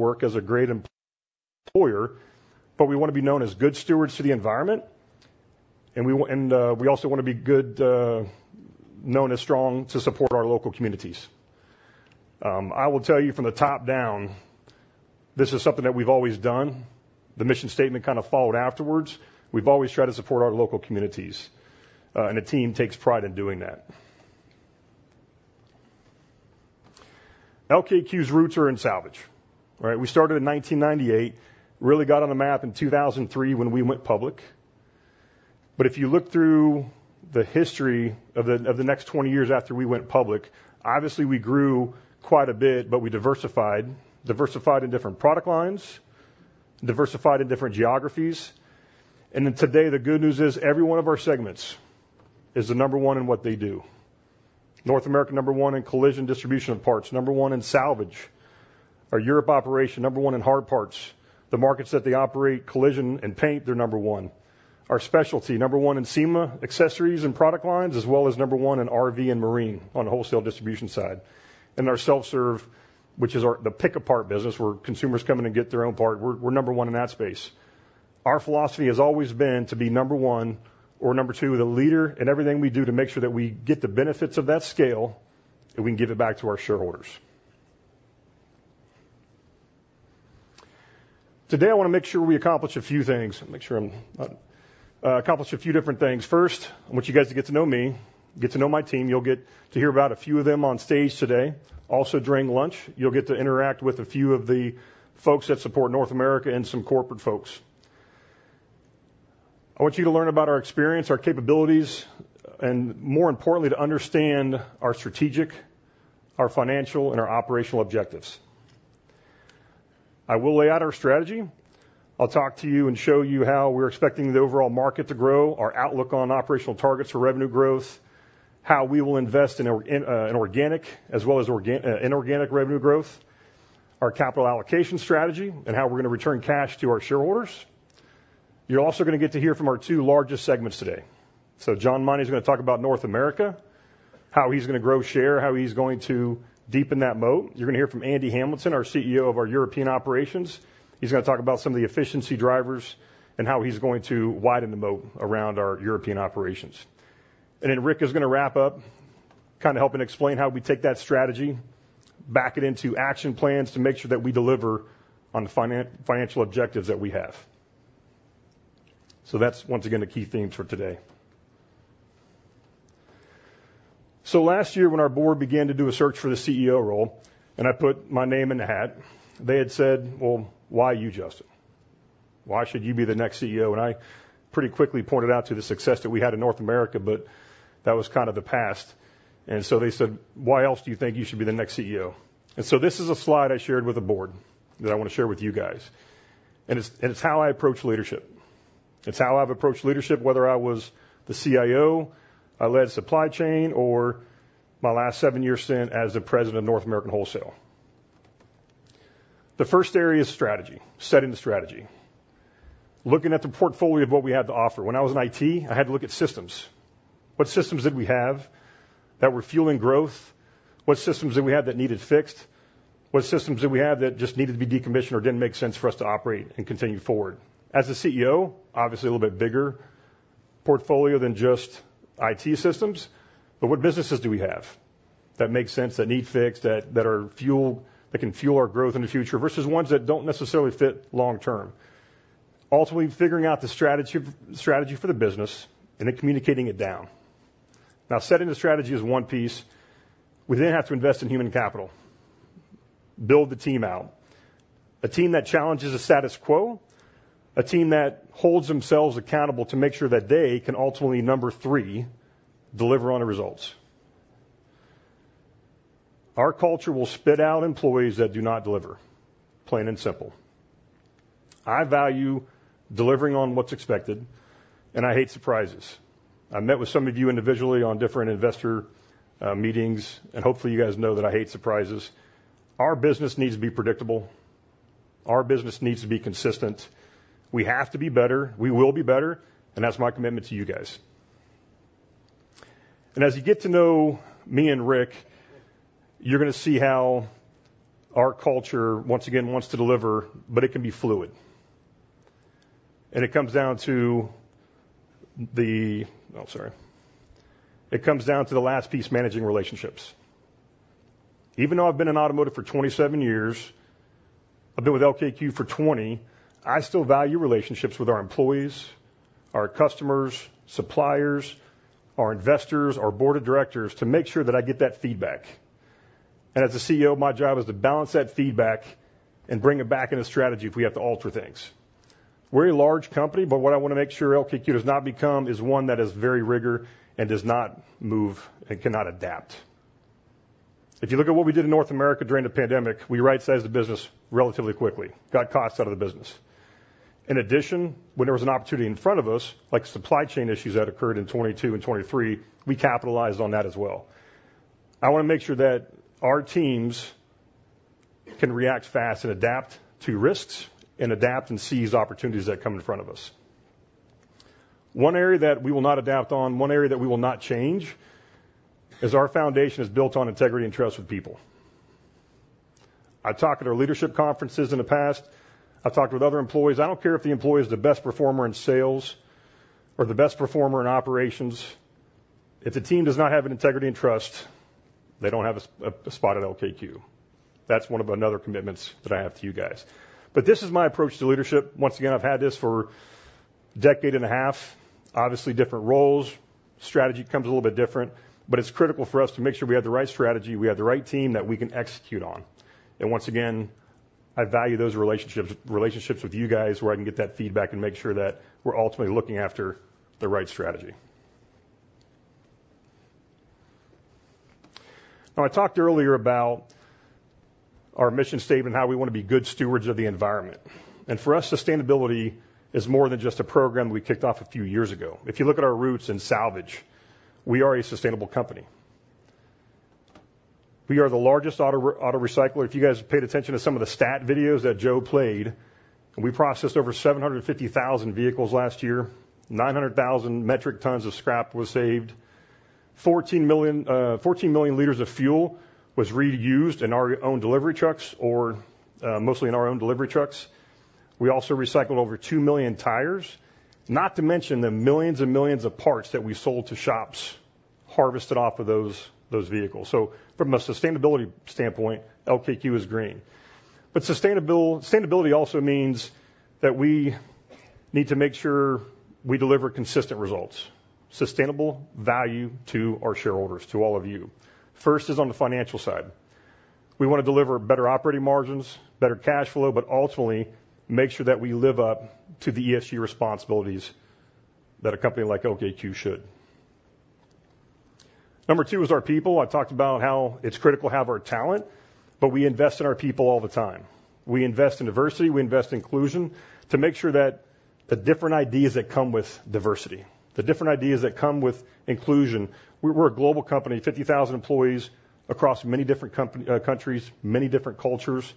Work as a great employer, but we want to be known as good stewards to the environment, and we also want to be good, known as strong to support our local communities. I will tell you from the top down, this is something that we've always done. The mission statement kind of followed afterwards. We've always tried to support our local communities, and the team takes pride in doing that. LKQ's roots are in salvage, right? We started in nineteen ninety-eight, really got on the map in two thousand and three when we went public. But if you look through the history of the next twenty years after we went public, obviously, we grew quite a bit, but we diversified. Diversified in different product lines, diversified in different geographies, and then today, the good news is every one of our segments is the number one in what they do. North America, number one in collision distribution of parts, number one in salvage. Our Europe operation, number one in hard parts. The markets that they operate, collision and paint, they're number one. Our specialty, number one in SEMA accessories and product lines, as well as number one in RV and marine on the wholesale distribution side. In our self-serve, which is our pick-a-part business, where consumers come in and get their own part, we're number one in that space. Our philosophy has always been to be number one or number two, the leader in everything we do to make sure that we get the benefits of that scale, and we can give it back to our shareholders. Today, I want to make sure we accomplish a few things. First, I want you guys to get to know me, get to know my team. You'll get to hear about a few of them on stage today. Also, during lunch, you'll get to interact with a few of the folks that support North America and some corporate folks. I want you to learn about our experience, our capabilities, and more importantly, to understand our strategic, financial, and operational objectives. I will lay out our strategy. I'll talk to you and show you how we're expecting the overall market to grow, our outlook on operational targets for revenue growth, how we will invest in organic, as well as inorganic... Inorganic revenue growth, our capital allocation strategy, and how we're going to return cash to our shareholders. You're also going to get to hear from our two largest segments today. So John Meine is going to talk about North America, how he's going to grow share, how he's going to deepen that moat. You're going to hear from Andy Hamilton, our CEO of our European operations. He's going to talk about some of the efficiency drivers and how he's going to widen the moat around our European operations. And then Rick is going to wrap up, kind of helping explain how we take that strategy, back it into action plans to make sure that we deliver on the financial objectives that we have. So that's, once again, a key theme for today. Last year, when our board began to do a search for the CEO role, and I put my name in the hat, they had said, "Well, why you, Justin? Why should you be the next CEO?" And I pretty quickly pointed out to the success that we had in North America, but that was kind of the past. And so they said, "Why else do you think you should be the next CEO?" And so this is a slide I shared with the board that I want to share with you guys, and it's how I approach leadership. It's how I've approached leadership, whether I was the CIO, I led supply chain, or my last seven years stint as the president of North America Wholesale. The first area is strategy, setting the strategy. Looking at the portfolio of what we had to offer. When I was in IT, I had to look at systems. What systems did we have that were fueling growth? What systems did we have that needed fixed? What systems did we have that just needed to be decommissioned or didn't make sense for us to operate and continue forward? As a CEO, obviously a little bit bigger portfolio than just IT systems, but what businesses do we have that make sense, that need fixed, that can fuel our growth in the future, versus ones that don't necessarily fit long term? Ultimately, figuring out the strategy for the business and then communicating it down. Now, setting the strategy is one piece. We then have to invest in human capital, build the team out, a team that challenges the status quo, a team that holds themselves accountable to make sure that they can ultimately, number three, deliver on the results. Our culture will spit out employees that do not deliver, plain and simple. I value delivering on what's expected, and I hate surprises. I met with some of you individually on different investor meetings, and hopefully, you guys know that I hate surprises. Our business needs to be predictable. Our business needs to be consistent. We have to be better. We will be better, and that's my commitment to you guys. And as you get to know me and Rick, you're gonna see how our culture, once again, wants to deliver, but it can be fluid. And it comes down to the... Oh, sorry. It comes down to the last piece, managing relationships. Even though I've been in automotive for 27 years, I've been with LKQ for 20, I still value relationships with our employees, our customers, suppliers, our investors, our board of directors, to make sure that I get that feedback, and as a CEO, my job is to balance that feedback and bring it back in the strategy if we have to alter things. We're a large company, but what I want to make sure LKQ does not become is one that is very rigid and does not move and cannot adapt. If you look at what we did in North America during the pandemic, we right-sized the business relatively quickly, got costs out of the business. In addition, when there was an opportunity in front of us, like supply chain issues that occurred in 2022 and 2023, we capitalized on that as well. I want to make sure that our teams can react fast and adapt to risks and adapt and seize opportunities that come in front of us. One area that we will not adapt on, one area that we will not change, is our foundation is built on integrity and trust with people. I've talked at our leadership conferences in the past, I've talked with other employees. I don't care if the employee is the best performer in sales or the best performer in operations, if the team does not have an integrity and trust, they don't have a spot at LKQ. That's one of another commitments that I have to you guys. But this is my approach to leadership. Once again, I've had this for a decade and a half. Obviously, different roles, strategy comes a little bit different, but it's critical for us to make sure we have the right strategy, we have the right team that we can execute on. And once again, I value those relationships, relationships with you guys, where I can get that feedback and make sure that we're ultimately looking after the right strategy. Now, I talked earlier about our mission statement, how we want to be good stewards of the environment. And for us, sustainability is more than just a program we kicked off a few years ago. If you look at our roots in salvage, we are a sustainable company. We are the largest auto recycler. If you guys paid attention to some of the stat videos that Joe played, we processed over seven hundred and fifty thousand vehicles last year. Nine hundred thousand metric tons of scrap was saved. Fourteen million, fourteen million liters of fuel was reused in our own delivery trucks or, mostly in our own delivery trucks. We also recycled over two million tires, not to mention the millions and millions of parts that we sold to shops harvested off of those vehicles. So from a sustainability standpoint, LKQ is green. But sustainability also means that we need to make sure we deliver consistent results, sustainable value to our shareholders, to all of you. First is on the financial side. We want to deliver better operating margins, better cash flow, but ultimately make sure that we live up to the ESG responsibilities that a company like LKQ should. Number two is our people. I talked about how it's critical to have our talent, but we invest in our people all the time. We invest in diversity, we invest in inclusion to make sure that the different ideas that come with diversity, the different ideas that come with inclusion... We're a global company, 50,000 employees across many different companies, countries, many different cultures.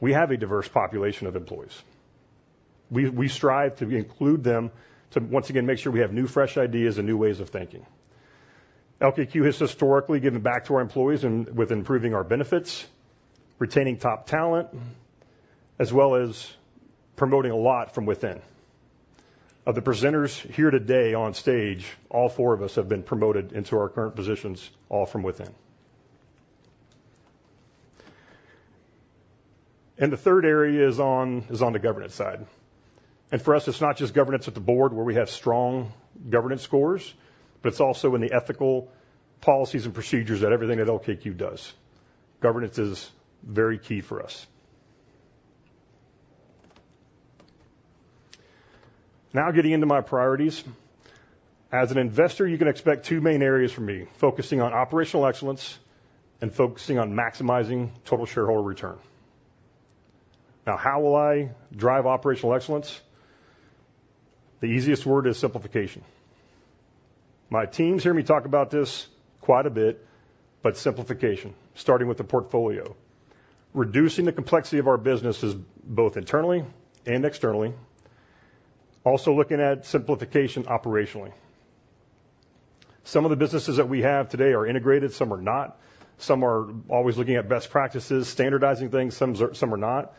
We have a diverse population of employees. We strive to include them to, once again, make sure we have new, fresh ideas and new ways of thinking. LKQ has historically given back to our employees in, with improving our benefits, retaining top talent, as well as promoting a lot from within. Of the presenters here today on stage, all four of us have been promoted into our current positions, all from within. The third area is on the governance side. For us, it's not just governance at the board where we have strong governance scores, but it's also in the ethical policies and procedures that everything that LKQ does. Governance is very key for us. Now, getting into my priorities. As an investor, you can expect two main areas from me: focusing on operational excellence and focusing on maximizing total shareholder return. Now, how will I drive operational excellence? The easiest word is simplification. My teams hear me talk about this quite a bit, but simplification, starting with the portfolio. Reducing the complexity of our businesses, both internally and externally. Also, looking at simplification operationally. Some of the businesses that we have today are integrated, some are not. Some are always looking at best practices, standardizing things, some are, some are not.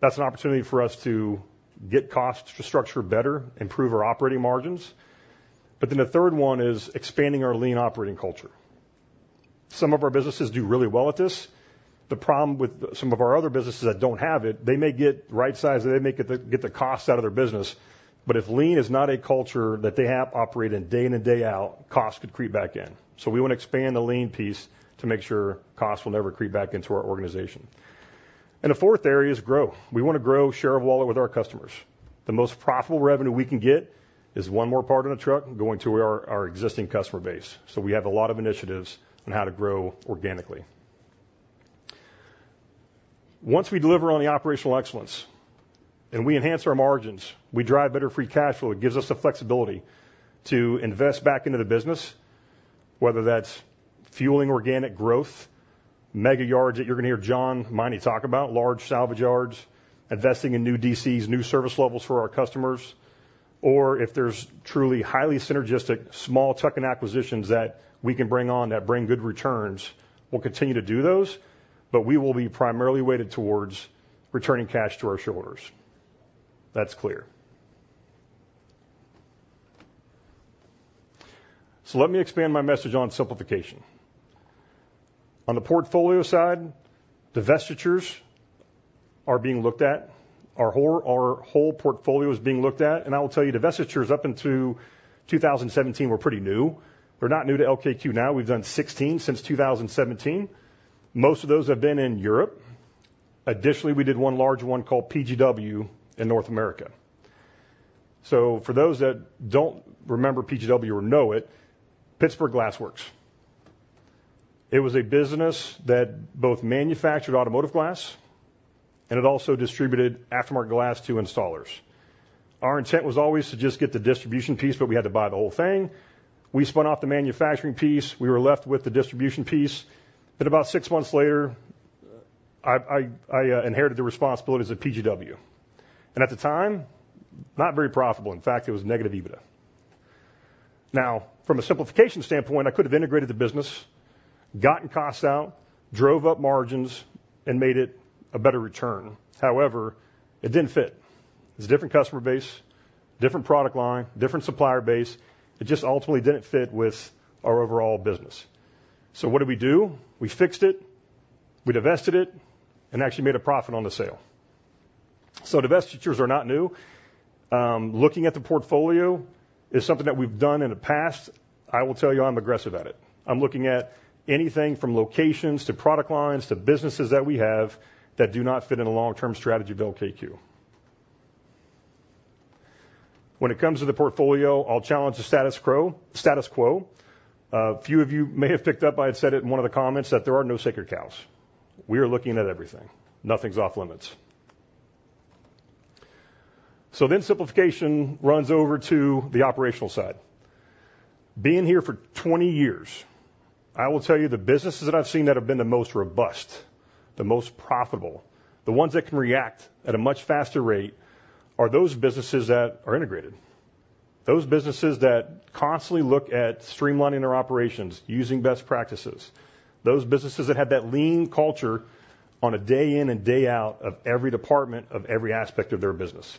That's an opportunity for us to get cost structure better, improve our operating margins. But then the third one is expanding our Lean Operating Culture. Some of our businesses do really well at this. The problem with some of our other businesses that don't have it, they may get the right size, they may get the cost out of their business, but if lean is not a culture that they have operating day in and day out, costs could creep back in. So we want to expand the lean piece to make sure costs will never creep back into our organization. And the fourth area is grow. We want to grow share of wallet with our customers. The most profitable revenue we can get is one more part in a truck going to our, our existing customer base. So we have a lot of initiatives on how to grow organically. Once we deliver on the operational excellence and we enhance our margins, we drive better free cash flow. It gives us the flexibility to invest back into the business, whether that's fueling organic growth, mega yards that you're going to hear John Meine talk about, large salvage yards, investing in new DCs, new service levels for our customers, or if there's truly highly synergistic, small tuck-in acquisitions that we can bring on that bring good returns, we'll continue to do those, but we will be primarily weighted towards returning cash to our shareholders. That's clear. So let me expand my message on simplification. On the portfolio side, divestitures are being looked at. Our whole, our whole portfolio is being looked at, and I will tell you, divestitures up until 2017 were pretty new. They're not new to LKQ now, we've done 16 since 2017. Most of those have been in Europe. Additionally, we did one large one called PGW in North America. So for those that don't remember PGW or know it, Pittsburgh Glass Works. It was a business that both manufactured automotive glass, and it also distributed aftermarket glass to installers. Our intent was always to just get the distribution piece, but we had to buy the whole thing. We spun off the manufacturing piece. We were left with the distribution piece, but about six months later, I inherited the responsibilities of PGW. And at the time, not very profitable. In fact, it was negative EBITDA. Now, from a simplification standpoint, I could have integrated the business, gotten costs out, drove up margins, and made it a better return. However, it didn't fit. It's a different customer base, different product line, different supplier base. It just ultimately didn't fit with our overall business. So what did we do? We fixed it, we divested it, and actually made a profit on the sale. So divestitures are not new. Looking at the portfolio is something that we've done in the past. I will tell you, I'm aggressive at it. I'm looking at anything from locations, to product lines, to businesses that we have that do not fit in a long-term strategy of build LKQ. When it comes to the portfolio, I'll challenge the status quo. A few of you may have picked up, I had said it in one of the comments, that there are no sacred cows. We are looking at everything. Nothing's off-limits. So then simplification runs over to the operational side. Being here for twenty years, I will tell you the businesses that I've seen that have been the most robust, the most profitable, the ones that can react at a much faster rate, are those businesses that are integrated. Those businesses that constantly look at streamlining their operations, using best practices, those businesses that have that lean culture on a day in and day out of every department, of every aspect of their business.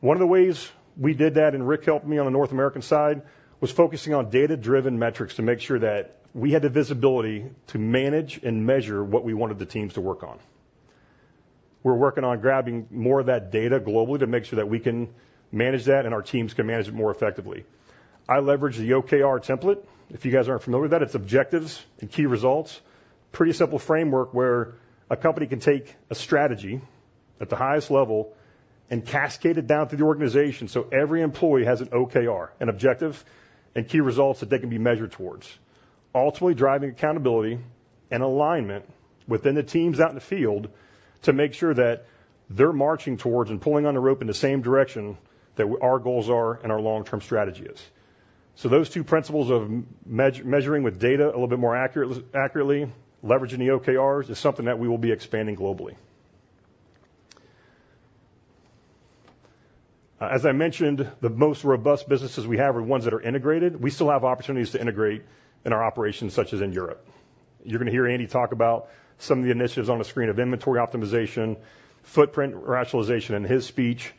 One of the ways we did that, and Rick helped me on the North American side, was focusing on data-driven metrics to make sure that we had the visibility to manage and measure what we wanted the teams to work on. We're working on grabbing more of that data globally to make sure that we can manage that and our teams can manage it more effectively. I leverage the OKR template. If you guys aren't familiar with that, it's objectives and key results. Pretty simple framework, where a company can take a strategy at the highest level and cascade it down through the organization, so every employee has an OKR, an objective and key results that they can be measured towards. Ultimately driving accountability and alignment within the teams out in the field to make sure that they're marching towards and pulling on the rope in the same direction that our goals are and our long-term strategy is. So those two principles of measuring with data a little bit more accurately, leveraging the OKRs, is something that we will be expanding globally. As I mentioned, the most robust businesses we have are ones that are integrated. We still have opportunities to integrate in our operations, such as in Europe. You're gonna hear Andy talk about some of the initiatives on the screen of inventory optimization, footprint rationalization in his speech,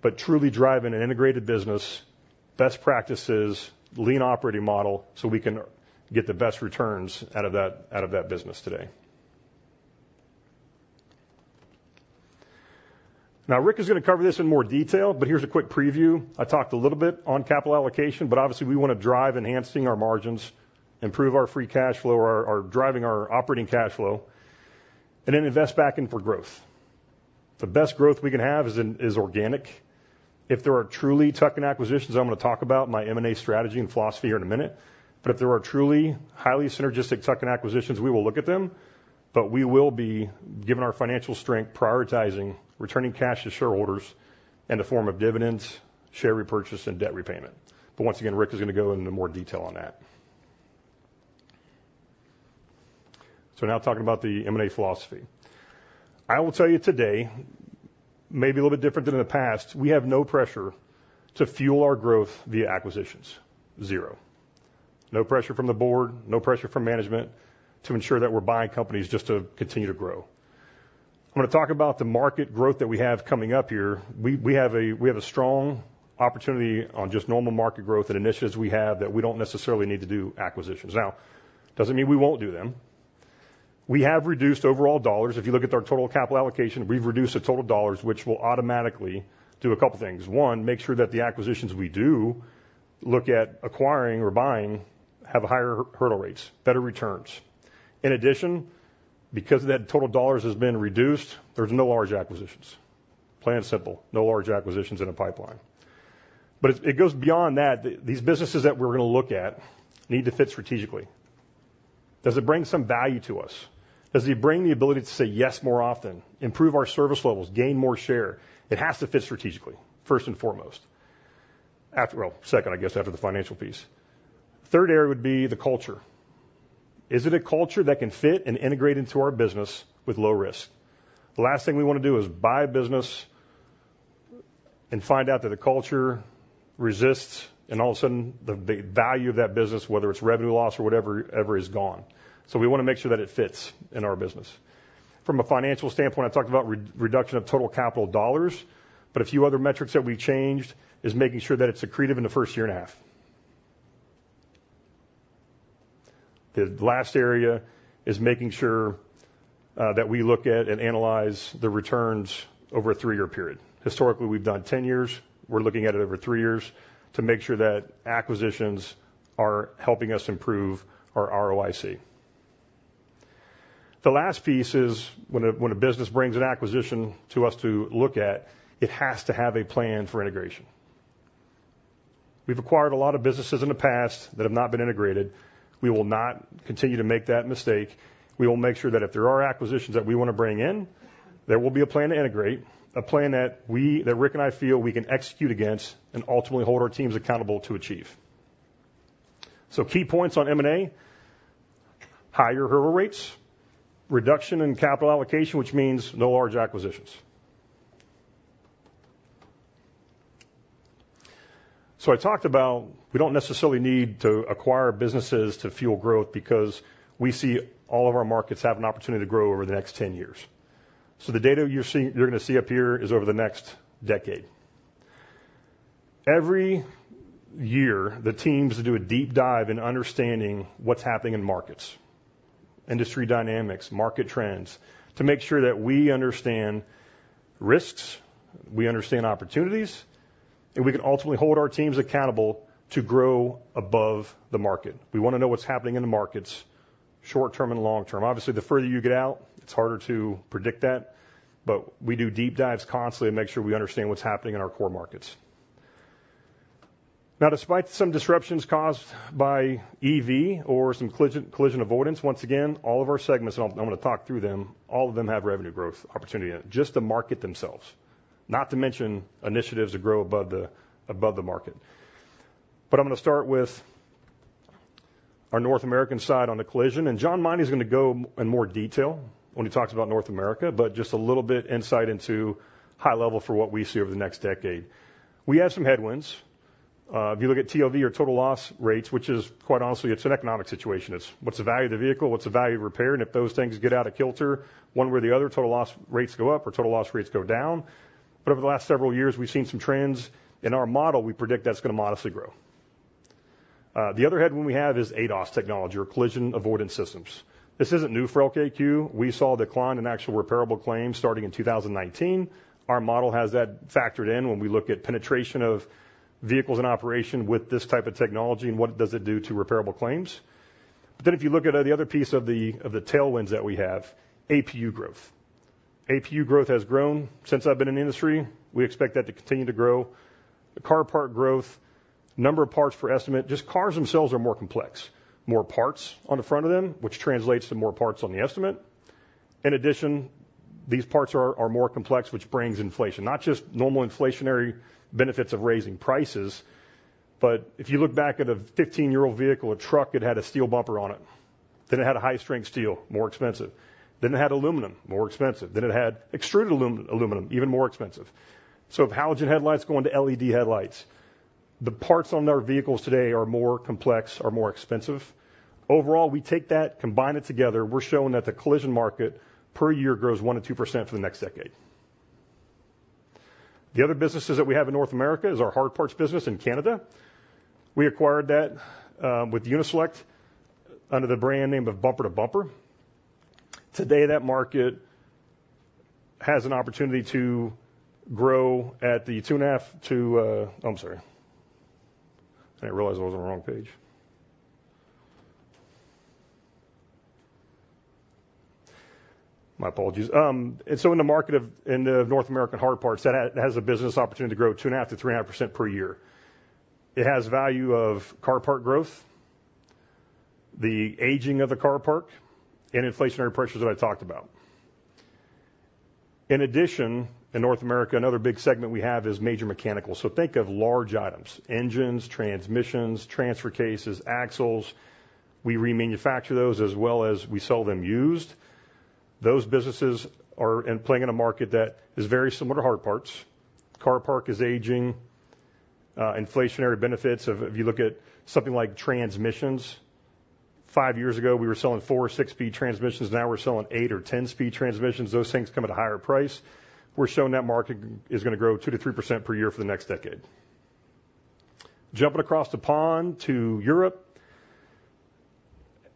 but truly driving an integrated business, best practices, lean operating model, so we can get the best returns out of that, out of that business today. Now, Rick is gonna cover this in more detail, but here's a quick preview. I talked a little bit on capital allocation, but obviously, we wanna drive enhancing our margins, improve our free cash flow, or driving our operating cash flow, and then invest back in for growth. The best growth we can have is, is organic. If there are truly tuck-in acquisitions, I'm gonna talk about my M&A strategy and philosophy here in a minute. But if there are truly highly synergistic tuck-in acquisitions, we will look at them, but we will be, given our financial strength, prioritizing returning cash to shareholders in the form of dividends, share repurchase, and debt repayment. But once again, Rick is gonna go into more detail on that. So now talking about the M&A philosophy. I will tell you today, maybe a little bit different than in the past, we have no pressure to fuel our growth via acquisitions. Zero. No pressure from the board, no pressure from management to ensure that we're buying companies just to continue to grow. I'm gonna talk about the market growth that we have coming up here. We have a strong opportunity on just normal market growth and initiatives we have that we don't necessarily need to do acquisitions. Now, doesn't mean we won't do them. We have reduced overall dollars. If you look at our total capital allocation, we've reduced the total dollars, which will automatically do a couple of things. One, make sure that the acquisitions we do look at acquiring or buying have higher hurdle rates, better returns. In addition, because that total dollars has been reduced, there's no large acquisitions. Plain and simple, no large acquisitions in the pipeline. But it, it goes beyond that. These businesses that we're gonna look at need to fit strategically. Does it bring some value to us? Does it bring the ability to say yes more often, improve our service levels, gain more share? It has to fit strategically, first and foremost, well, second, I guess, after the financial piece. Third area would be the culture. Is it a culture that can fit and integrate into our business with low risk? The last thing we want to do is buy a business and find out that the culture resists, and all of a sudden, the value of that business, whether it's revenue loss or whatever, is gone. So we want to make sure that it fits in our business. From a financial standpoint, I talked about reduction of total capital dollars, but a few other metrics that we changed is making sure that it's accretive in the first year and a half. The last area is making sure that we look at and analyze the returns over a 3-year period. Historically, we've done 10 years. We're looking at it over 3 years to make sure that acquisitions are helping us improve our ROIC. The last piece is when a business brings an acquisition to us to look at, it has to have a plan for integration. We've acquired a lot of businesses in the past that have not been integrated. We will not continue to make that mistake. We will make sure that if there are acquisitions that we want to bring in, there will be a plan to integrate, a plan that Rick and I feel we can execute against and ultimately hold our teams accountable to achieve. So key points on M&A, higher hurdle rates, reduction in capital allocation, which means no large acquisitions. So I talked about we don't necessarily need to acquire businesses to fuel growth because we see all of our markets have an opportunity to grow over the next 10 years. So the data you're going to see up here is over the next decade. Every year, the teams do a deep dive in understanding what's happening in markets, industry dynamics, market trends, to make sure that we understand risks, we understand opportunities, and we can ultimately hold our teams accountable to grow above the market. We want to know what's happening in the markets, short term and long term. Obviously, the further you get out, it's harder to predict that, but we do deep dives constantly to make sure we understand what's happening in our core markets. Now, despite some disruptions caused by EV or some collision, collision avoidance, once again, all of our segments, I'm going to talk through them, all of them have revenue growth opportunity, just the market themselves, not to mention initiatives to grow above the, above the market. But I'm going to start with our North American side on the collision, and John Meine is going to go in more detail when he talks about North America, but just a little bit insight into high level for what we see over the next decade. We have some headwinds. If you look at TLV or total loss rates, which is quite honestly, it's an economic situation. It's what's the value of the vehicle, what's the value of repair, and if those things get out of kilter, one way or the other, total loss rates go up or total loss rates go down. But over the last several years, we've seen some trends. In our model, we predict that's going to modestly grow. The other headwind we have is ADAS technology or collision avoidance systems. This isn't new for LKQ. We saw a decline in actual repairable claims starting in 2019. Our model has that factored in when we look at penetration of vehicles in operation with this type of technology and what does it do to repairable claims. But then if you look at the other piece of the tailwinds that we have, APU growth. APU growth has grown since I've been in the industry. We expect that to continue to grow. The car part growth, number of parts per estimate, just cars themselves are more complex, more parts on the front of them, which translates to more parts on the estimate. In addition, these parts are more complex, which brings inflation, not just normal inflationary benefits of raising prices, but if you look back at a fifteen-year-old vehicle, a truck, it had a steel bumper on it. Then it had high-strength steel, more expensive. Then it had aluminum, more expensive. Then it had extruded aluminum, even more expensive. So if halogen headlights go into LED headlights, the parts on their vehicles today are more complex, are more expensive. Overall, we take that, combine it together, we're showing that the collision market per year grows 1-2% for the next decade. The other businesses that we have in North America is our hard parts business in Canada. We acquired that, with Uni-Select under the brand name of Bumper to Bumper. Today, that market has an opportunity to grow at the 2.5 to... I'm sorry. I didn't realize I was on the wrong page. My apologies. And so in the market of, in the North American hard parts, that has a business opportunity to grow 2.5%-3.5% per year. It has value of car part growth, the aging of the car park, and inflationary pressures that I talked about. In addition, in North America, another big segment we have is major mechanical. So think of large items, engines, transmissions, transfer cases, axles. We remanufacture those as well as we sell them used. Those businesses are playing in a market that is very similar to hard parts. Car park is aging, inflationary benefits. If you look at something like transmissions, five years ago, we were selling four or six-speed transmissions. Now we're selling eight or 10-speed transmissions. Those things come at a higher price. We're showing that the market is going to grow 2-3% per year for the next decade. Jumping across the pond to Europe,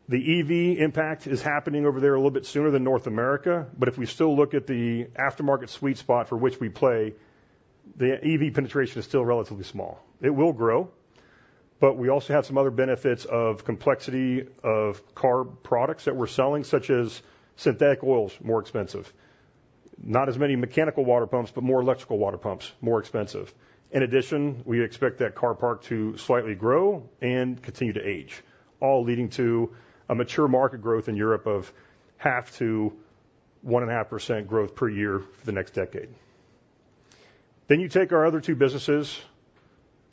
the EV impact is happening over there a little bit sooner than North America, but if we still look at the aftermarket sweet spot for which we play, the EV penetration is still relatively small. It will grow, but we also have some other benefits of complexity of car products that we're selling, such as synthetic oils, more expensive. Not as many mechanical water pumps, but more electrical water pumps, more expensive. In addition, we expect that car park to slightly grow and continue to age, all leading to a mature market growth in Europe of 0.5-1.5% growth per year for the next decade. Then you take our other two businesses,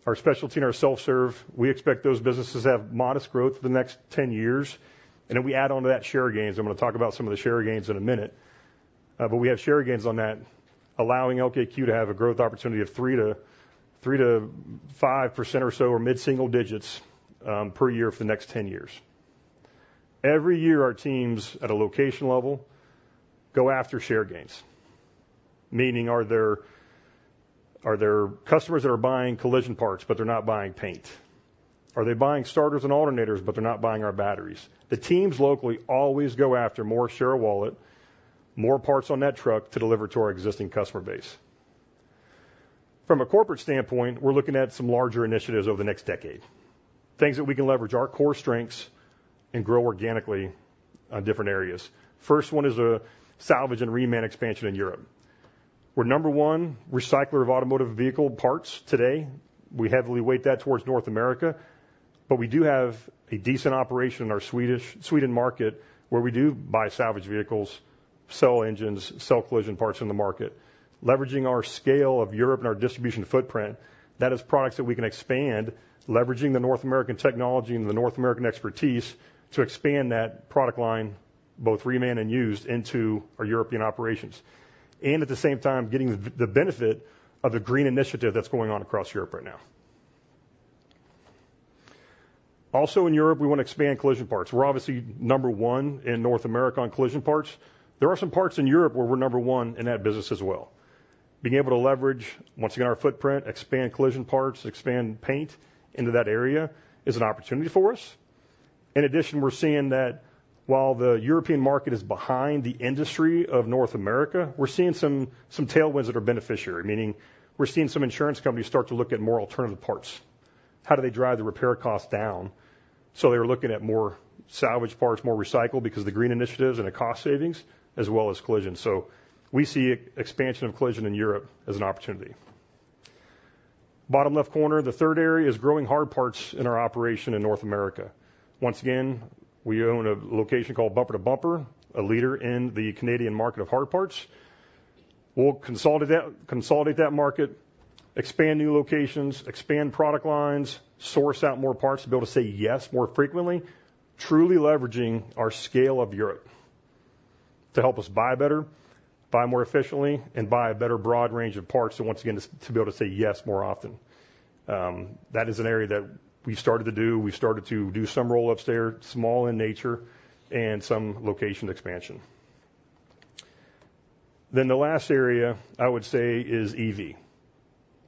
our specialty and our self-serve. We expect those businesses to have modest growth for the next ten years, and if we add on to that, share gains. I'm going to talk about some of the share gains in a minute. But we have share gains on that, allowing LKQ to have a growth opportunity of 3%-5% or so, or mid-single digits, per year for the next ten years. Every year, our teams at a location level go after share gains. Meaning, are there customers that are buying collision parts, but they're not buying paint? Are they buying starters and alternators, but they're not buying our batteries? The teams locally always go after more share of wallet, more parts on that truck to deliver to our existing customer base. From a corporate standpoint, we're looking at some larger initiatives over the next decade. Things that we can leverage, our core strengths and grow organically on different areas. First one is a salvage and reman expansion in Europe. We're number one recycler of automotive vehicle parts today. We heavily weight that towards North America, but we do have a decent operation in our Sweden market, where we do buy salvage vehicles, sell engines, sell collision parts in the market, leveraging our scale of Europe and our distribution footprint. That is products that we can expand, leveraging the North American technology and the North American expertise to expand that product line, both reman and used, into our European operations. And at the same time, getting the benefit of the green initiative that's going on across Europe right now. Also, in Europe, we wanna expand collision parts. We're obviously number one in North America on collision parts. There are some parts in Europe where we're number one in that business as well. Being able to leverage, once again, our footprint, expand collision parts, expand paint into that area, is an opportunity for us. In addition, we're seeing that while the European market is behind the industry of North America, we're seeing some tailwinds that are beneficial, meaning we're seeing some insurance companies start to look at more alternative parts. How do they drive the repair costs down? So they're looking at more salvage parts, more recycled, because of the green initiatives and the cost savings, as well as collision. So we see expansion of collision in Europe as an opportunity. Bottom left corner, the third area is growing hard parts in our operation in North America. Once again, we own a location called Bumper to Bumper, a leader in the Canadian market of hard parts. We'll consolidate that, consolidate that market, expand new locations, expand product lines, source out more parts to be able to say yes more frequently, truly leveraging our scale of Europe to help us buy better, buy more efficiently, and buy a better broad range of parts, so once again, to be able to say yes more often. That is an area that we started to do. We started to do some roll-ups there, small in nature, and some location expansion. Then the last area, I would say, is EV.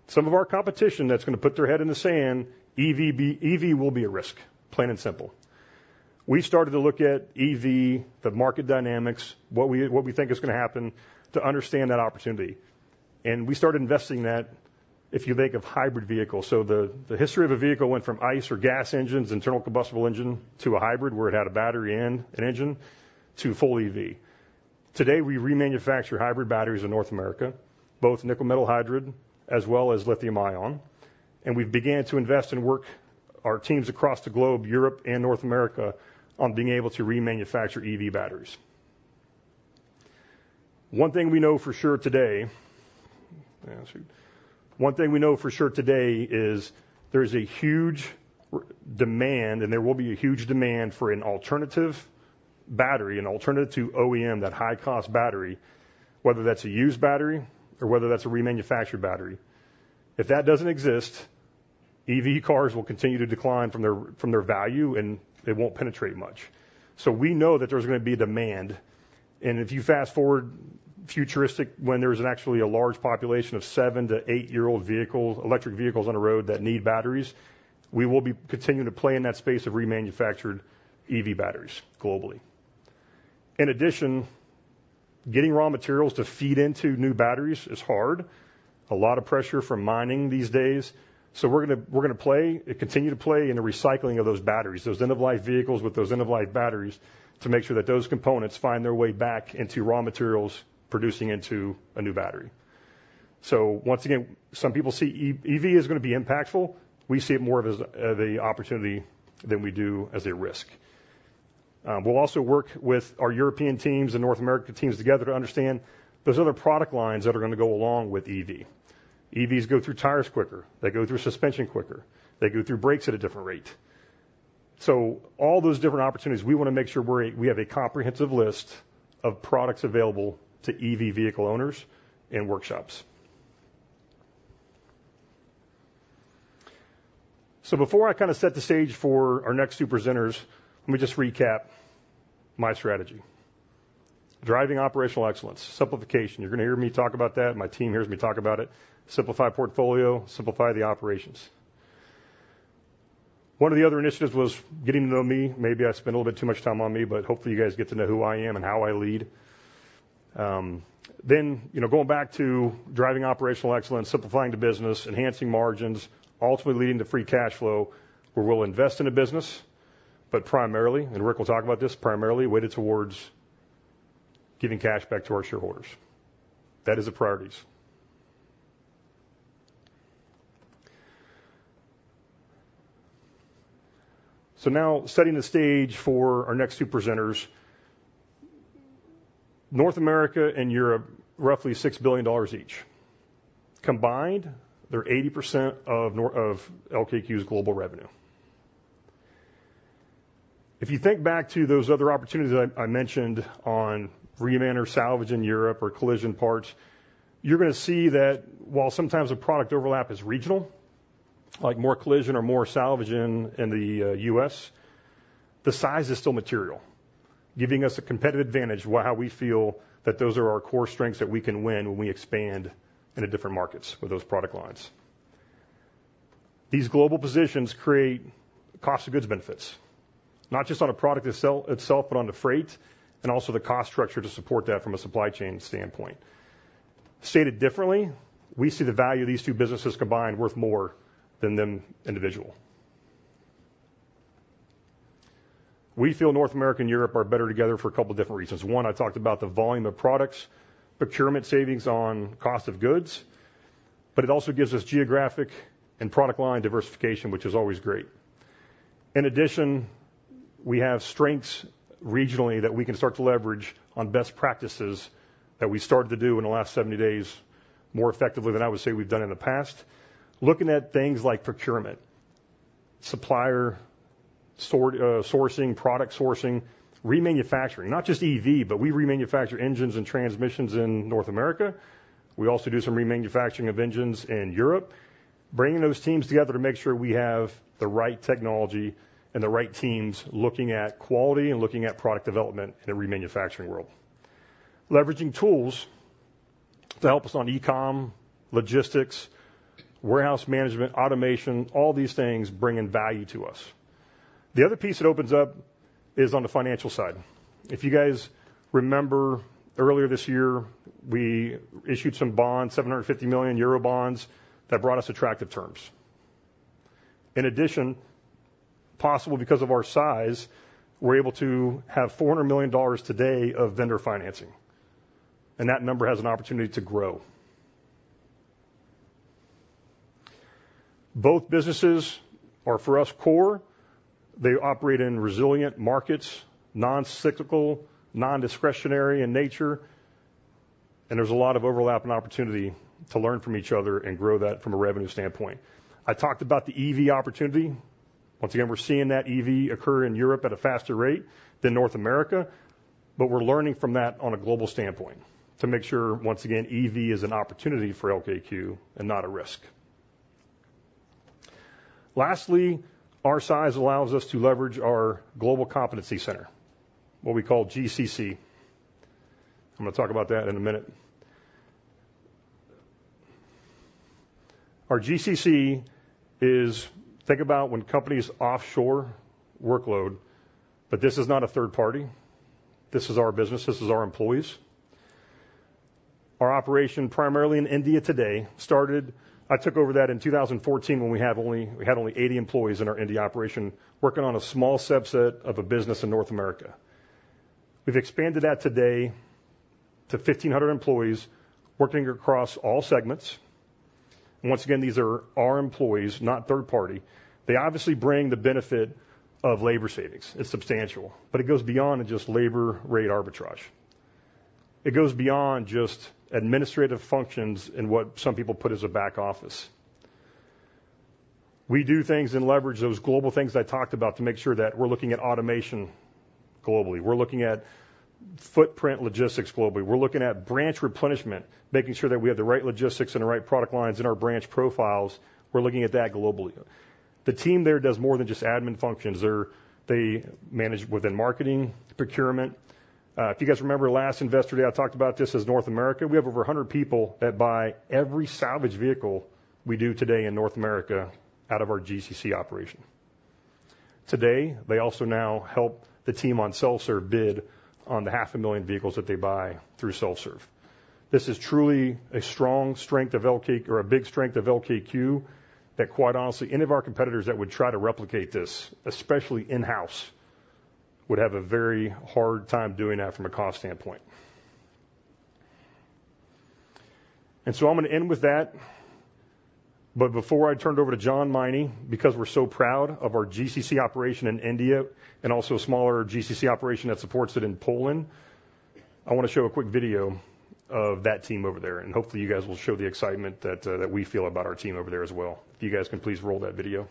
Some of our competition that's gonna put their head in the sand, EV will be a risk, plain and simple. We started to look at EV, the market dynamics, what we think is gonna happen, to understand that opportunity, and we started investing that if you think of hybrid vehicles. The history of a vehicle went from ICE or gas engines, internal combustion engine, to a hybrid, where it had a battery and an engine, to full EV. Today, we remanufacture hybrid batteries in North America, both nickel-metal hydride as well as lithium-ion, and we've began to invest and work our teams across the globe, Europe and North America, on being able to remanufacture EV batteries. One thing we know for sure today is there's a huge demand, and there will be a huge demand for an alternative battery, an alternative to OEM, that high-cost battery, whether that's a used battery or whether that's a remanufactured battery. If that doesn't exist, EV cars will continue to decline from their value, and they won't penetrate much. So we know that there's gonna be demand, and if you fast-forward futuristic, when there's actually a large population of seven-to-eight-year-old vehicles, electric vehicles on the road that need batteries, we will be continuing to play in that space of remanufactured EV batteries globally. In addition, getting raw materials to feed into new batteries is hard. A lot of pressure from mining these days. So we're gonna, we're gonna play and continue to play in the recycling of those batteries, those end-of-life vehicles with those end-of-life batteries, to make sure that those components find their way back into raw materials, producing into a new battery. So once again, some people see EV, EV is gonna be impactful. We see it more of as, the opportunity than we do as a risk. We'll also work with our European teams and North American teams together to understand those other product lines that are gonna go along with EV. EVs go through tires quicker, they go through suspension quicker, they go through brakes at a different rate. So all those different opportunities, we wanna make sure we're, we have a comprehensive list of products available to EV vehicle owners and workshops. So before I kinda set the stage for our next two presenters, let me just recap my strategy. Driving operational excellence, simplification. You're gonna hear me talk about that. My team hears me talk about it. Simplify portfolio, simplify the operations. One of the other initiatives was getting to know me. Maybe I spent a little bit too much time on me, but hopefully, you guys get to know who I am and how I lead. Then, you know, going back to driving operational excellence, simplifying the business, enhancing margins, ultimately leading to free cash flow, where we'll invest in a business, but primarily, and Rick will talk about this, primarily weighted towards giving cash back to our shareholders. That is the priorities. Now, setting the stage for our next two presenters. North America and Europe, roughly $6 billion each. Combined, they're 80% of LKQ's global revenue. If you think back to those other opportunities that I mentioned on reman or salvage in Europe or collision parts, you're gonna see that while sometimes the product overlap is regional, like more collision or more salvage in the U.S., the size is still material, giving us a competitive advantage how we feel that those are our core strengths that we can win when we expand into different markets with those product lines. These global positions create cost of goods benefits, not just on a product itself, but on the freight and also the cost structure to support that from a supply chain standpoint. Stated differently, we see the value of these two businesses combined worth more than them individually. We feel North America and Europe are better together for a couple different reasons. One, I talked about the volume of products, procurement savings on cost of goods, but it also gives us geographic and product line diversification, which is always great. In addition, we have strengths regionally that we can start to leverage on best practices that we started to do in the last seventy days, more effectively than I would say we've done in the past. Looking at things like procurement, supplier source, sourcing, product sourcing, remanufacturing, not just EV, but we remanufacture engines and transmissions in North America. We also do some remanufacturing of engines in Europe, bringing those teams together to make sure we have the right technology and the right teams looking at quality and looking at product development in the remanufacturing world. Leveraging tools to help us on e-com, logistics, warehouse management, automation, all these things bringing value to us. The other piece that opens up is on the financial side. If you guys remember earlier this year, we issued some bonds, 750 million euro bonds, that brought us attractive terms. In addition, possible because of our size, we're able to have $400 million today of vendor financing, and that number has an opportunity to grow. Both businesses are, for us, core. They operate in resilient markets, non-cyclical, non-discretionary in nature, and there's a lot of overlap and opportunity to learn from each other and grow that from a revenue standpoint. I talked about the EV opportunity. Once again, we're seeing that EV occur in Europe at a faster rate than North America, but we're learning from that on a global standpoint to make sure, once again, EV is an opportunity for LKQ and not a risk. Lastly, our size allows us to leverage our Global Competency Center, what we call GCC. I'm gonna talk about that in a minute. Our GCC is. Think about when companies offshore workload, but this is not a third party. This is our business, this is our employees. Our operation, primarily in India today, started. I took over that in two thousand and fourteen, when we had only 80 employees in our India operation, working on a small subset of a business in North America. We've expanded that today to 1,500 employees working across all segments. Once again, these are our employees, not third party. They obviously bring the benefit of labor savings. It's substantial, but it goes beyond just labor rate arbitrage. It goes beyond just administrative functions and what some people put as a back office. We do things and leverage those global things I talked about to make sure that we're looking at automation globally. We're looking at footprint logistics globally. We're looking at branch replenishment, making sure that we have the right logistics and the right product lines in our branch profiles. We're looking at that globally. The team there does more than just admin functions. They manage within marketing, procurement. If you guys remember last Investor Day, I talked about this as North America. We have over 100 people that buy every salvage vehicle we do today in North America out of our GCC operation. Today, they also now help the team on self-serve bid on the 500,000 vehicles that they buy through self-serve. This is truly a strong strength of LKQ. or a big strength of LKQ, that quite honestly, any of our competitors that would try to replicate this, especially in-house, would have a very hard time doing that from a cost standpoint. And so I'm going to end with that, but before I turn it over to John Meine, because we're so proud of our GCC operation in India and also a smaller GCC operation that supports it in Poland, I want to show a quick video of that team over there, and hopefully, you guys will show the excitement that that we feel about our team over there as well. If you guys can please roll that video.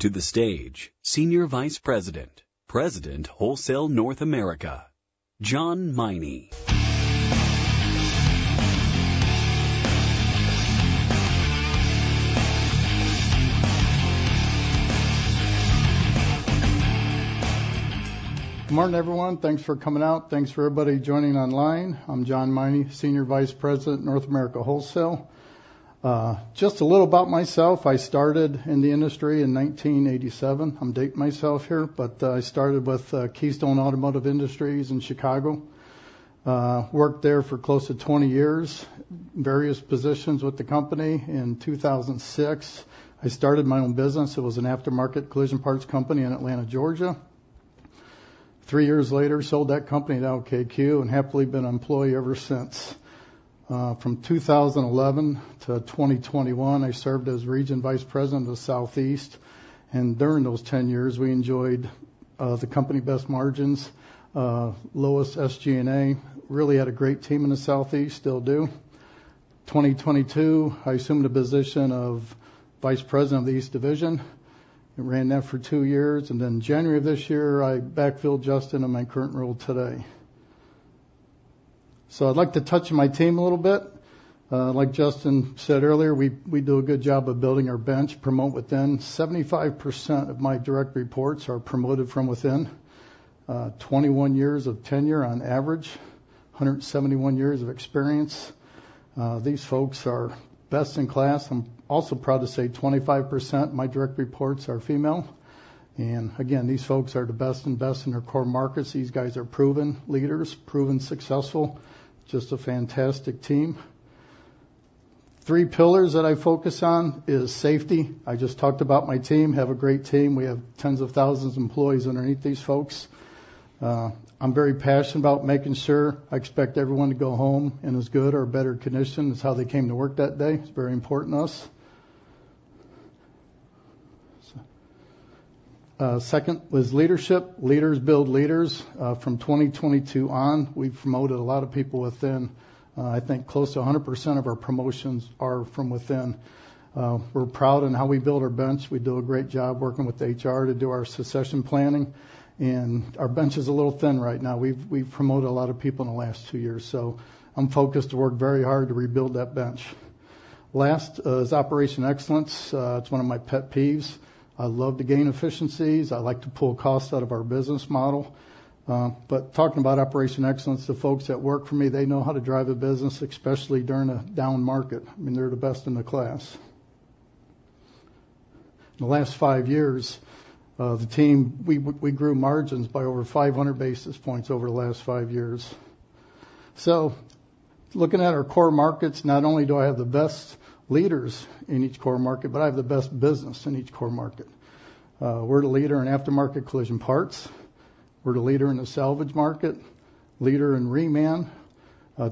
Please welcome to the stage Senior Vice President, President, Wholesale North America, John Meine. Morning, everyone. Thanks for coming out. Thanks for everybody joining online. I'm John Meine, Senior Vice President, Wholesale - North America. Just a little about myself: I started in the industry in nineteen eighty-seven. I'm dating myself here, but I started with Keystone Automotive Industries in Chicago. Worked there for close to twenty years, various positions with the company. In two thousand and six, I started my own business. It was an aftermarket collision parts company in Atlanta, Georgia. Three years later, sold that company to LKQ and happily been an employee ever since. From two thousand and eleven to twenty twenty-one, I served as Regional Vice President of the Southeast, and during those ten years, we enjoyed the company's best margins, lowest SG&A. Really had a great team in the Southeast, still do. 2022, I assumed the position of Vice President of the East Division and ran that for two years, and then January of this year, I backfilled Justin in my current role today. So I'd like to touch on my team a little bit. Like Justin said earlier, we, we do a good job of building our bench, promote within. 75% of my direct reports are promoted from within. 21 years of tenure on average, 171 years of experience. These folks are best in class. I'm also proud to say 25% of my direct reports are female. And again, these folks are the best and best in their core markets. These guys are proven leaders, proven successful, just a fantastic team. Three pillars that I focus on is safety. I just talked about my team. Have a great team. We have tens of thousands of employees underneath these folks. I'm very passionate about making sure I expect everyone to go home in as good or better condition as how they came to work that day. It's very important to us. Second is leadership. Leaders build leaders. From 2022 on, we've promoted a lot of people within. I think close to 100% of our promotions are from within. We're proud in how we build our bench. We do a great job working with HR to do our succession planning, and our bench is a little thin right now. We've promoted a lot of people in the last two years, so I'm focused to work very hard to rebuild that bench. Last is operational excellence. It's one of my pet peeves. I love to gain efficiencies. I like to pull costs out of our business model. But talking about operational excellence, the folks that work for me, they know how to drive a business, especially during a down market. I mean, they're the best in the class. In the last five years, the team, we grew margins by over five hundred basis points over the last five years. So looking at our core markets, not only do I have the best leaders in each core market, but I have the best business in each core market. We're the leader in aftermarket collision parts. We're the leader in the salvage market, leader in reman.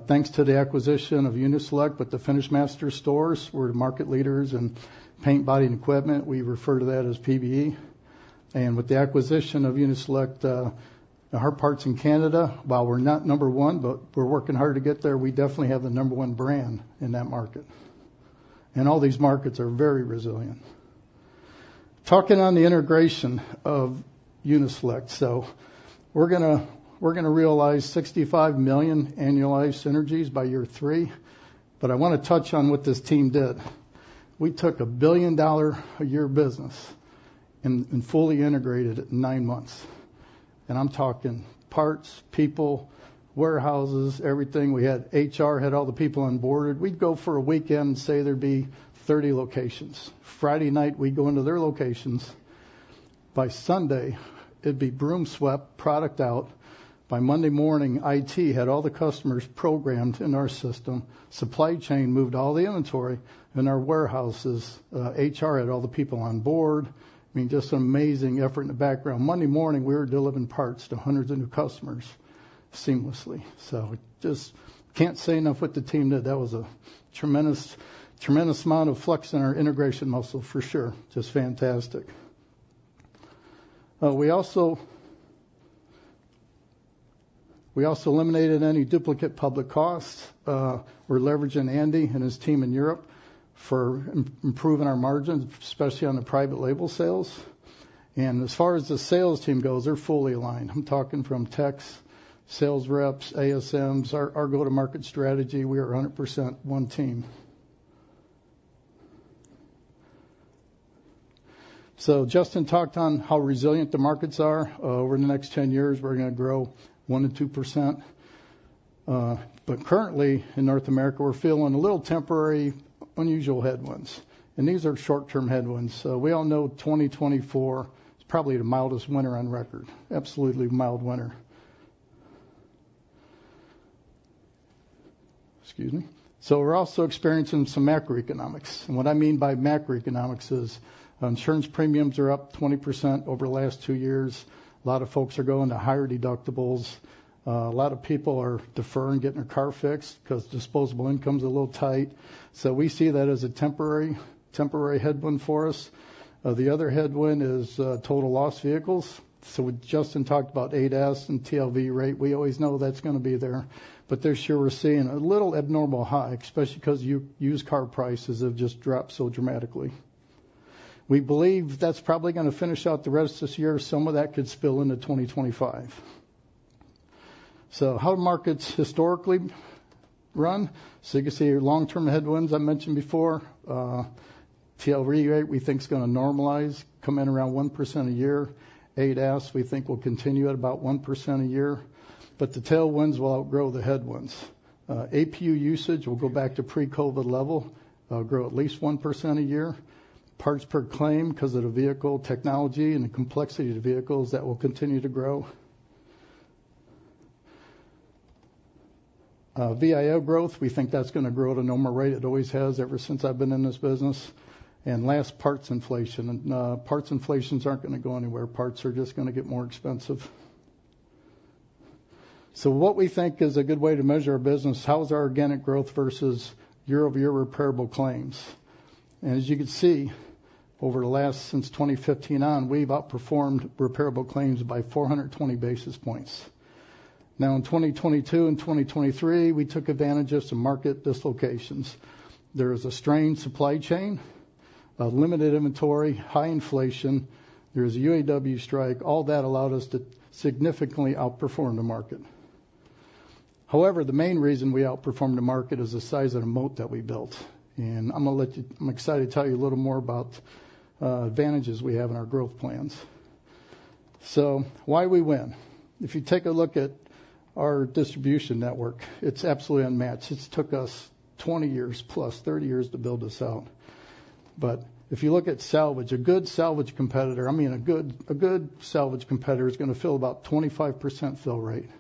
Thanks to the acquisition of Uni-Select, with the FinishMaster stores, we're the market leaders in Paint, Body, and Equipment. We refer to that as PBE. With the acquisition of Uni-Select, our parts in Canada, while we're not number one, but we're working hard to get there, we definitely have the number one brand in that market, and all these markets are very resilient. Talking on the integration of Uni-Select. We're gonna realize $65 million annualized synergies by year three. But I wanna touch on what this team did. We took a $1 billion-a-year business and fully integrated it in 9 months. I'm talking parts, people, warehouses, everything. We had HR, all the people onboarded. We'd go for a weekend, and say, there'd be 30 locations. Friday night, we'd go into their locations. By Sunday, it'd be broom swept, product out. By Monday morning, IT had all the customers programmed in our system. Supply chain moved all the inventory in our warehouses. HR had all the people on board. I mean, just an amazing effort in the background. Monday morning, we were delivering parts to hundreds of new customers seamlessly. So just can't say enough what the team did. That was a tremendous, tremendous amount of flex in our integration muscle for sure. Just fantastic. We also eliminated any duplicate public costs. We're leveraging Andy and his team in Europe for improving our margins, especially on the private label sales. And as far as the sales team goes, they're fully aligned. I'm talking from techs, sales reps, ASMs, our go-to-market strategy. We are 100% one team. So Justin talked on how resilient the markets are. Over the next ten years, we're gonna grow 1%-2%. But currently, in North America, we're feeling a little temporary, unusual headwinds, and these are short-term headwinds. So we all know 2024 is probably the mildest winter on record. Absolutely mild winter. Excuse me. So we're also experiencing some macroeconomics, and what I mean by macroeconomics is insurance premiums are up 20% over the last two years. A lot of folks are going to higher deductibles. A lot of people are deferring getting their car fixed because disposable income's a little tight. So we see that as a temporary, temporary headwind for us. The other headwind is total loss vehicles. So Justin talked about ADAS and TLV rate. We always know that's gonna be there, but this year we're seeing a little abnormal high, especially because used car prices have just dropped so dramatically. We believe that's probably gonna finish out the rest of this year. Some of that could spill into 2025. How do markets historically run? You can see long-term headwinds I mentioned before. TVL rate, we think is going to normalize, come in around 1% a year. ADAS, we think will continue at about 1% a year, but the tailwinds will outgrow the headwinds. APU usage will go back to pre-COVID level, grow at least 1% a year. Parts per claim, because of the vehicle technology and the complexity of the vehicles, that will continue to grow. VIO growth, we think that's going to grow at a normal rate. It always has, ever since I've been in this business. And last, parts inflation. And, parts inflation isn't going to go anywhere. Parts are just going to get more expensive. So what we think is a good way to measure our business, how's our organic growth versus year-over-year repairable claims? And as you can see, over the last, since twenty fifteen on, we've outperformed repairable claims by four hundred and twenty basis points. Now, in twenty twenty-two and twenty twenty-three, we took advantage of some market dislocations. There was a strained supply chain, a limited inventory, high inflation. There was a UAW strike. All that allowed us to significantly outperform the market. However, the main reason we outperformed the market is the size of the moat that we built, and I'm going to let you-- I'm excited to tell you a little more about advantages we have in our growth plans. So why we win? If you take a look at our distribution network, it's absolutely unmatched. It's took us twenty years, plus thirty years, to build this out. But if you look at salvage, a good salvage competitor, I mean, a good salvage competitor is going to fill about 25% fill rate.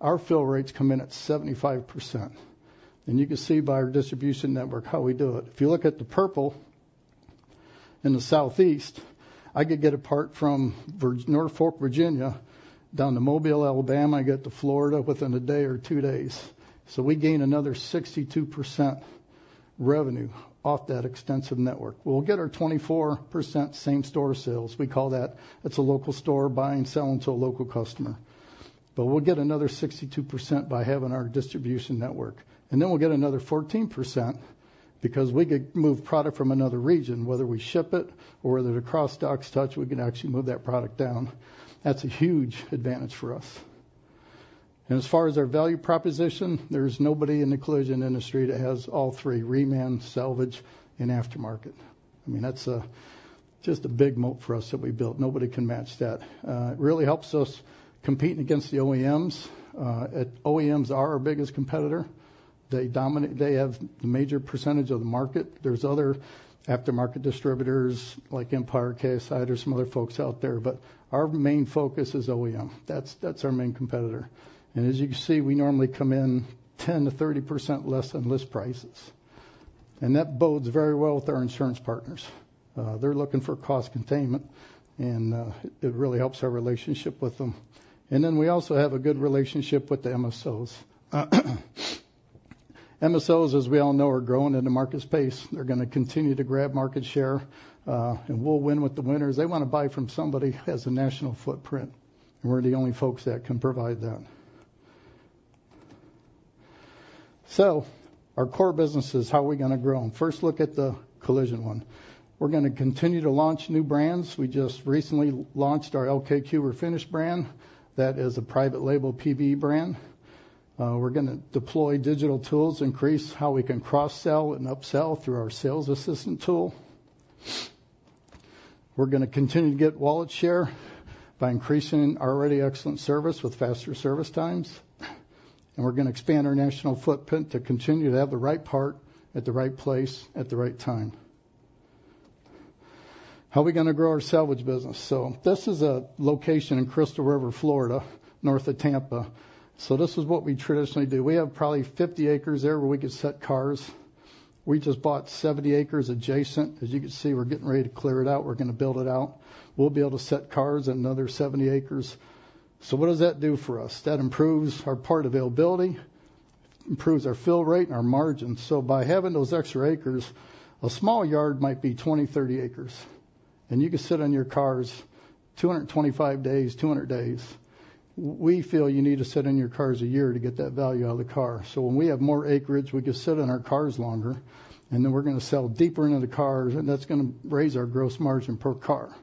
Our fill rates come in at 75%, and you can see by our distribution network how we do it. If you look at the purple in the Southeast, I could get a part from Norfolk, Virginia, down to Mobile, Alabama, get to Florida within a day or two days. So we gain another 62% revenue off that extensive network. We'll get our 24% same-store sales. We call that, that's a local store buying and selling to a local customer. But we'll get another 62% by having our distribution network, and then we'll get another 14% because we could move product from another region, whether we ship it or whether they're cross-docked touch, we can actually move that product down. That's a huge advantage for us. And as far as our value proposition, there's nobody in the collision industry that has all three, reman, salvage, and aftermarket. I mean, that's just a big moat for us that we built. Nobody can match that. It really helps us compete against the OEMs. OEMs are our biggest competitor. They dominate. They have the major percentage of the market. There's other aftermarket distributors like Empire, KSI. There's some other folks out there, but our main focus is OEM. That's, that's our main competitor. And as you can see, we normally come in 10%-30% less than list prices. And that bodes very well with our insurance partners. They're looking for cost containment, and it really helps our relationship with them. And then we also have a good relationship with the MSOs. MSOs, as we all know, are growing in the market space. They're going to continue to grab market share, and we'll win with the winners. They want to buy from somebody that has a national footprint, and we're the only folks that can provide that. So our core businesses, how are we going to grow them? First, look at the collision one. We're going to continue to launch new brands. We just recently launched our LKQ Refinish brand. That is a private label, PBE brand. We're going to deploy digital tools, increase how we can cross-sell and upsell through our sales assistant tool. We're going to continue to get wallet share by increasing our already excellent service with faster service times, and we're going to expand our national footprint to continue to have the right part at the right place at the right time. How are we going to grow our salvage business? So this is a location in Crystal River, Florida, north of Tampa. So this is what we traditionally do. We have probably 50 acres there where we could set cars. We just bought 70 acres adjacent. As you can see, we're getting ready to clear it out. We're going to build it out. We'll be able to set cars in another 70 acres. So what does that do for us? That improves our part availability, improves our fill rate, and our margins. So by having those extra acres, a small yard might be twenty, thirty acres, and you can sit on your cars two hundred and twenty-five days, two hundred days. We feel you need to sit on your cars a year to get that value out of the car. So when we have more acreage, we can sit on our cars longer, and then we're going to sell deeper into the cars, and that's going to raise our gross margin per car.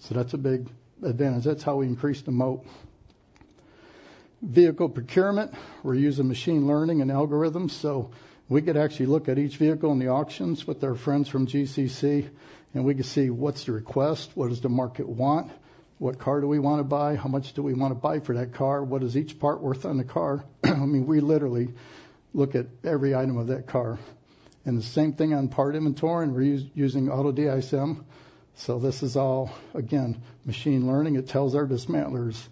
So that's a big advantage. That's how we increase the moat. Vehicle procurement, we're using machine learning and algorithms, so we could actually look at each vehicle in the auctions with our friends from GCC, and we can see what's the request, what does the market want, what car do we want to buy, how much do we want to buy for that car? What is each part worth on the car? I mean, we literally look at every item of that car. And the same thing on part inventory, and we're using AutoDISM. So this is all, again, machine learning. It tells our dismantlers,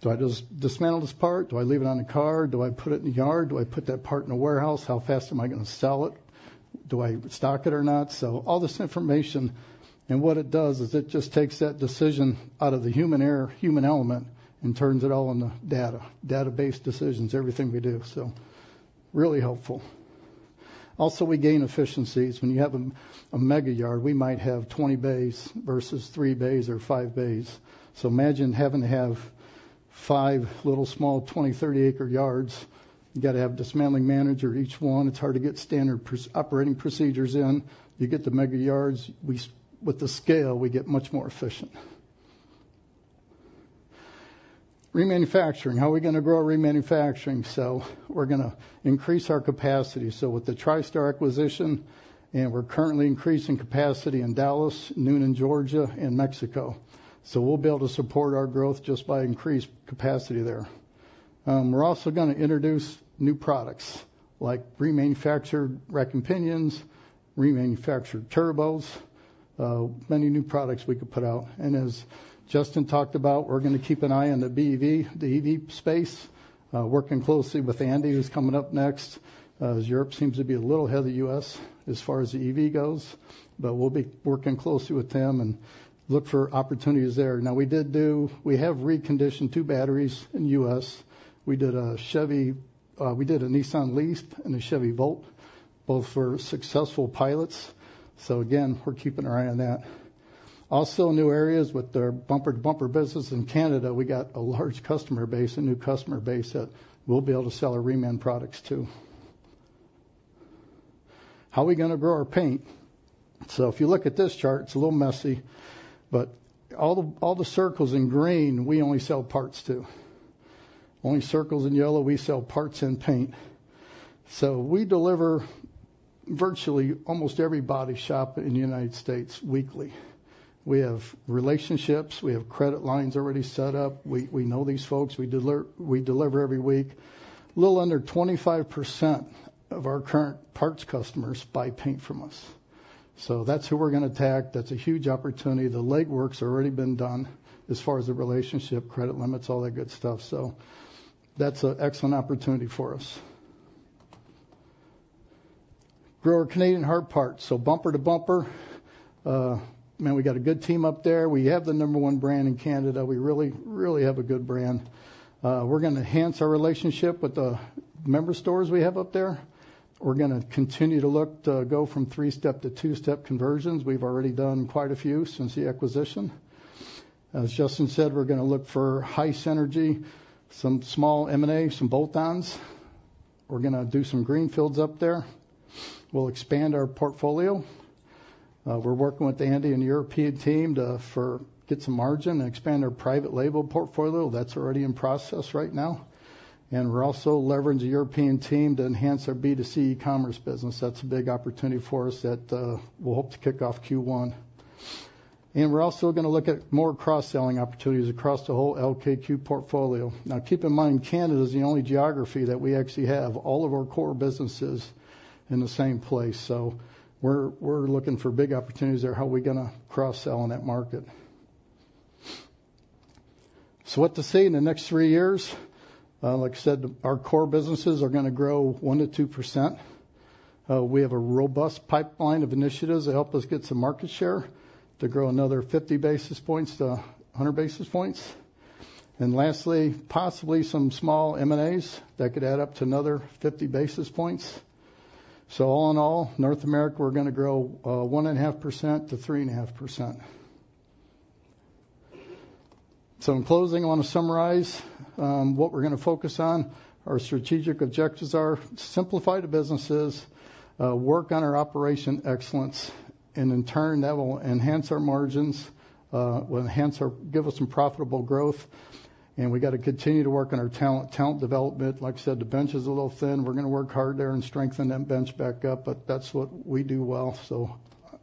"Do I dismantle this part? Do I leave it on the car? Do I put it in the yard? Do I put that part in the warehouse? How fast am I going to sell it? Do I stock it or not?" All this information, and what it does is it just takes that decision out of the human error, human element, and turns it all into data, database decisions, everything we do. Really helpful. Also, we gain efficiencies. When you have a mega yard, we might have 20 bays versus 3 bays or 5 bays. Imagine having to have five little small 20- or 30-acre yards. You got to have a dismantling manager, each one. It's hard to get standard operating procedures in. You get the mega yards. We standardize with the scale. We get much more efficient. Remanufacturing. How are we going to grow our remanufacturing? We're going to increase our capacity. With the Tri Star acquisition, and we're currently increasing capacity in Dallas, Newnan, Georgia, and Mexico. So we'll be able to support our growth just by increased capacity there. We're also going to introduce new products, like remanufactured rack and pinions, remanufactured turbos, many new products we could put out. And as Justin talked about, we're going to keep an eye on the BEV, the EV space, working closely with Andy, who's coming up next. As Europe seems to be a little ahead of the U.S. as far as the EV goes, but we'll be working closely with them and look for opportunities there. Now, we have reconditioned two batteries in U.S. We did a Chevy, we did a Nissan LEAF and a Chevy Volt, both were successful pilots. So again, we're keeping our eye on that. Also, new areas with our Bumper to Bumper business in Canada. We got a large customer base, a new customer base, that we'll be able to sell our reman products to, too. How are we going to grow our paint? If you look at this chart, it's a little messy, but all the, all the circles in green, we only sell parts to. Only circles in yellow, we sell parts and paint. We deliver virtually almost every body shop in the United States weekly. We have relationships. We have credit lines already set up. We know these folks. We deliver every week. A little under 25% of our current parts customers buy paint from us. That's who we're going to attack. That's a huge opportunity. The legwork's already been done as far as the relationship, credit limits, all that good stuff, so that's an excellent opportunity for us. Grow our Canadian hard parts. Bumper to Bumper, man, we got a good team up there. We have the number one brand in Canada. We really, really have a good brand. We're going to enhance our relationship with the member stores we have up there. We're going to continue to look to go from three-step to two-step conversions. We've already done quite a few since the acquisition. As Justin said, we're going to look for high synergy, some small M&A, some bolt-ons. We're going to do some greenfields up there. We'll expand our portfolio. We're working with Andy and the European team to get some margin and expand our private label portfolio. That's already in process right now. We're also leveraging the European team to enhance our B2C e-commerce business. That's a big opportunity for us that we'll hope to kick off Q1. We're also going to look at more cross-selling opportunities across the whole LKQ portfolio. Now, keep in mind, Canada is the only geography that we actually have all of our core businesses in the same place. So we're looking for big opportunities there. How are we going to cross-sell in that market? So what to see in the next three years? Like I said, our core businesses are going to grow 1% to 2%. We have a robust pipeline of initiatives to help us get some market share, to grow another 50 basis points to 100 basis points. And lastly, possibly some small M&As that could add up to another 50 basis points. So all in all, North America, we're going to grow 1.5% to 3.5%. In closing, I want to summarize what we're going to focus on. Our strategic objectives are simplify the businesses, work on our operational excellence, and in turn, that will enhance our margins, will enhance our give us some profitable growth, and we got to continue to work on our talent development. Like I said, the bench is a little thin. We're going to work hard there and strengthen that bench back up, but that's what we do well, so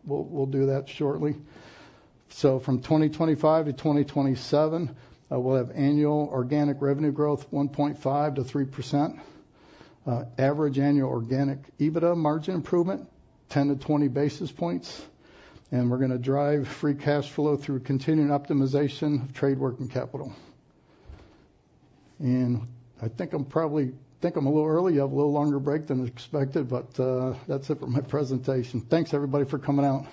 we'll do that shortly. From 2025 to 2027, we'll have annual organic revenue growth, 1.5% to 3%. Average annual organic EBITDA margin improvement, 10 to 20 basis points. And we're going to drive free cash flow through continuing optimization of trade working capital. I think I'm a little early, you have a little longer break than expected, but that's it for my presentation. Thanks, everybody, for coming out.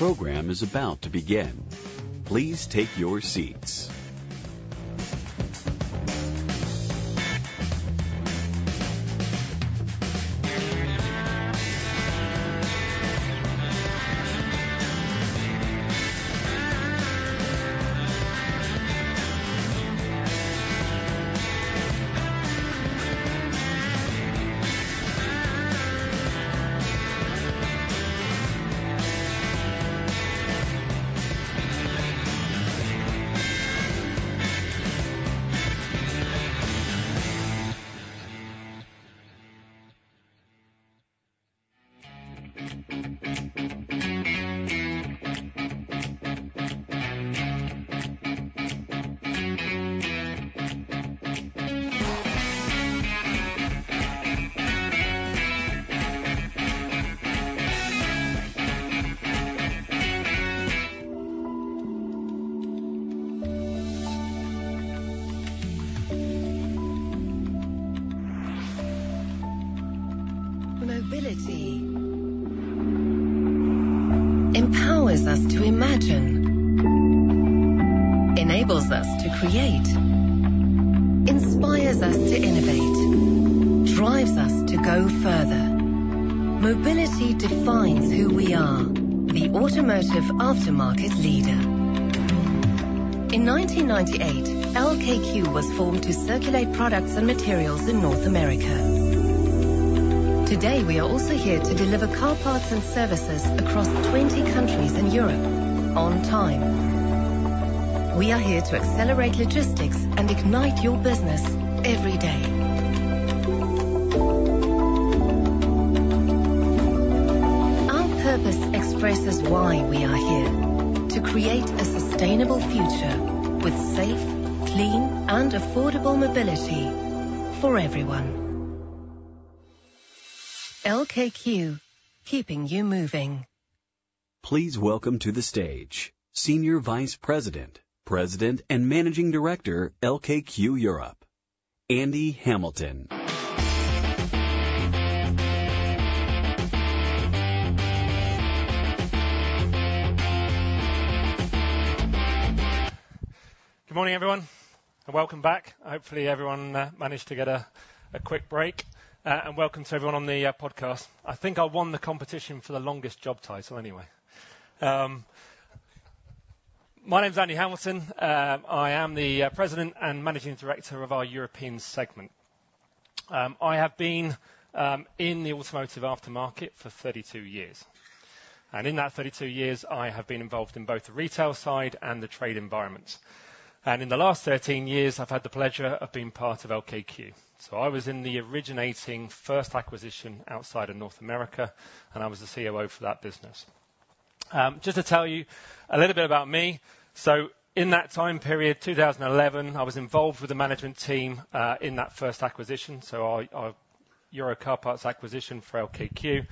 The program is about to begin. Please take your seats. Mobility. empowers us to imagine, enables us to create, inspires us to innovate, drives us to go further. Mobility defines who we are, the automotive aftermarket leader. In 1998, LKQ was formed to circulate products and materials in North America. Today, we are also here to deliver car parts and services across 20 countries in Europe on time. We are here to accelerate logistics and ignite your business every day. Our purpose expresses why we are here: to create a sustainable future with safe, clean, and affordable mobility for everyone. LKQ, keeping you moving. Please welcome to the stage Senior Vice President, President, and Managing Director, LKQ Europe, Andy Hamilton. Good morning, everyone, and welcome back. Hopefully, everyone managed to get a quick break. And welcome to everyone on the podcast. I think I won the competition for the longest job title, anyway. My name is Andy Hamilton. I am the President and Managing Director of our European segment. I have been in the automotive aftermarket for thirty-two years, and in that thirty-two years I have been involved in both the retail side and the trade environment. And in the last thirteen years, I've had the pleasure of being part of LKQ. So I was in the originating first acquisition outside of North America, and I was the COO for that business. Just to tell you a little bit about me. In that time period, two thousand and eleven, I was involved with the management team in that first acquisition, so our Euro Car Parts acquisition for LKQ,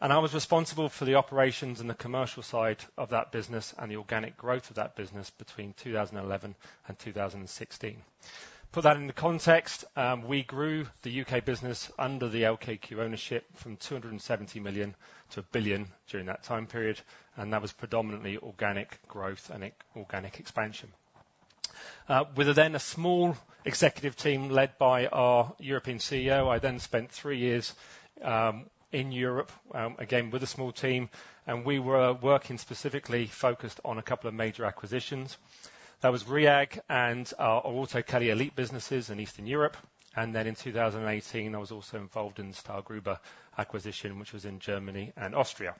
and I was responsible for the operations and the commercial side of that business and the organic growth of that business between two thousand and eleven and two thousand and sixteen. Put that into context, we grew the U.K. business under the LKQ ownership from two hundred and seventy million to a billion during that time period, and that was predominantly organic growth and organic expansion. With then a small executive team led by our European CEO, I then spent three years in Europe, again, with a small team, and we were working specifically focused on a couple of major acquisitions. That was Rhiag and our Auto Kelly, Elit businesses in Eastern Europe. Then in 2018, I was also involved in the Stahlgruber acquisition, which was in Germany and Austria.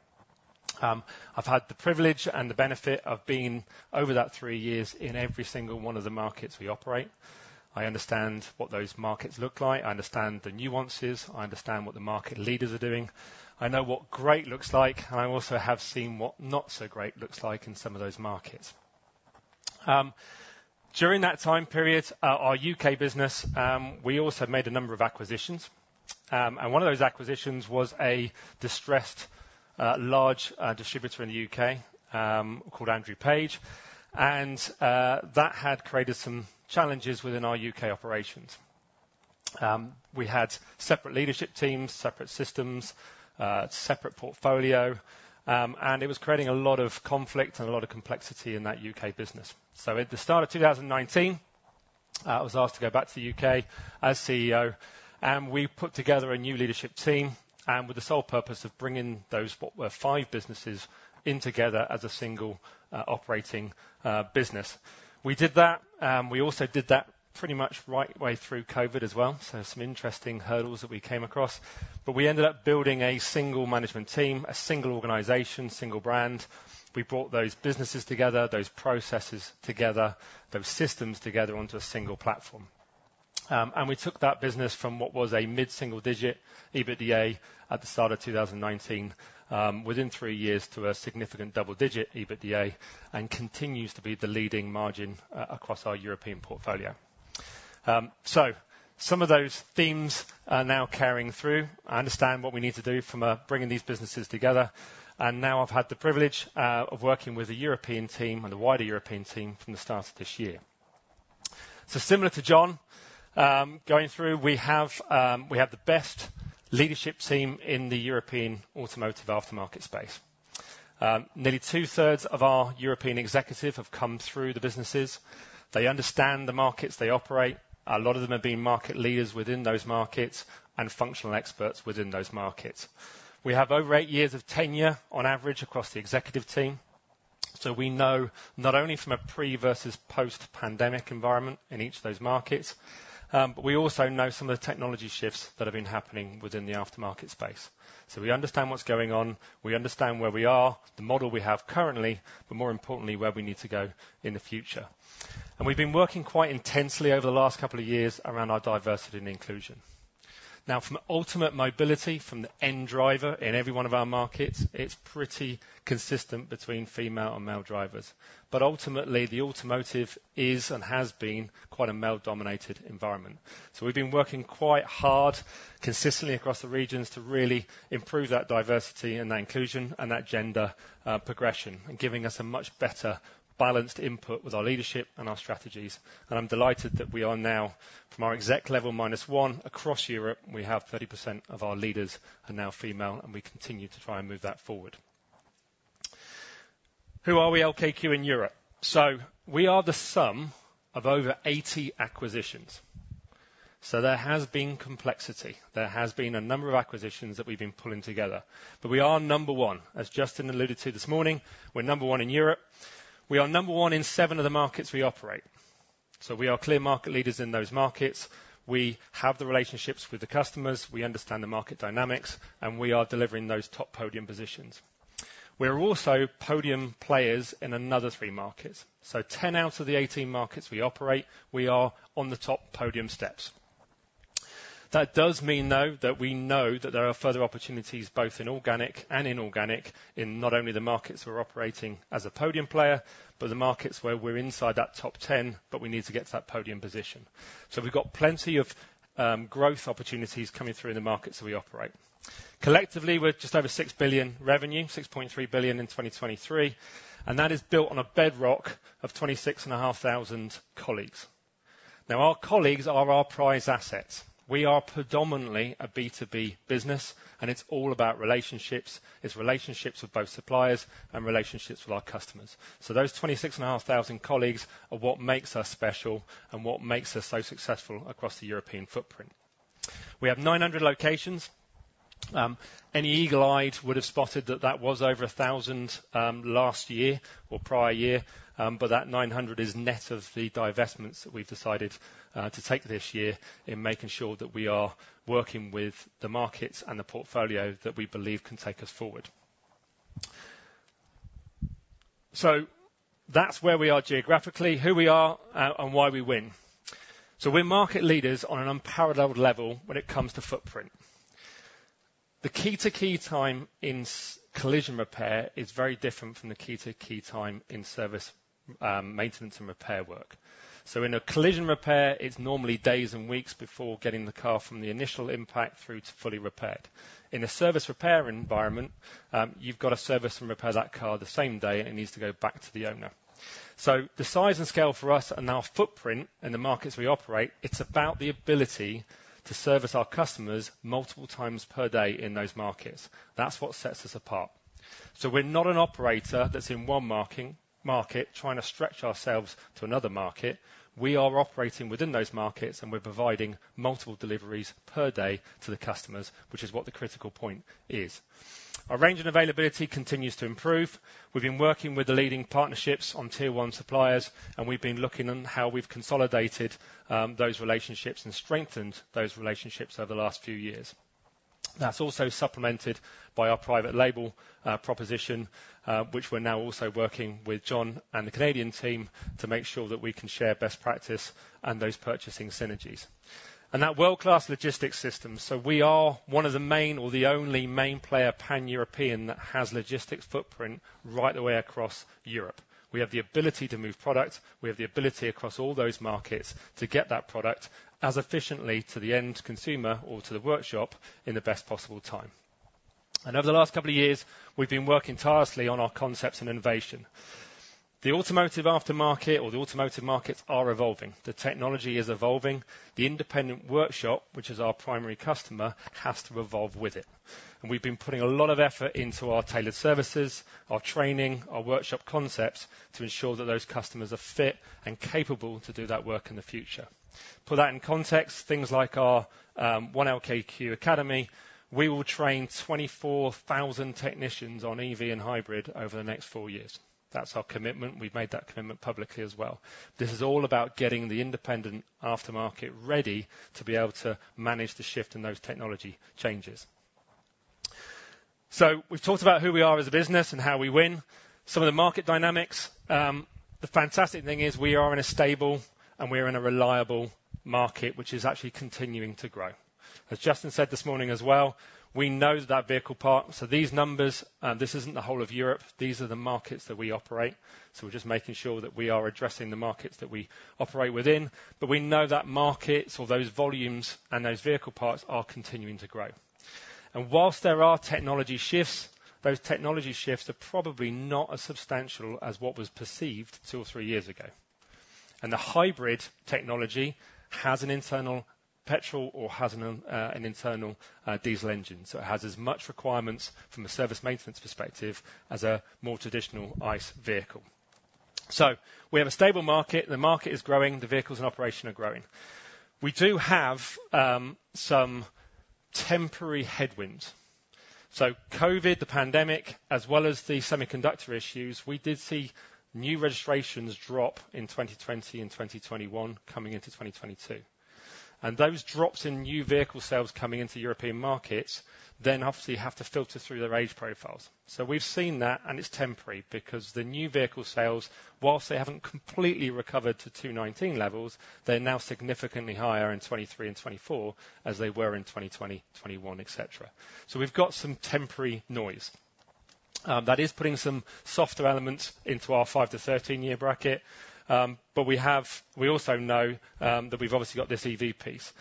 I've had the privilege and the benefit of being, over that three years, in every single one of the markets we operate. I understand what those markets look like. I understand the nuances. I understand what the market leaders are doing. I know what great looks like, and I also have seen what not so great looks like in some of those markets. During that time period, our U.K. business, we also made a number of acquisitions. One of those acquisitions was a distressed, large distributor in the U.K., called Andrew Page, and that had created some challenges within our U.K. operations. We had separate leadership teams, separate systems, separate portfolio, and it was creating a lot of conflict and a lot of complexity in that U.K. business. So at the start of two thousand and nineteen, I was asked to go back to the U.K. as CEO, and we put together a new leadership team, and with the sole purpose of bringing those what were five businesses in together as a single operating business. We did that, and we also did that pretty much right away through COVID as well. So some interesting hurdles that we came across, but we ended up building a single management team, a single organization, single brand. We brought those businesses together, those processes together, those systems together onto a single platform. And we took that business from what was a mid-single-digit EBITDA at the start of two thousand and nineteen, within three years to a significant double-digit EBITDA, and continues to be the leading margin across our European portfolio. Some of those themes are now carrying through. I understand what we need to do from bringing these businesses together, and now I've had the privilege of working with the European team and the wider European team from the start of this year. Similar to John going through, we have the best leadership team in the European automotive aftermarket space. Nearly two-thirds of our European executive have come through the businesses. They understand the markets they operate. A lot of them have been market leaders within those markets and functional experts within those markets. We have over eight years of tenure on average across the executive team, so we know not only from a pre-versus post-pandemic environment in each of those markets, but we also know some of the technology shifts that have been happening within the aftermarket space. So we understand what's going on, we understand where we are, the model we have currently, but more importantly, where we need to go in the future, and we've been working quite intensely over the last couple of years around our diversity and inclusion. Now, from ultimate mobility, from the end driver in every one of our markets, it's pretty consistent between female and male drivers. But ultimately, the automotive is and has been quite a male-dominated environment. We've been working quite hard, consistently across the regions, to really improve that diversity and that inclusion and that gender progression, and giving us a much better balanced input with our leadership and our strategies. And I'm delighted that we are now, from our exec level minus one across Europe, we have 30% of our leaders are now female, and we continue to try and move that forward. Who are we, LKQ, in Europe? So we are the sum of over 80 acquisitions, so there has been complexity. There has been a number of acquisitions that we've been pulling together, but we are number one. As Justin alluded to this morning, we're number one in Europe. We are number one in seven of the markets we operate, so we are clear market leaders in those markets. We have the relationships with the customers, we understand the market dynamics, and we are delivering those top podium positions. We're also podium players in another three markets. So 10 out of the 18 markets we operate, we are on the top podium steps. That does mean, though, that we know that there are further opportunities, both in organic and inorganic, in not only the markets we're operating as a podium player, but the markets where we're inside that top 10, but we need to get to that podium position. So we've got plenty of growth opportunities coming through in the markets that we operate. Collectively, we're just over 6 billion revenue, 6.3 billion in 2023, and that is built on a bedrock of 26,500 colleagues. Now, our colleagues are our prize assets. We are predominantly a B2B business, and it's all about relationships. It's relationships with both suppliers and relationships with our customers. Those 26.5 thousand colleagues are what makes us special and what makes us so successful across the European footprint. We have 900 locations. Any eagle-eyed would have spotted that was over 1,000 last year or prior year, but that 900 is net of the divestments that we've decided to take this year in making sure that we are working with the markets and the portfolio that we believe can take us forward. That's where we are geographically, who we are, and why we win. We're market leaders on an unparalleled level when it comes to footprint. The key-to-key time in collision repair is very different from the key-to-key time in service, maintenance, and repair work. So in a collision repair, it's normally days and weeks before getting the car from the initial impact through to fully repaired. In a service repair environment, you've got to service and repair that car the same day, and it needs to go back to the owner. So the size and scale for us and our footprint in the markets we operate, it's about the ability to service our customers multiple times per day in those markets. That's what sets us apart. So we're not an operator that's in one market, trying to stretch ourselves to another market. We are operating within those markets, and we're providing multiple deliveries per day to the customers, which is what the critical point is. Our range and availability continues to improve. We've been working with the leading partnerships on tier one suppliers, and we've been looking on how we've consolidated those relationships and strengthened those relationships over the last few years. That's also supplemented by our private label proposition, which we're now also working with John and the Canadian team to make sure that we can share best practice and those purchasing synergies. And that world-class logistics system, so we are one of the main or the only main player, pan-European, that has logistics footprint right the way across Europe. We have the ability to move product. We have the ability across all those markets to get that product as efficiently to the end consumer or to the workshop in the best possible time. And over the last couple of years, we've been working tirelessly on our concepts and innovation. The automotive aftermarket or the automotive markets are evolving, the technology is evolving. The independent workshop, which is our primary customer, has to evolve with it. And we've been putting a lot of effort into our tailored services, our training, our workshop concepts to ensure that those customers are fit and capable to do that work in the future. Put that in context, things like our One LKQ Academy, we will train twenty-four thousand technicians on EV and hybrid over the next four years. That's our commitment. We've made that commitment publicly as well. This is all about getting the independent aftermarket ready to be able to manage the shift in those technology changes. So we've talked about who we are as a business and how we win. Some of the market dynamics, the fantastic thing is we are in a stable and we are in a reliable market, which is actually continuing to grow. As Justin said this morning as well, we know that vehicle part, so these numbers, this isn't the whole of Europe. These are the markets that we operate, so we're just making sure that we are addressing the markets that we operate within. But we know that markets or those volumes and those vehicle parts are continuing to grow. And while there are technology shifts, those technology shifts are probably not as substantial as what was perceived two or three years ago. And the hybrid technology has an internal petrol or has an internal diesel engine. So it has as much requirements from a service maintenance perspective as a more traditional ICE vehicle. So we have a stable market. The market is growing, the vehicles in operation are growing. We do have some temporary headwinds. So COVID, the pandemic, as well as the semiconductor issues, we did see new registrations drop in 2020 and 2021, coming into 2022. And those drops in new vehicle sales coming into European markets then obviously have to filter through their age profiles. So we've seen that, and it's temporary, because the new vehicle sales, whilst they haven't completely recovered to 2019 levels, they're now significantly higher in 2023 and 2024 as they were in 2020, 2021, et cetera. So we've got some temporary noise. That is putting some softer elements into our five to 13-year bracket. But we have we also know that we've obviously got this EV piece.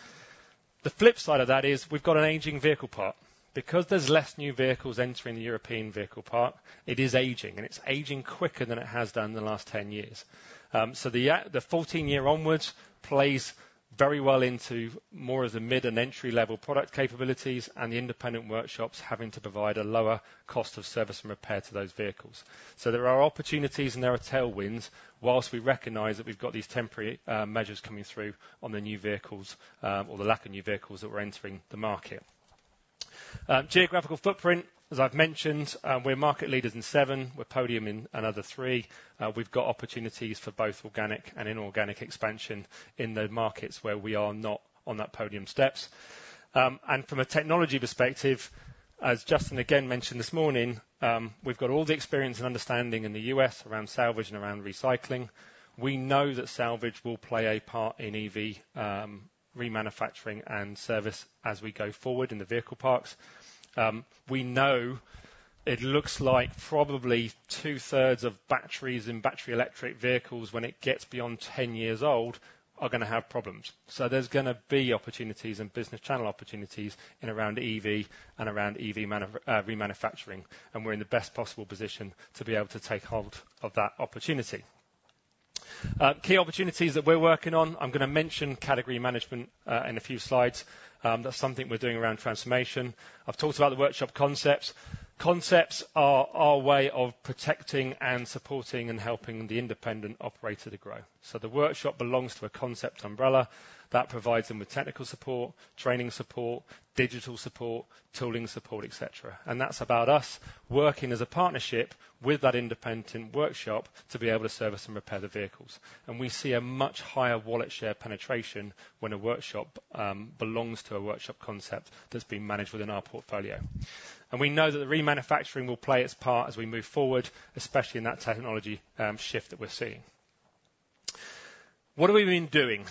The flip side of that is we've got an aging vehicle park. Because there's less new vehicles entering the European vehicle park, it is aging, and it's aging quicker than it has done in the last ten years. So the fourteen year onwards plays very well into more as a mid and entry-level product capabilities and the independent workshops having to provide a lower cost of service and repair to those vehicles. So there are opportunities, and there are tailwinds, while we recognize that we've got these temporary measures coming through on the new vehicles, or the lack of new vehicles that were entering the market. Geographical footprint, as I've mentioned, we're market leaders in seven, we're podium in another three. We've got opportunities for both organic and inorganic expansion in the markets where we are not on that podium steps. And from a technology perspective, as Justin again mentioned this morning, we've got all the experience and understanding in the U.S. around salvage and around recycling. We know that salvage will play a part in EV remanufacturing and service as we go forward in the vehicle parc. We know it looks like probably two-thirds of batteries in battery electric vehicles, when it gets beyond ten years old, are gonna have problems. So there's gonna be opportunities and business channel opportunities in and around EV and around EV remanufacturing, and we're in the best possible position to be able to take hold of that opportunity. Key opportunities that we're working on, I'm gonna mention category management in a few slides. That's something we're doing around transformation. I've talked about the workshop concepts. Concepts are our way of protecting and supporting and helping the independent operator to grow. The workshop belongs to a concept umbrella that provides them with technical support, training support, digital support, tooling support, et cetera. That's about us working as a partnership with that independent workshop to be able to service and repair the vehicles. We see a much higher wallet share penetration when a workshop belongs to a workshop concept that's been managed within our portfolio. We know that the remanufacturing will play its part as we move forward, especially in that technology shift that we're seeing. What have we been doing?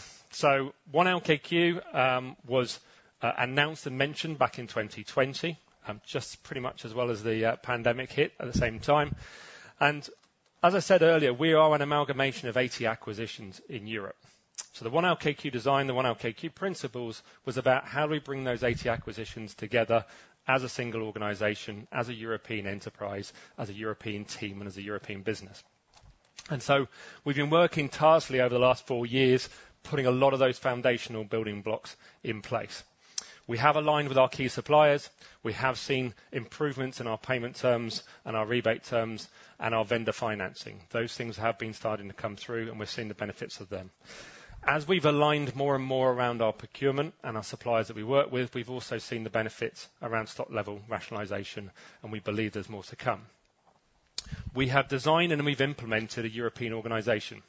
One LKQ was announced and mentioned back in 2020, just pretty much as well as the pandemic hit at the same time. As I said earlier, we are an amalgamation of 80 acquisitions in Europe. So the One LKQ design, the One LKQ principles, was about how do we bring those 80 acquisitions together as a single organization, as a European enterprise, as a European team, and as a European business? And so we've been working tirelessly over the last four years, putting a lot of those foundational building blocks in place. We have aligned with our key suppliers. We have seen improvements in our payment terms and our rebate terms and our vendor financing. Those things have been starting to come through, and we're seeing the benefits of them. As we've aligned more and more around our procurement and our suppliers that we work with, we've also seen the benefits around stock level rationalization, and we believe there's more to come. We have designed and we've implemented a European organization.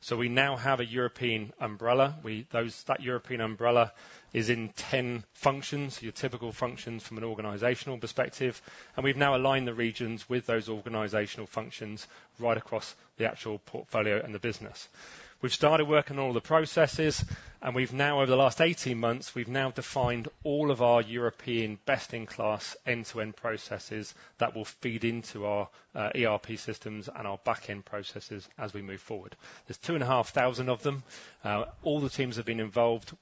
So we now have a European umbrella. That European umbrella is in 10 functions, your typical functions from an organizational perspective, and we've now aligned the regions with those organizational functions right across the actual portfolio and the business. We've started working on all the processes, and we've now, over the last 18 months, we've now defined all of our European best-in-class, end-to-end processes that will feed into our ERP systems and our back-end processes as we move forward. There's 2,500 of them. All the teams have been involved.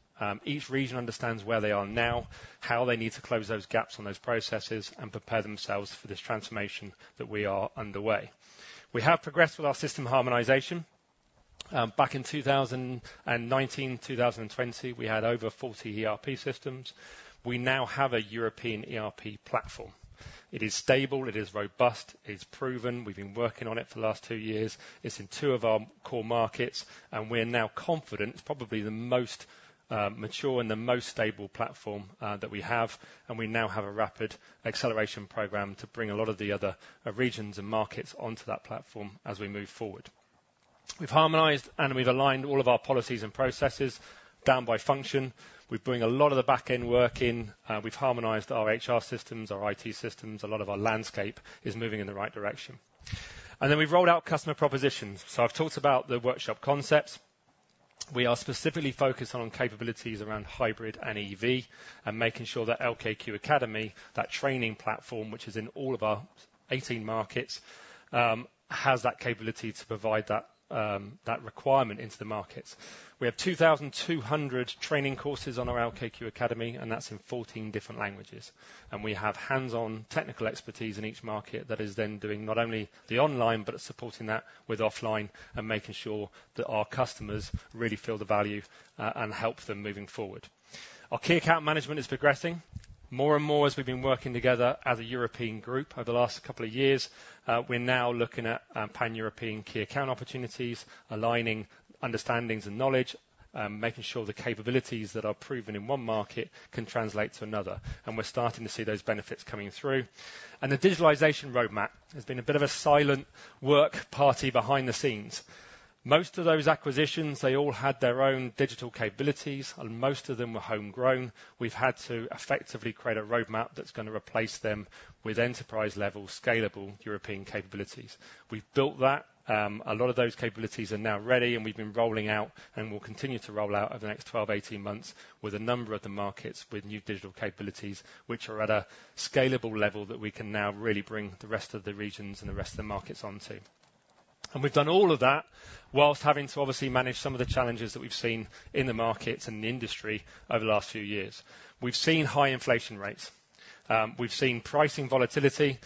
Each region understands where they are now, how they need to close those gaps on those processes, and prepare themselves for this transformation that we are underway. We have progressed with our system harmonization. Back in 2019, 2020, we had over 40 ERP systems. We now have a European ERP platform. It is stable, it is robust, it's proven. We've been working on it for the last two years. It's in two of our core markets, and we're now confident it's probably the most mature and the most stable platform that we have, and we now have a rapid acceleration program to bring a lot of the other regions and markets onto that platform as we move forward. We've harmonized, and we've aligned all of our policies and processes down by function. We've bring a lot of the back-end work in. We've harmonized our HR systems, our IT systems. A lot of our landscape is moving in the right direction, and then we've rolled out customer propositions, so I've talked about the workshop concepts. We are specifically focused on capabilities around hybrid and EV and making sure that LKQ Academy, that training platform, which is in all of our 18 markets, has that capability to provide that, that requirement into the markets. We have 2,200 training courses on our LKQ Academy, and that's in 14 different languages. And we have hands-on technical expertise in each market that is then doing not only the online, but it's supporting that with offline and making sure that our customers really feel the value, and help them moving forward. Our key account management is progressing. More and more, as we've been working together as a European group over the last couple of years, we're now looking at pan-European key account opportunities, aligning understandings and knowledge, and making sure the capabilities that are proven in one market can translate to another, and we're starting to see those benefits coming through. And the digitalization roadmap has been a bit of a silent workhorse behind the scenes. Most of those acquisitions, they all had their own digital capabilities, and most of them were homegrown. We've had to effectively create a roadmap that's gonna replace them with enterprise-level, scalable European capabilities. We've built that. A lot of those capabilities are now ready, and we've been rolling out, and will continue to roll out over the next 12, 18 months, with a number of the markets with new digital capabilities, which are at a scalable level that we can now really bring the rest of the regions and the rest of the markets onto. And we've done all of that while having to obviously manage some of the challenges that we've seen in the markets and the industry over the last few years. We've seen high inflation rates. We've seen pricing volatility.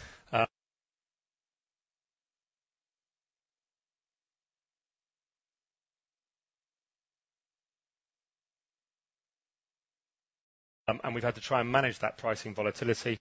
And we've had to try and manage that pricing volatility.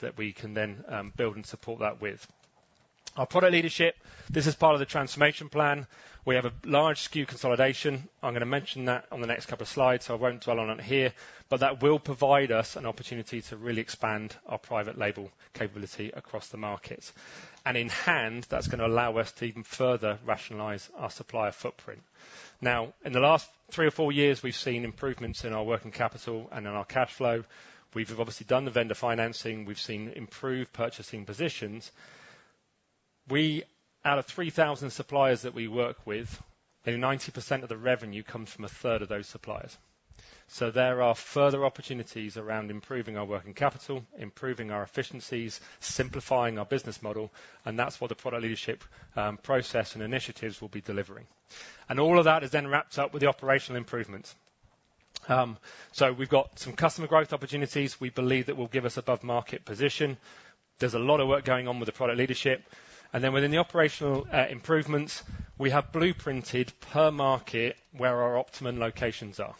That we can then build and support that with our product leadership, this is part of the transformation plan. We have a large SKU consolidation. I'm gonna mention that on the next couple of slides, so I won't dwell on it here, but that will provide us an opportunity to really expand our private label capability across the markets. In hand, that's gonna allow us to even further rationalize our supplier footprint. Now, in the last three or four years, we've seen improvements in our working capital and in our cash flow. We've obviously done the vendor financing. We've seen improved purchasing positions. We out of 3,000 suppliers that we work with, maybe 90% of the revenue comes from a third of those suppliers. So there are further opportunities around improving our working capital, improving our efficiencies, simplifying our business model, and that's what the product leadership, process and initiatives will be delivering. All of that is then wrapped up with the operational improvements. So we've got some customer growth opportunities we believe that will give us above market position. There's a lot of work going on with the product leadership, and then within the operational improvements, we have blueprinted per market where our optimum locations are.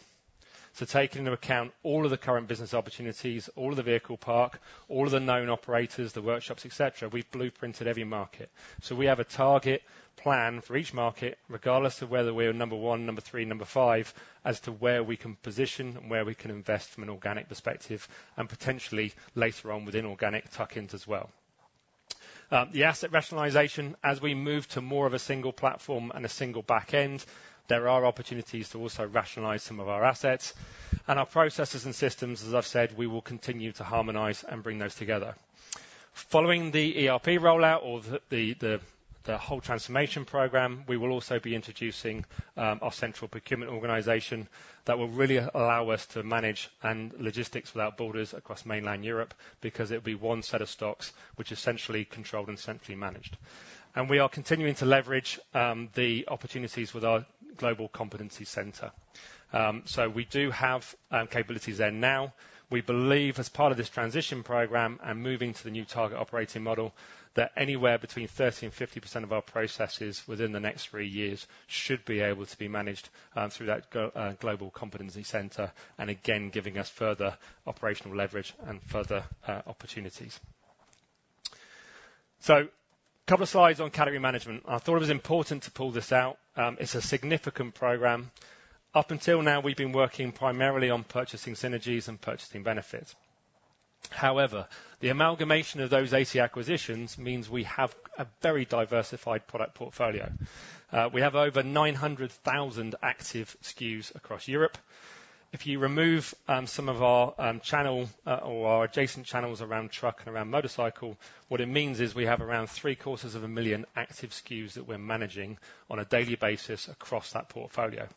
So taking into account all of the current business opportunities, all of the vehicle park, all of the known operators, the workshops, et cetera, we've blueprinted every market. So we have a target plan for each market, regardless of whether we're number one, number three, number five, as to where we can position and where we can invest from an organic perspective, and potentially later on, within organic tuck-ins as well. The asset rationalization, as we move to more of a single platform and a single back end, there are opportunities to also rationalize some of our assets and our processes and systems, as I've said, we will continue to harmonize and bring those together. Following the ERP rollout, or the whole transformation program, we will also be introducing our central procurement organization that will really allow us to manage and logistics without borders across mainland Europe, because it'll be one set of stocks, which are essentially controlled and centrally managed. And we are continuing to leverage the opportunities with our global competency center. So we do have capabilities there now. We believe, as part of this transition program and moving to the new target operating model, that anywhere between 30% and 50% of our processes within the next three years should be able to be managed through that Global Competency Center, and again, giving us further operational leverage and further opportunities. So couple of slides on category management. I thought it was important to pull this out. It's a significant program. Up until now, we've been working primarily on purchasing synergies and purchasing benefits. However, the amalgamation of those 80 acquisitions means we have a very diversified product portfolio. We have over 900,000 active SKUs across Europe. If you remove some of our channel or our adjacent channels around truck and around motorcycle, what it means is we have around 750,000 active SKUs that we're managing on a daily basis across that portfolio.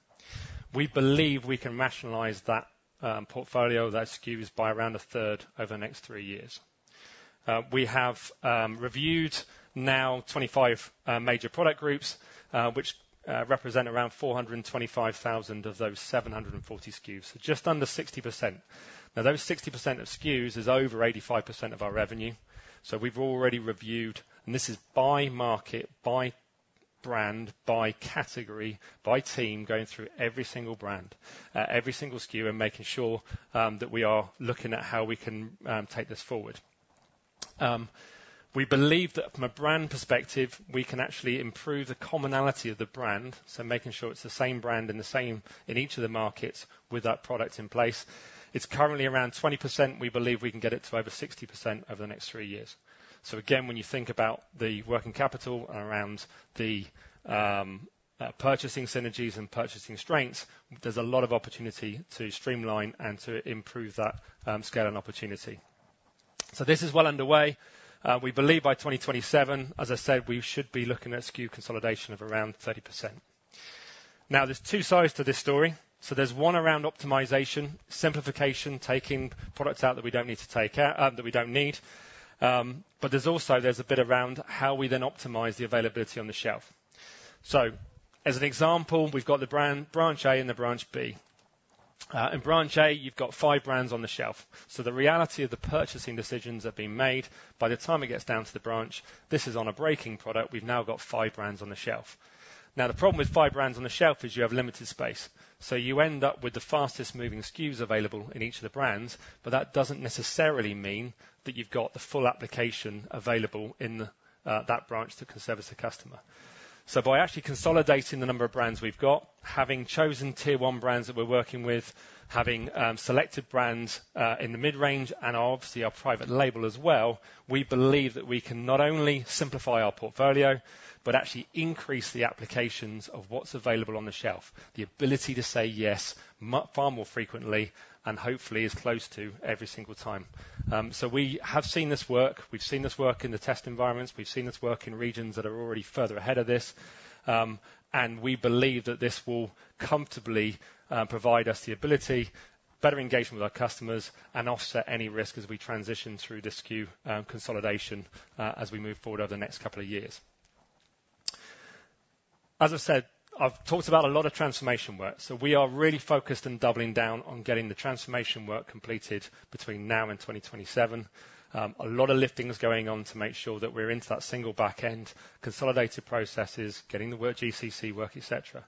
We believe we can rationalize that portfolio, those SKUs, by around a third over the next three years. We have reviewed now 25 major product groups, which represent around 425,000 of those 740,000 SKUs, so just under 60%. Now, those 60% of SKUs is over 85% of our revenue, so we've already reviewed, and this is by market, by brand, by category, by team, going through every single brand, every single SKU, and making sure that we are looking at how we can take this forward. We believe that from a brand perspective, we can actually improve the commonality of the brand, so making sure it's the same brand and the same in each of the markets with that product in place. It's currently around 20%. We believe we can get it to over 60% over the next three years. So again, when you think about the working capital around the purchasing synergies and purchasing strengths, there's a lot of opportunity to streamline and to improve that scale and opportunity. So this is well underway. We believe by 2027, as I said, we should be looking at SKU consolidation of around 30%. Now, there's two sides to this story. There's one around optimization, simplification, taking products out that we don't need, but there's also a bit around how we then optimize the availability on the shelf. So as an example, we've got the branch Branch A and the Branch B. In Branch A, you've got five brands on the shelf. So the reality of the purchasing decisions have been made by the time it gets down to the branch. This is on a braking product. We've now got five brands on the shelf. Now, the problem with five brands on the shelf is you have limited space, so you end up with the fastest-moving SKUs available in each of the brands, but that doesn't necessarily mean that you've got the full application available in that branch to service the customer. By actually consolidating the number of brands we've got, having chosen tier one brands that we're working with, having selected brands in the mid-range and obviously our private label as well, we believe that we can not only simplify our portfolio, but actually increase the applications of what's available on the shelf, the ability to say yes far more frequently, and hopefully, as close to every single time. We have seen this work. We've seen this work in the test environments. We've seen this work in regions that are already further ahead of this. We believe that this will comfortably provide us the ability, better engagement with our customers and offset any risk as we transition through the SKU consolidation as we move forward over the next couple of years. As I said, I've talked about a lot of transformation work, so we are really focused on doubling down on getting the transformation work completed between now and twenty twenty-seven. A lot of lifting is going on to make sure that we're into that single back end, consolidated processes, getting the work, GCC work, et cetera.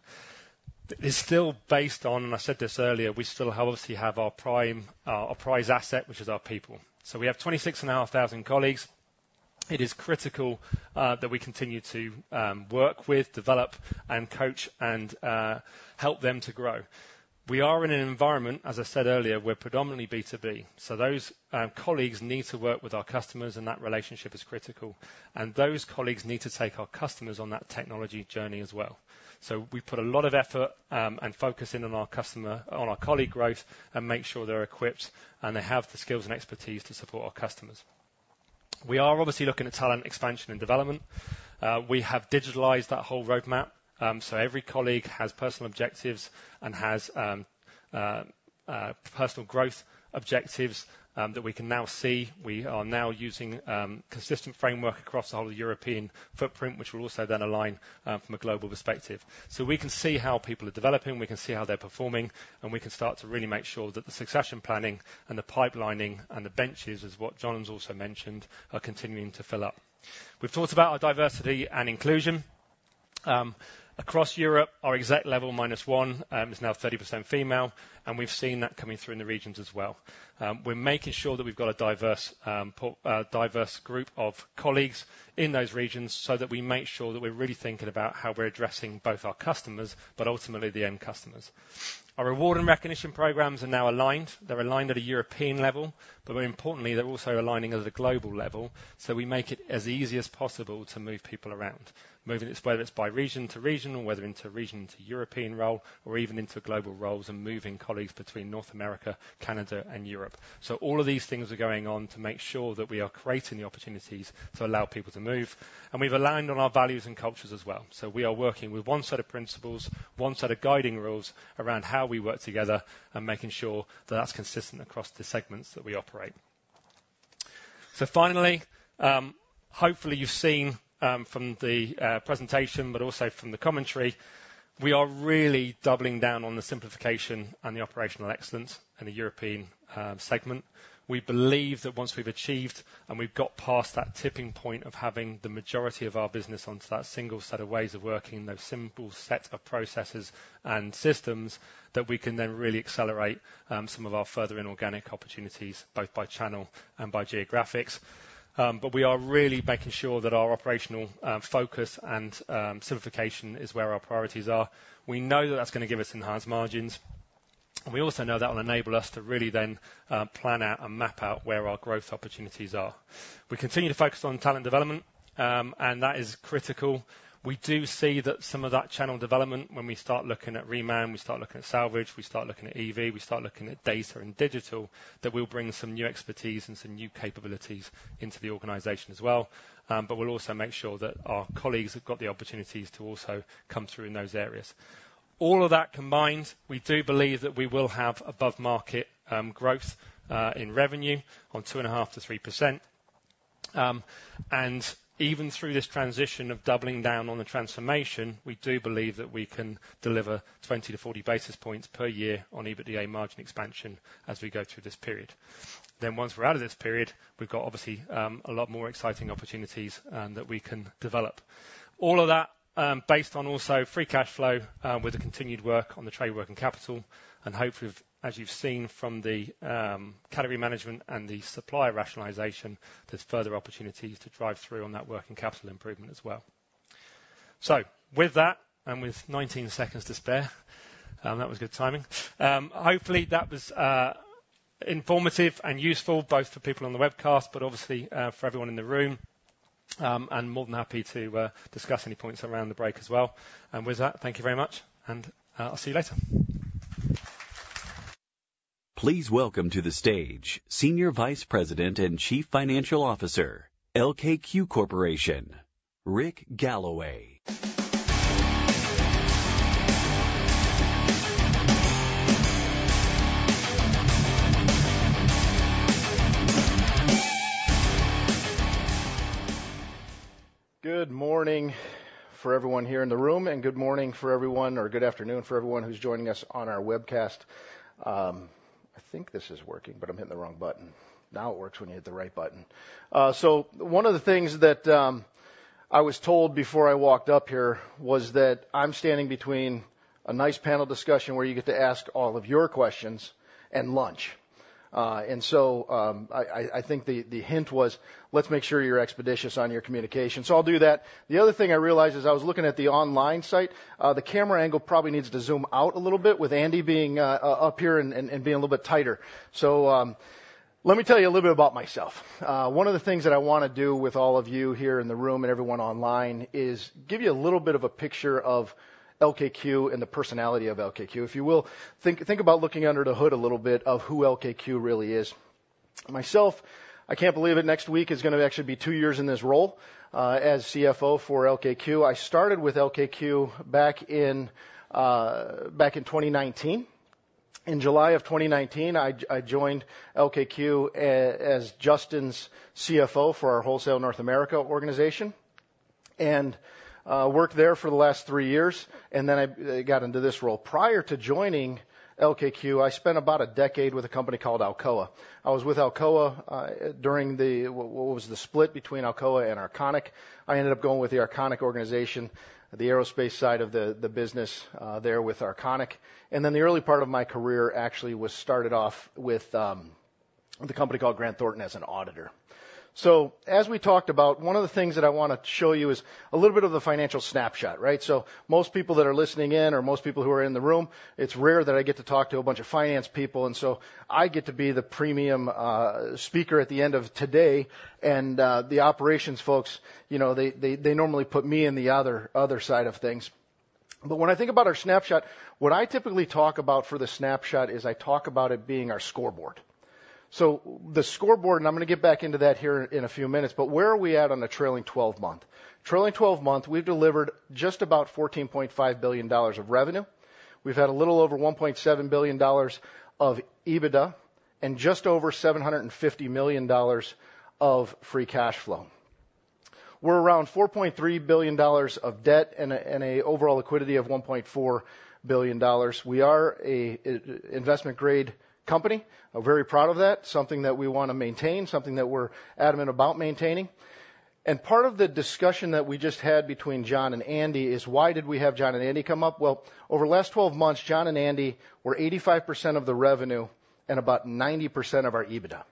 It's still based on, and I said this earlier, we still obviously have our prime, our prize asset, which is our people. So we have 26,500 colleagues. It is critical, that we continue to, work with, develop, and coach, and, help them to grow. We are in an environment, as I said earlier, we're predominantly B2B, so those, colleagues need to work with our customers, and that relationship is critical, and those colleagues need to take our customers on that technology journey as well. So we put a lot of effort and focus in on our customer, on our colleague growth and make sure they're equipped, and they have the skills and expertise to support our customers. We are obviously looking at talent expansion and development. We have digitalized that whole roadmap, so every colleague has personal objectives and has personal growth objectives that we can now see. We are now using consistent framework across all the European footprint, which will also then align from a global perspective. So we can see how people are developing, we can see how they're performing, and we can start to really make sure that the succession planning and the pipelining and the benches, as what John has also mentioned, are continuing to fill up. We've talked about our diversity and inclusion. Across Europe, our exec level minus one is now 30% female, and we've seen that coming through in the regions as well. We're making sure that we've got a diverse diverse group of colleagues in those regions so that we make sure that we're really thinking about how we're addressing both our customers, but ultimately the end customers. Our reward and recognition programs are now aligned. They're aligned at a European level, but more importantly, they're also aligning at a global level, so we make it as easy as possible to move people around. Moving it, whether it's by region to region, or whether into region to European role, or even into global roles and moving colleagues between North America, Canada, and Europe. So all of these things are going on to make sure that we are creating the opportunities to allow people to move, and we've aligned on our values and cultures as well. So we are working with one set of principles, one set of guiding rules around how we work together and making sure that that's consistent across the segments that we operate. So finally, hopefully, you've seen from the presentation, but also from the commentary, we are really doubling down on the simplification and the operational excellence in the European segment. We believe that once we've achieved and we've got past that tipping point of having the majority of our business onto that single set of ways of working, those simple set of processes and systems, that we can then really accelerate some of our further inorganic opportunities, both by channel and by geographies. But we are really making sure that our operational focus and simplification is where our priorities are. We know that that's gonna give us enhanced margins. And we also know that will enable us to really then plan out and map out where our growth opportunities are. We continue to focus on talent development, and that is critical. We do see that some of that channel development, when we start looking at reman, we start looking at salvage, we start looking at EV, we start looking at data and digital, that we'll bring some new expertise and some new capabilities into the organization as well. But we'll also make sure that our colleagues have got the opportunities to also come through in those areas. All of that combined, we do believe that we will have above market growth in revenue on 2.5%-3%. And even through this transition of doubling down on the transformation, we do believe that we can deliver 20-40 basis points per year on EBITDA margin expansion as we go through this period, then once we're out of this period, we've got obviously a lot more exciting opportunities that we can develop. All of that, based on also free cash flow, with the continued work on the trade working capital, and hopefully, as you've seen from the category management and the supplier rationalization, there's further opportunities to drive through on that working capital improvement as well, so with that, and with 19 seconds to spare, that was good timing. Hopefully that was informative and useful, both for people on the webcast, but obviously for everyone in the room. I'm more than happy to discuss any points around the break as well, and with that, thank you very much, and I'll see you later. Please welcome to the stage Senior Vice President and Chief Financial Officer, LKQ Corporation, Rick Galloway. Good morning for everyone here in the room, and good morning for everyone, or good afternoon for everyone who's joining us on our webcast. I think this is working, but I'm hitting the wrong button. Now it works when you hit the right button. So one of the things that I was told before I walked up here was that I'm standing between a nice panel discussion where you get to ask all of your questions and lunch, and so I think the hint was, let's make sure you're expeditious on your communication, so I'll do that. The other thing I realized as I was looking at the online site, the camera angle probably needs to zoom out a little bit, with Andy being up here and being a little bit tighter. Let me tell you a little bit about myself. One of the things that I wanna do with all of you here in the room and everyone online is give you a little bit of a picture of LKQ and the personality of LKQ. If you will, think about looking under the hood a little bit of who LKQ really is. Myself, I can't believe it, next week is gonna actually be two years in this role as CFO for LKQ. I started with LKQ back in twenty nineteen. In July of twenty nineteen, I joined LKQ as Justin's CFO for our wholesale North America organization, and worked there for the last three years, and then I got into this role. Prior to joining LKQ, I spent about a decade with a company called Alcoa. I was with Alcoa during the split between Alcoa and Arconic. I ended up going with the Arconic organization, the aerospace side of the business there with Arconic. And then, the early part of my career actually was started off with the company called Grant Thornton as an auditor. As we talked about, one of the things that I wanna show you is a little bit of the financial snapshot, right? Most people that are listening in, or most people who are in the room, it's rare that I get to talk to a bunch of finance people, and so I get to be the premium speaker at the end of today. The operations folks, you know, they normally put me in the other side of things. But when I think about our snapshot, what I typically talk about for the snapshot is I talk about it being our scoreboard. So the scoreboard, and I'm gonna get back into that here in a few minutes, but where are we at on the trailing twelve-month? Trailing twelve-month, we've delivered just about $14.5 billion of revenue. We've had a little over $1.7 billion of EBITDA, and just over $750 million of free cash flow. We're around $4.3 billion of debt and an overall liquidity of $1.4 billion. We are an investment-grade company. I'm very proud of that, something that we wanna maintain, something that we're adamant about maintaining. Part of the discussion that we just had between John and Andy is: Why did we have John and Andy come up? Over the last twelve months, John and Andy were 85% of the revenue and about 90% of our EBITDA.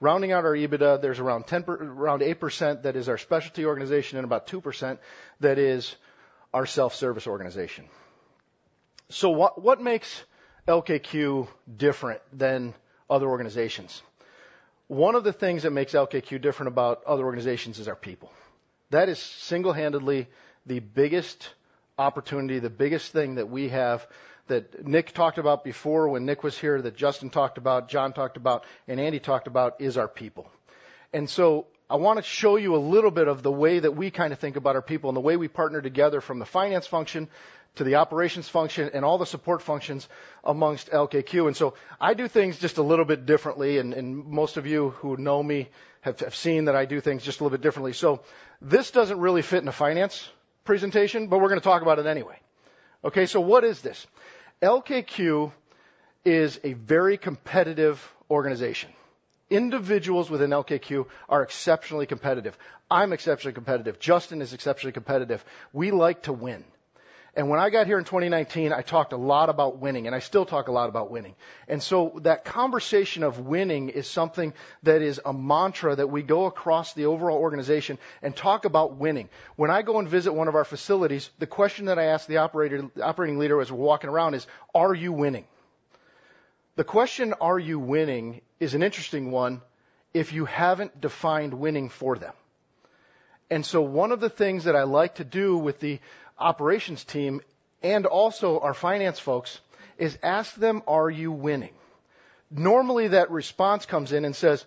Rounding out our EBITDA, there's around 8% that is our specialty organization and about 2% that is our self-service organization. What makes LKQ different than other organizations? One of the things that makes LKQ different than other organizations is our people. That is single-handedly the biggest opportunity, the biggest thing that we have, that Nick talked about before when Nick was here, that Justin talked about, John talked about, and Andy talked about, is our people. I wanna show you a little bit of the way that we kinda think about our people and the way we partner together from the finance function to the operations function and all the support functions amongst LKQ. I do things just a little bit differently, and most of you who know me have seen that I do things just a little bit differently. This doesn't really fit in a finance presentation, but we're gonna talk about it anyway. Okay, so what is this? LKQ is a very competitive organization. Individuals within LKQ are exceptionally competitive. I'm exceptionally competitive. Justin is exceptionally competitive. We like to win. When I got here in 2019, I talked a lot about winning, and I still talk a lot about winning. That conversation of winning is something that is a mantra that we go across the overall organization and talk about winning. When I go and visit one of our facilities, the question that I ask the operator, operating leader as we're walking around is: Are you winning? The question, "Are you winning?" is an interesting one if you haven't defined winning for them. One of the things that I like to do with the operations team, and also our finance folks, is ask them: Are you winning? Normally, that response comes in and says,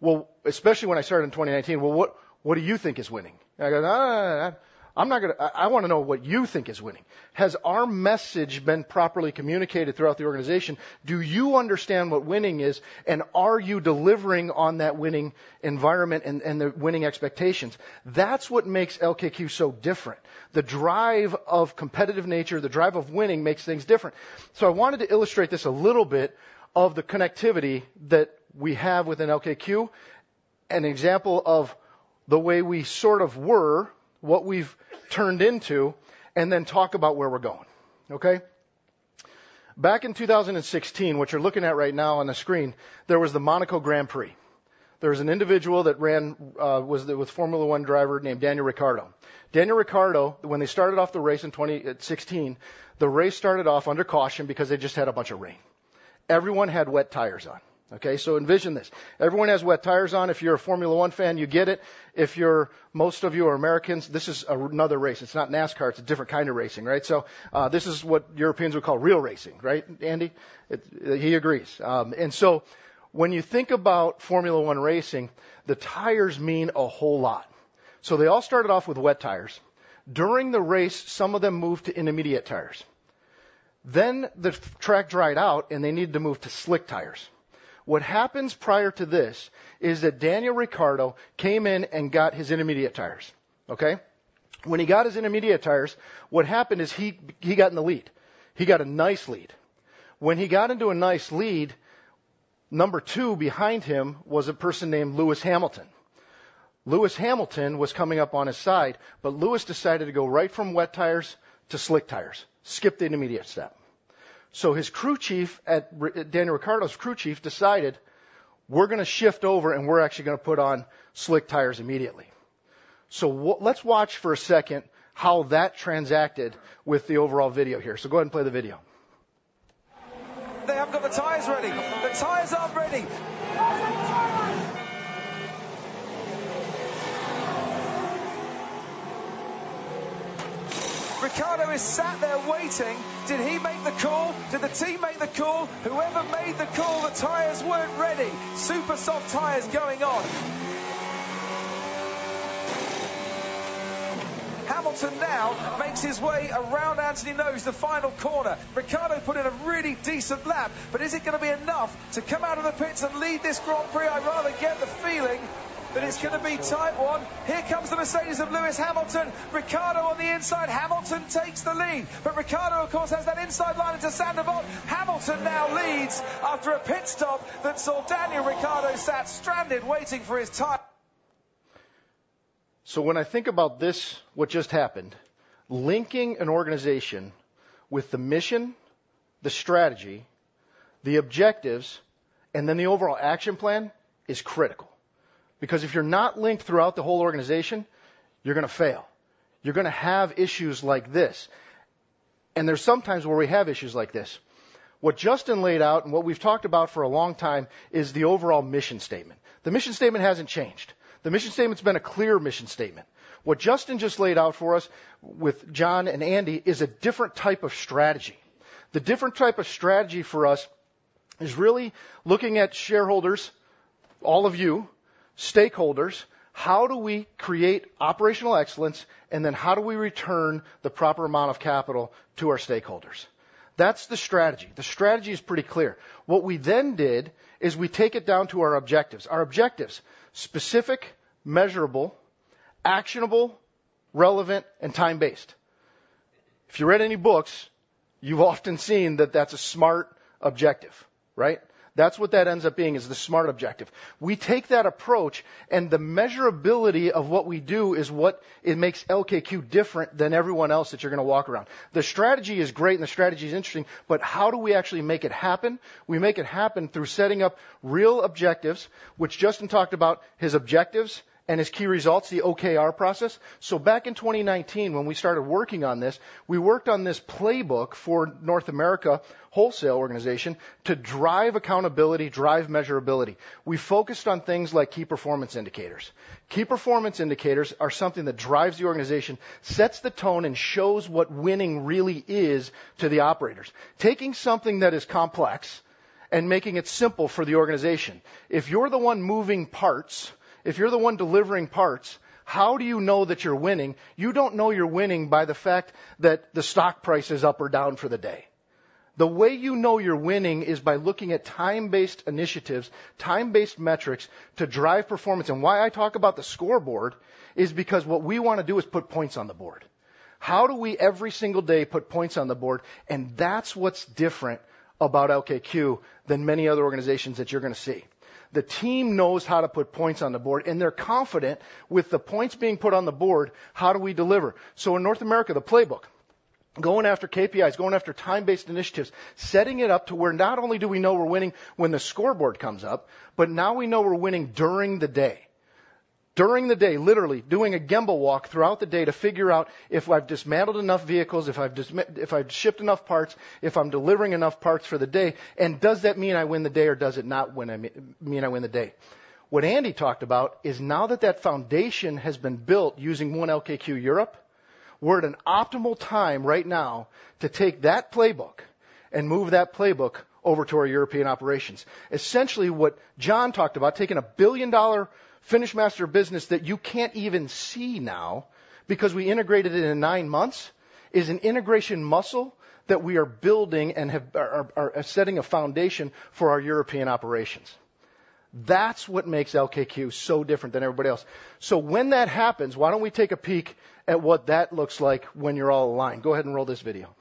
"Well," especially when I started in 2019, "Well, what, what do you think is winning?" And I go, "Ah, I'm not gonna, I, I wanna know what you think is winning. Has our message been properly communicated throughout the organization? Do you understand what winning is, and are you delivering on that winning environment and the winning expectations?" That's what makes LKQ so different. The drive of competitive nature, the drive of winning, makes things different. So I wanted to illustrate this a little bit of the connectivity that we have within LKQ, an example of the way we sort of were, what we've turned into, and then talk about where we're going, okay? Back in 2016, what you're looking at right now on the screen, there was the Monaco Grand Prix. There was an individual that ran, was the, with Formula One driver named Daniel Ricciardo. Daniel Ricciardo, when they started off the race in 2016, the race started off under caution because they just had a bunch of rain. Everyone had wet tires on, okay? So envision this. Everyone has wet tires on. If you're a Formula One fan, you get it. If you're... Most of you are Americans, this is another race. It's not NASCAR. It's a different kind of racing, right? So, this is what Europeans would call real racing, right, Andy? It, he agrees. And so when you think about Formula One racing, the tires mean a whole lot. So they all started off with wet tires. During the race, some of them moved to intermediate tires. Then the track dried out, and they needed to move to slick tires. What happens prior to this is that Daniel Ricciardo came in and got his intermediate tires, okay? When he got his intermediate tires, what happened is he got in the lead. He got a nice lead. When he got into a nice lead, number two behind him was a person named Lewis Hamilton. Lewis Hamilton was coming up on his side, but Lewis decided to go right from wet tires to slick tires, skipped the intermediate step. His crew chief at R- Daniel Ricciardo's crew chief decided, "We're gonna shift over, and we're actually gonna put on slick tires immediately." Let's watch for a second how that transacted with the overall video here. Go ahead and play the video. They haven't got the tires ready. The tires aren't ready! No tires. Ricciardo is sat there waiting. Did he make the call? Did the team make the call? Whoever made the call, the tires weren't ready. Super soft tires going on. Hamilton now makes his way around Anthony Noghes, the final corner. Ricciardo put in a really decent lap, but is it gonna be enough to come out of the pits and lead this Grand Prix? I rather get the feeling that it's gonna be a tight one. Here comes the Mercedes of Lewis Hamilton. Ricciardo on the inside. Hamilton takes the lead, but Ricciardo, of course, has that inside line into Sainte Devote. Hamilton now leads after a pit stop that saw Daniel Ricciardo sat stranded, waiting for his tire. So when I think about this, what just happened, linking an organization with the mission, the strategy, the objectives, and then the overall action plan is critical because if you're not linked throughout the whole organization, you're gonna fail. You're gonna have issues like this, and there's sometimes where we have issues like this. What Justin laid out, and what we've talked about for a long time, is the overall mission statement. The mission statement hasn't changed. The mission statement's been a clear mission statement. What Justin just laid out for us with John and Andy is a different type of strategy. The different type of strategy for us is really looking at shareholders, all of you, stakeholders, how do we create operational excellence, and then how do we return the proper amount of capital to our stakeholders? That's the strategy. The strategy is pretty clear. What we then did is we take it down to our objectives. Our objectives, specific, measurable, actionable, relevant, and time-based. If you read any books, you've often seen that that's a SMART objective, right? That's what that ends up being is the SMART objective. We take that approach, and the measurability of what we do is what it makes LKQ different than everyone else that you're gonna walk around. The strategy is great, and the strategy is interesting, but how do we actually make it happen? We make it happen through setting up real objectives, which Justin talked about, his objectives and his key results, the OKR process. So back in twenty nineteen, when we started working on this, we worked on this playbook for North America wholesale organization to drive accountability, drive measurability. We focused on things like key performance indicators. Key performance indicators are something that drives the organization, sets the tone, and shows what winning really is to the operators, taking something that is complex and making it simple for the organization. If you're the one moving parts, if you're the one delivering parts, how do you know that you're winning? You don't know you're winning by the fact that the stock price is up or down for the day. The way you know you're winning is by looking at time-based initiatives, time-based metrics to drive performance. And why I talk about the scoreboard is because what we wanna do is put points on the board. How do we, every single day, put points on the board? And that's what's different about LKQ than many other organizations that you're gonna see. The team knows how to put points on the board, and they're confident with the points being put on the board. How do we deliver? So in North America, the playbook, going after KPIs, going after time-based initiatives, setting it up to where not only do we know we're winning when the scoreboard comes up, but now we know we're winning during the day. During the day, literally doing a gemba walk throughout the day to figure out if I've dismantled enough vehicles, if I've shipped enough parts, if I'm delivering enough parts for the day, and does that mean I win the day, or does it not? I mean, I win the day? What Andy talked about is now that that foundation has been built using One LKQ Europe, we're at an optimal time right now to take that playbook and move that playbook over to our European operations. Essentially, what John talked about, taking a billion-dollar FinishMaster business that you can't even see now because we integrated it in nine months, is an integration muscle that we are building and are setting a foundation for our European operations. That's what makes LKQ so different than everybody else. So when that happens, why don't we take a peek at what that looks like when you're all aligned? Go ahead and roll this video.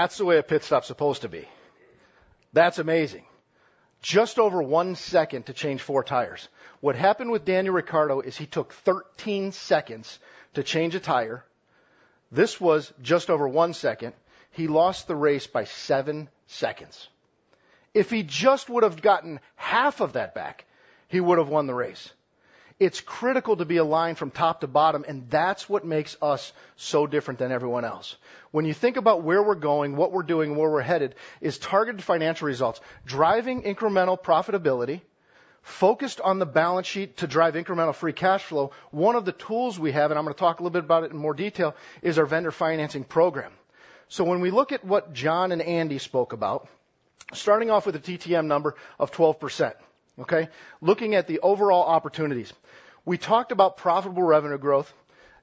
That's the way a pit stop is supposed to be. That's amazing. Just over one second to change four tires. What happened with Daniel Ricciardo is he took thirteen seconds to change a tire. This was just over one second. He lost the race by seven seconds. If he just would have gotten half of that back, he would have won the race. It's critical to be aligned from top to bottom, and that's what makes us so different than everyone else. When you think about where we're going, what we're doing, where we're headed, is targeted financial results, driving incremental profitability, focused on the balance sheet to drive incremental free cash flow. One of the tools we have, and I'm gonna talk a little bit about it in more detail, is our vendor financing program. So when we look at what John and Andy spoke about, starting off with a TTM number of 12%, okay? Looking at the overall opportunities, we talked about profitable revenue growth.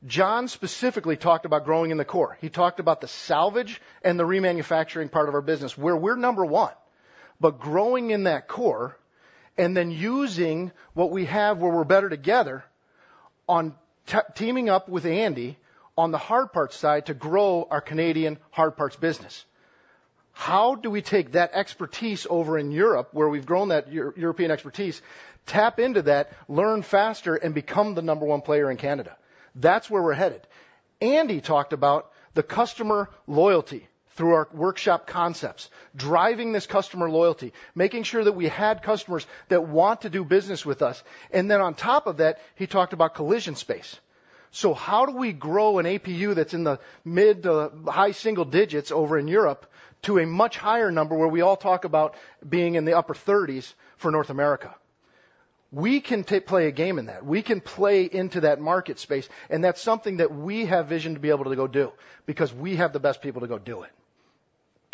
John specifically talked about growing in the core. He talked about the salvage and the remanufacturing part of our business, where we're number one, but growing in that core and then using what we have, where we're better together, on teaming up with Andy on the hard parts side to grow our Canadian hard parts business. How do we take that expertise over in Europe, where we've grown that European expertise, tap into that, learn faster, and become the number one player in Canada? That's where we're headed. Andy talked about the customer loyalty through our workshop concepts, driving this customer loyalty, making sure that we had customers that want to do business with us, and then on top of that, he talked about collision space. How do we grow an APU that's in the mid to high single digits over in Europe to a much higher number, where we all talk about being in the upper thirties for North America? We can play a game in that. We can play into that market space, and that's something that we have vision to be able to go do because we have the best people to go do it.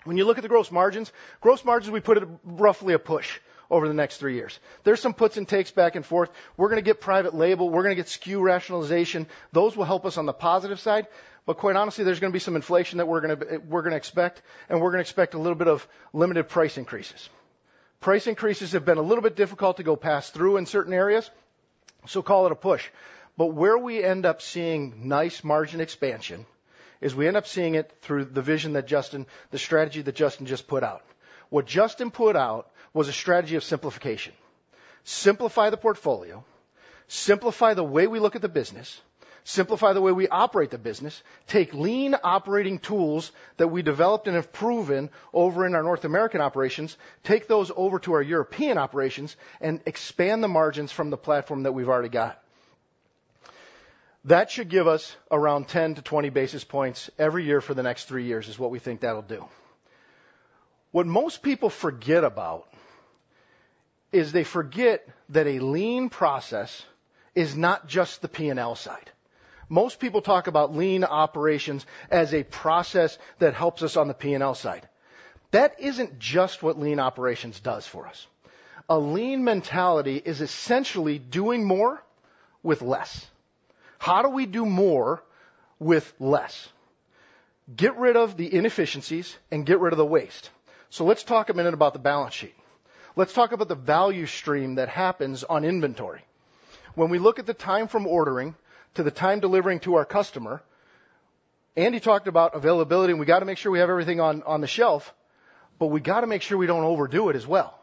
When you look at the gross margins, gross margins, we put it roughly a push over the next three years. There's some puts and takes back and forth. We're gonna get private label. We're gonna get SKU rationalization. Those will help us on the positive side, but quite honestly, there's gonna be some inflation that we're gonna expect, and we're gonna expect a little bit of limited price increases. Price increases have been a little bit difficult to go pass through in certain areas, so call it a push. But where we end up seeing nice margin expansion is we end up seeing it through the vision that Justin, the strategy that Justin just put out. What Justin put out was a strategy of simplification. Simplify the portfolio, simplify the way we look at the business, simplify the way we operate the business, take lean operating tools that we developed and have proven over in our North American operations, take those over to our European operations and expand the margins from the platform that we've already got. That should give us around ten to twenty basis points every year for the next three years, is what we think that'll do. What most people forget about is they forget that a lean process is not just the P&L side. Most people talk about lean operations as a process that helps us on the P&L side. That isn't just what lean operations does for us. A lean mentality is essentially doing more with less. How do we do more with less? Get rid of the inefficiencies and get rid of the waste. So let's talk a minute about the balance sheet. Let's talk about the value stream that happens on inventory. When we look at the time from ordering to the time delivering to our customer, Andy talked about availability, and we got to make sure we have everything on the shelf, but we got to make sure we don't overdo it as well.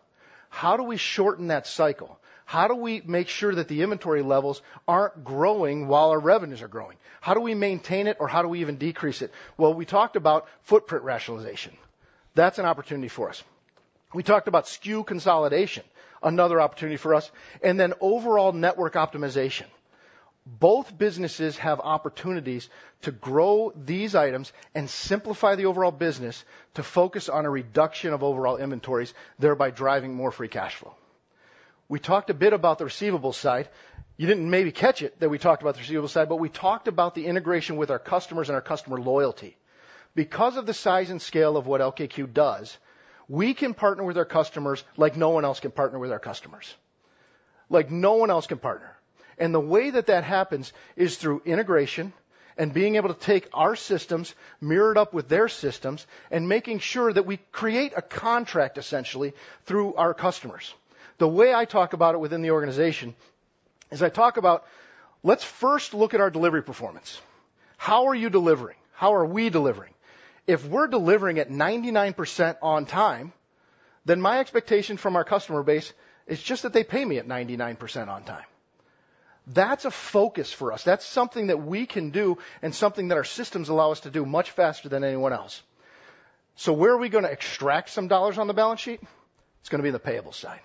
How do we shorten that cycle? How do we make sure that the inventory levels aren't growing while our revenues are growing? How do we maintain it, or how do we even decrease it? We talked about footprint rationalization. That's an opportunity for us. We talked about SKU consolidation, another opportunity for us, and then overall network optimization. Both businesses have opportunities to grow these items and simplify the overall business to focus on a reduction of overall inventories, thereby driving more free cash flow. We talked a bit about the receivables side. You didn't maybe catch it, that we talked about the receivables side, but we talked about the integration with our customers and our customer loyalty. Because of the size and scale of what LKQ does, we can partner with our customers like no one else can partner with our customers.... Like no one else can partner. And the way that that happens is through integration and being able to take our systems, mirror it up with their systems, and making sure that we create a contract, essentially, through our customers. The way I talk about it within the organization is I talk about, let's first look at our delivery performance. How are you delivering? How are we delivering? If we're delivering at 99% on time, then my expectation from our customer base is just that they pay me at 99% on time. That's a focus for us. That's something that we can do and something that our systems allow us to do much faster than anyone else. So where are we gonna extract some dollars on the balance sheet? It's gonna be the payable side.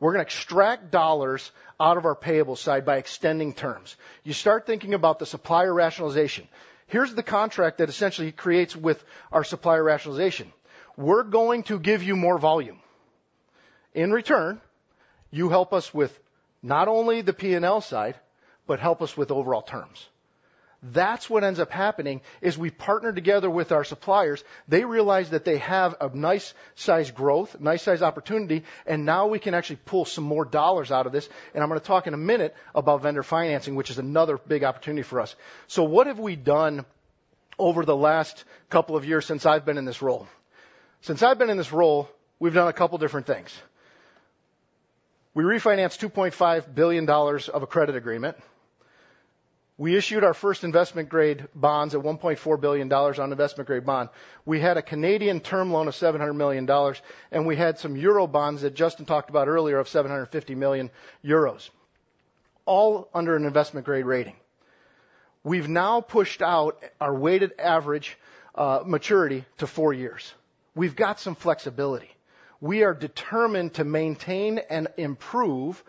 We're gonna extract dollars out of our payable side by extending terms. You start thinking about the supplier rationalization. Here's the contract that essentially creates with our supplier rationalization. We're going to give you more volume. In return, you help us with not only the P&L side, but help us with overall terms. That's what ends up happening, is we partner together with our suppliers. They realize that they have a nice size growth, nice size opportunity, and now we can actually pull some more dollars out of this, and I'm gonna talk in a minute about vendor financing, which is another big opportunity for us. So what have we done over the last couple of years since I've been in this role? Since I've been in this role, we've done a couple different things. We refinanced $2.5 billion of a credit agreement. We issued our first investment-grade bonds at $1.4 billion on investment-grade bond. We had a Canadian term loan of $700 million, and we had some euro bonds that Justin talked about earlier of 750 million euros, all under an investment-grade rating. We've now pushed out our weighted average maturity to four years. We've got some flexibility. We are determined to maintain and improve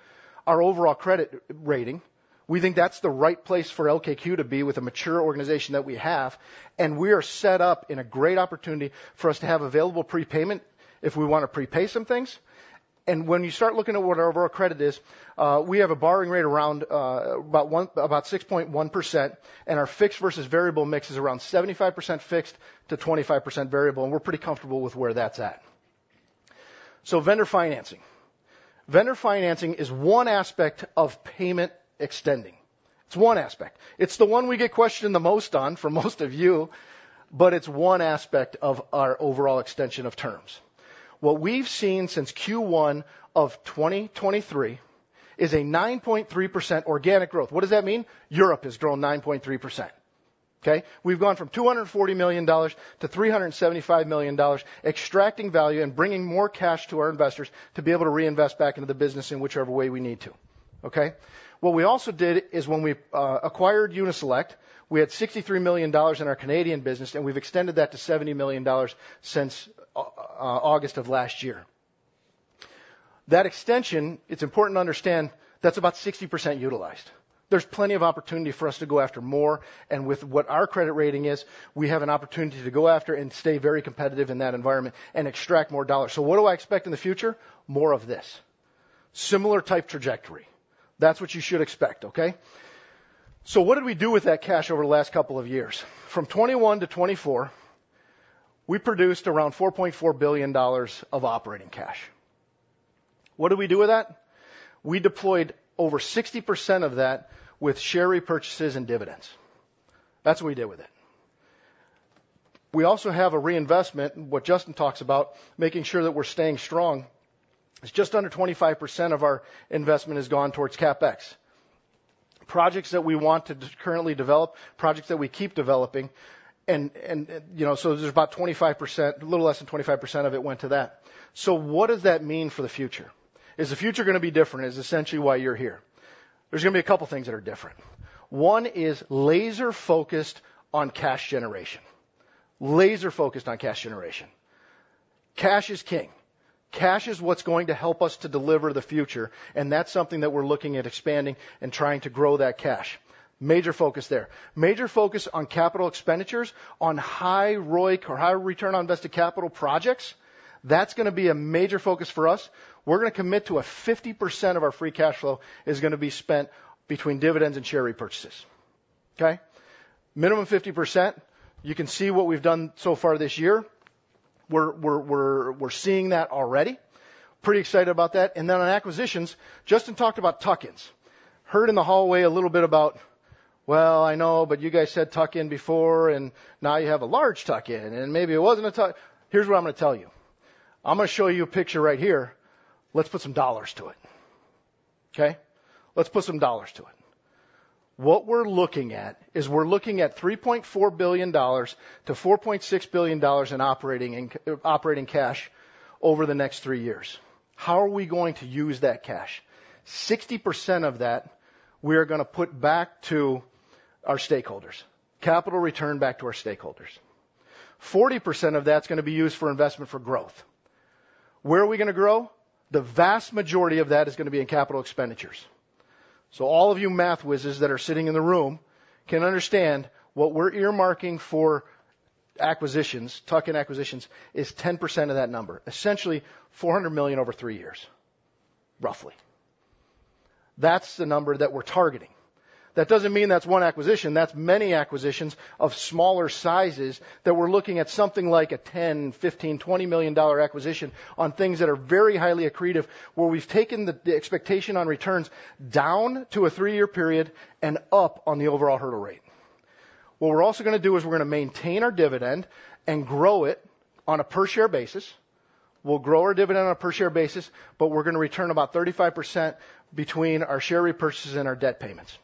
our overall credit rating. We think that's the right place for LKQ to be with the mature organization that we have, and we are set up in a great opportunity for us to have available prepayment if we wanna prepay some things. And when you start looking at what our overall credit is, we have a borrowing rate around about 6.1%, and our fixed versus variable mix is around 75% fixed to 25% variable, and we're pretty comfortable with where that's at. So vendor financing. Vendor financing is one aspect of payment extending. It's one aspect. It's the one we get questioned the most on for most of you, but it's one aspect of our overall extension of terms. What we've seen since Q1 of 2023 is a 9.3% organic growth. What does that mean? Europe has grown 9.3%, okay? We've gone from $240 million to $375 million, extracting value and bringing more cash to our investors to be able to reinvest back into the business in whichever way we need to, okay? What we also did is, when we acquired Uni-Select, we had $63 million in our Canadian business, and we've extended that to $70 million since August of last year. That extension, it's important to understand, that's about 60% utilized. There's plenty of opportunity for us to go after more, and with what our credit rating is, we have an opportunity to go after and stay very competitive in that environment and extract more dollars. So what do I expect in the future? More of this. Similar type trajectory. That's what you should expect, okay? So what did we do with that cash over the last couple of years? From 2021 to 2024, we produced around $4.4 billion of operating cash. What did we do with that? We deployed over 60% of that with share repurchases and dividends. That's what we did with it. We also have a reinvestment, and what Justin talks about, making sure that we're staying strong. It's just under 25% of our investment has gone towards CapEx. Projects that we want to currently develop, projects that we keep developing and, you know, so there's about 25%... A little less than 25% of it went to that. So what does that mean for the future? Is the future gonna be different? Is essentially why you're here. There's gonna be a couple things that are different. One is laser-focused on cash generation. Laser-focused on cash generation. Cash is king. Cash is what's going to help us to deliver the future, and that's something that we're looking at expanding and trying to grow that cash. Major focus there. Major focus on capital expenditures, on high ROIC or high return on invested capital projects, that's gonna be a major focus for us. We're gonna commit to a 50% of our free cash flow is gonna be spent between dividends and share repurchases, okay? Minimum 50%. You can see what we've done so far this year. We're seeing that already. Pretty excited about that. And then on acquisitions, Justin talked about tuck-ins. Heard in the hallway a little bit about, "Well, I know, but you guys said tuck-in before, and now you have a large tuck-in, and maybe it wasn't a tuck..." Here's what I'm gonna tell you. I'm gonna show you a picture right here. Let's put some dollars to it, okay? Let's put some dollars to it. What we're looking at is we're looking at $3.4 billion-$4.6 billion in operating cash over the next three years. How are we going to use that cash? 60% of that, we are gonna put back to our stakeholders, capital return back to our stakeholders. 40% of that's gonna be used for investment for growth. Where are we gonna grow? The vast majority of that is gonna be in capital expenditures. So all of you math whizzes that are sitting in the room can understand what we're earmarking for acquisitions, tuck-in acquisitions, is 10% of that number, essentially $400 million over three years, roughly. That's the number that we're targeting. That doesn't mean that's one acquisition, that's many acquisitions of smaller sizes that we're looking at something like a $10 million, $15 million, $20 million acquisition on things that are very highly accretive, where we've taken the, the expectation on returns down to a three-year period and up on the overall hurdle rate. What we're also gonna do is we're gonna maintain our dividend and grow it on a per-share basis. We'll grow our dividend on a per-share basis, but we're gonna return about 35% between our share repurchases and our debt payments.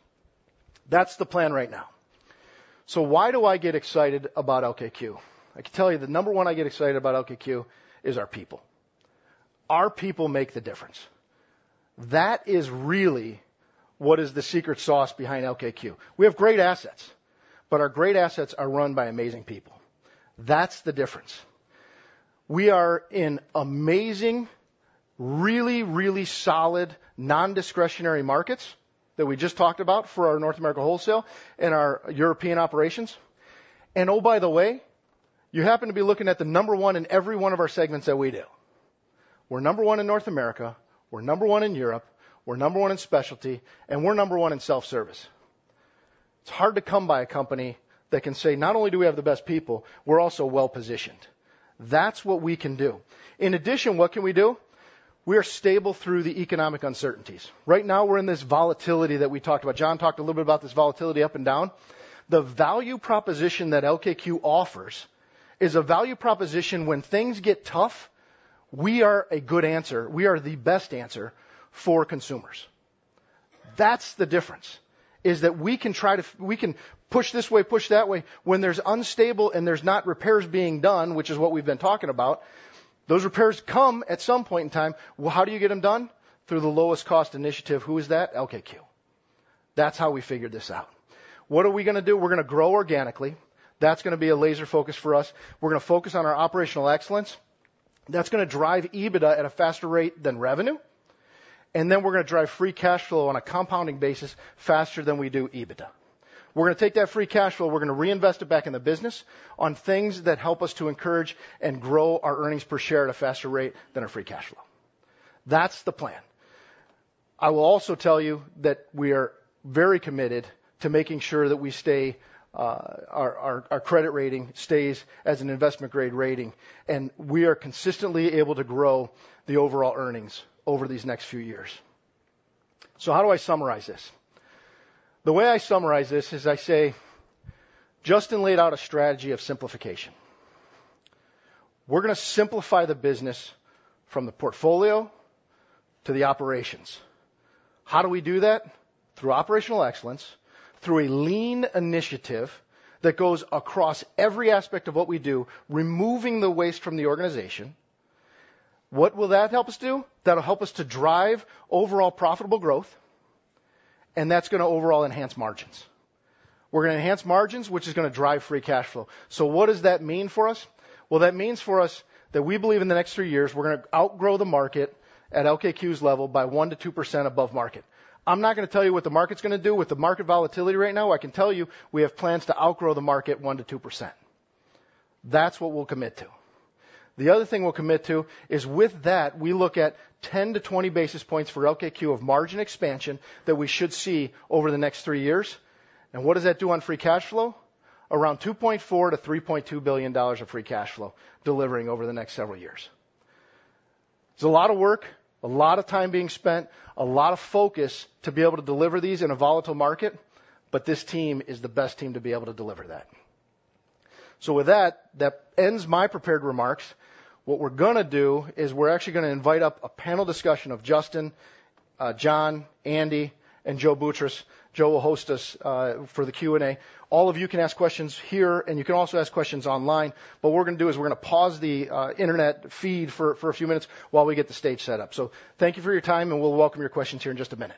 That's the plan right now. So why do I get excited about LKQ? I can tell you the number one I get excited about LKQ is our people. Our people make the difference. That is really what is the secret sauce behind LKQ. We have great assets, but our great assets are run by amazing people. That's the difference. We are in amazing, really, really solid, non-discretionary markets that we just talked about for our North America Wholesale and our European operations. And, oh, by the way, you happen to be looking at the number one in every one of our segments that we do. We're number one in North America, we're number one in Europe, we're number one in specialty, and we're number one in self-service. It's hard to come by a company that can say, "Not only do we have the best people, we're also well-positioned." That's what we can do. In addition, what can we do? We are stable through the economic uncertainties. Right now, we're in this volatility that we talked about. John talked a little bit about this volatility up and down. The value proposition that LKQ offers is a value proposition when things get tough, we are a good answer. We are the best answer for consumers. That's the difference, is that we can push this way, push that way. When there's unstable and there's not repairs being done, which is what we've been talking about, those repairs come at some point in time. How do you get them done? Through the lowest cost initiative. Who is that? LKQ. That's how we figured this out. What are we gonna do? We're gonna grow organically. That's gonna be a laser focus for us. We're gonna focus on our operational excellence. That's gonna drive EBITDA at a faster rate than revenue, and then we're gonna drive free cash flow on a compounding basis faster than we do EBITDA. We're gonna take that free cash flow, we're gonna reinvest it back in the business on things that help us to encourage and grow our earnings per share at a faster rate than our free cash flow. That's the plan. I will also tell you that we are very committed to making sure that we stay, our credit rating stays as an investment grade rating, and we are consistently able to grow the overall earnings over these next few years. So how do I summarize this? The way I summarize this is I say, Justin laid out a strategy of simplification. We're gonna simplify the business from the portfolio to the operations. How do we do that? Through operational excellence, through a lean initiative that goes across every aspect of what we do, removing the waste from the organization. What will that help us do? That'll help us to drive overall profitable growth, and that's gonna overall enhance margins. We're gonna enhance margins, which is gonna drive free cash flow. So what does that mean for us? Well, that means for us that we believe in the next three years, we're gonna outgrow the market at LKQ's level by 1-2% above market. I'm not gonna tell you what the market's gonna do. With the market volatility right now, I can tell you we have plans to outgrow the market 1-2%. That's what we'll commit to. The other thing we'll commit to is, with that, we look at 10 to 20 basis points for LKQ of margin expansion that we should see over the next three years. And what does that do on free cash flow? Around $2.4-$3.2 billion of free cash flow delivering over the next several years. It's a lot of work, a lot of time being spent, a lot of focus to be able to deliver these in a volatile market, but this team is the best team to be able to deliver that. So with that, that ends my prepared remarks. What we're gonna do is we're actually gonna invite up a panel discussion of Justin, John, Andy, and Joe Boutross. Joe will host us for the Q&A. All of you can ask questions here, and you can also ask questions online. What we're gonna do is we're gonna pause the internet feed for a few minutes while we get the stage set up. So thank you for your time, and we'll welcome your questions here in just a minute.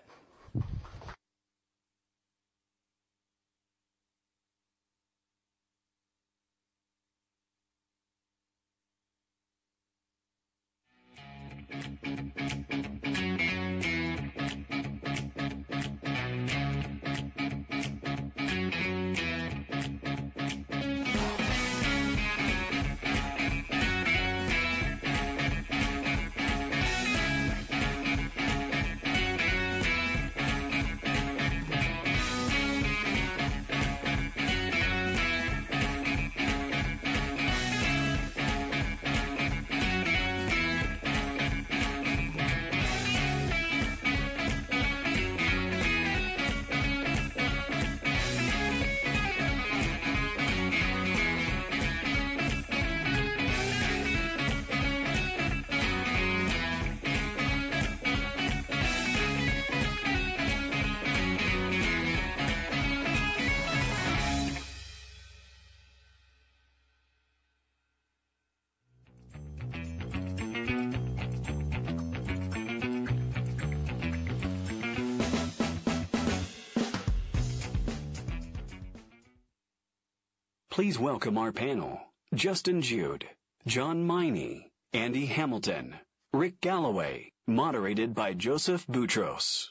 Please welcome our panel, Justin Jude, John Meine, Andy Hamilton, Rick Galloway, moderated by Joseph Boutross.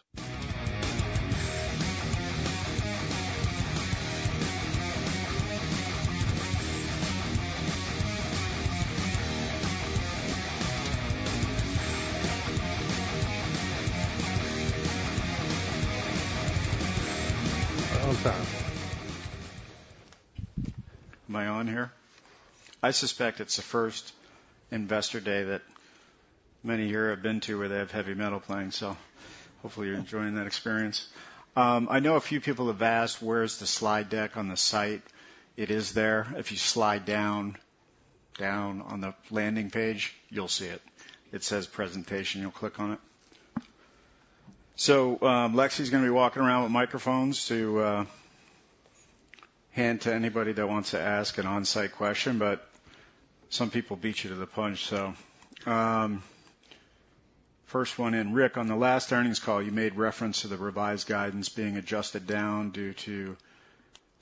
Hold on. Am I on here? I suspect it's the first investor day that many here have been to, where they have heavy metal playing, so hopefully you're enjoying that experience. I know a few people have asked, where's the slide deck on the site? It is there. If you slide down on the landing page, you'll see it. It says Presentation. You'll click on it. So, Lexi is gonna be walking around with microphones to hand to anybody that wants to ask an on-site question but some people beat you to the punch. So, first one in: Rick, on the last earnings call, you made reference to the revised guidance being adjusted down due to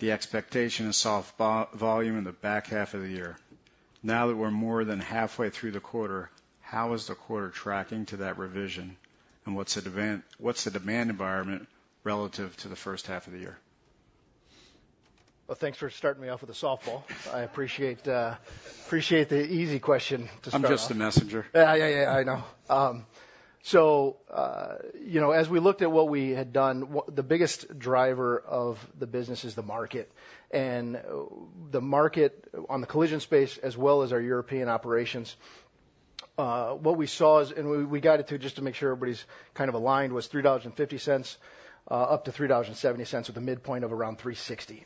the expectation of soft volume in the back half of the year. Now that we're more than halfway through the quarter, how is the quarter tracking to that revision, and what's the demand environment relative to the first half of the year? Thanks for starting me off with a softball. I appreciate the easy question to start off. I'm just the messenger. Yeah, yeah, yeah, I know. So, you know, as we looked at what we had done, the biggest driver of the business is the market. The market on the collision space, as well as our European operations, what we saw is we got it to, just to make sure everybody's kind of aligned, was $3.50 up to $3.70, with a midpoint of around $3.60.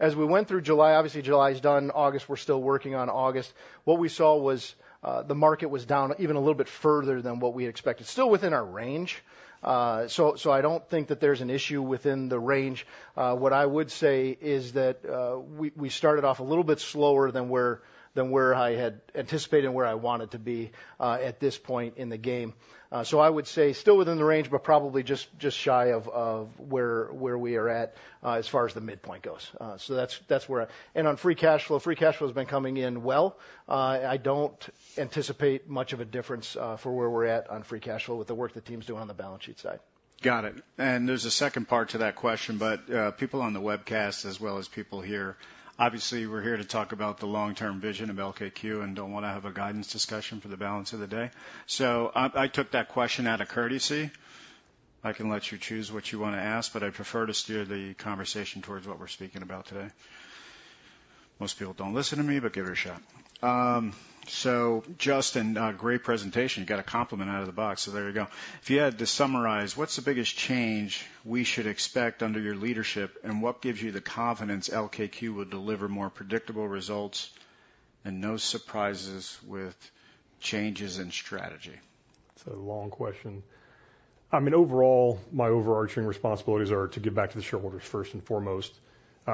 As we went through July, obviously, July is done. August, we're still working on August. What we saw was the market was down even a little bit further than what we had expected, still within our range. So, I don't think that there's an issue within the range. What I would say is that we started off a little bit slower than where I had anticipated and where I wanted to be at this point in the game. So I would say still within the range, but probably just shy of where we are at as far as the midpoint goes. So that's where. On free cash flow, free cash flow has been coming in well. I don't anticipate much of a difference for where we're at on free cash flow with the work the team's doing on the balance sheet side. Got it, and there's a second part to that question, but people on the webcast, as well as people here, obviously, we're here to talk about the long-term vision of LKQ and don't wanna have a guidance discussion for the balance of the day, so I took that question out of courtesy. I can let you choose what you wanna ask, but I'd prefer to steer the conversation towards what we're speaking about today. Most people don't listen to me, but give it a shot, so Justin, great presentation. You got a compliment out of the box, so there you go. If you had to summarize, what's the biggest change we should expect under your leadership, and what gives you the confidence LKQ will deliver more predictable results and no surprises with changes in strategy? That's a long question. I mean, overall, my overarching responsibilities are to give back to the shareholders first and foremost.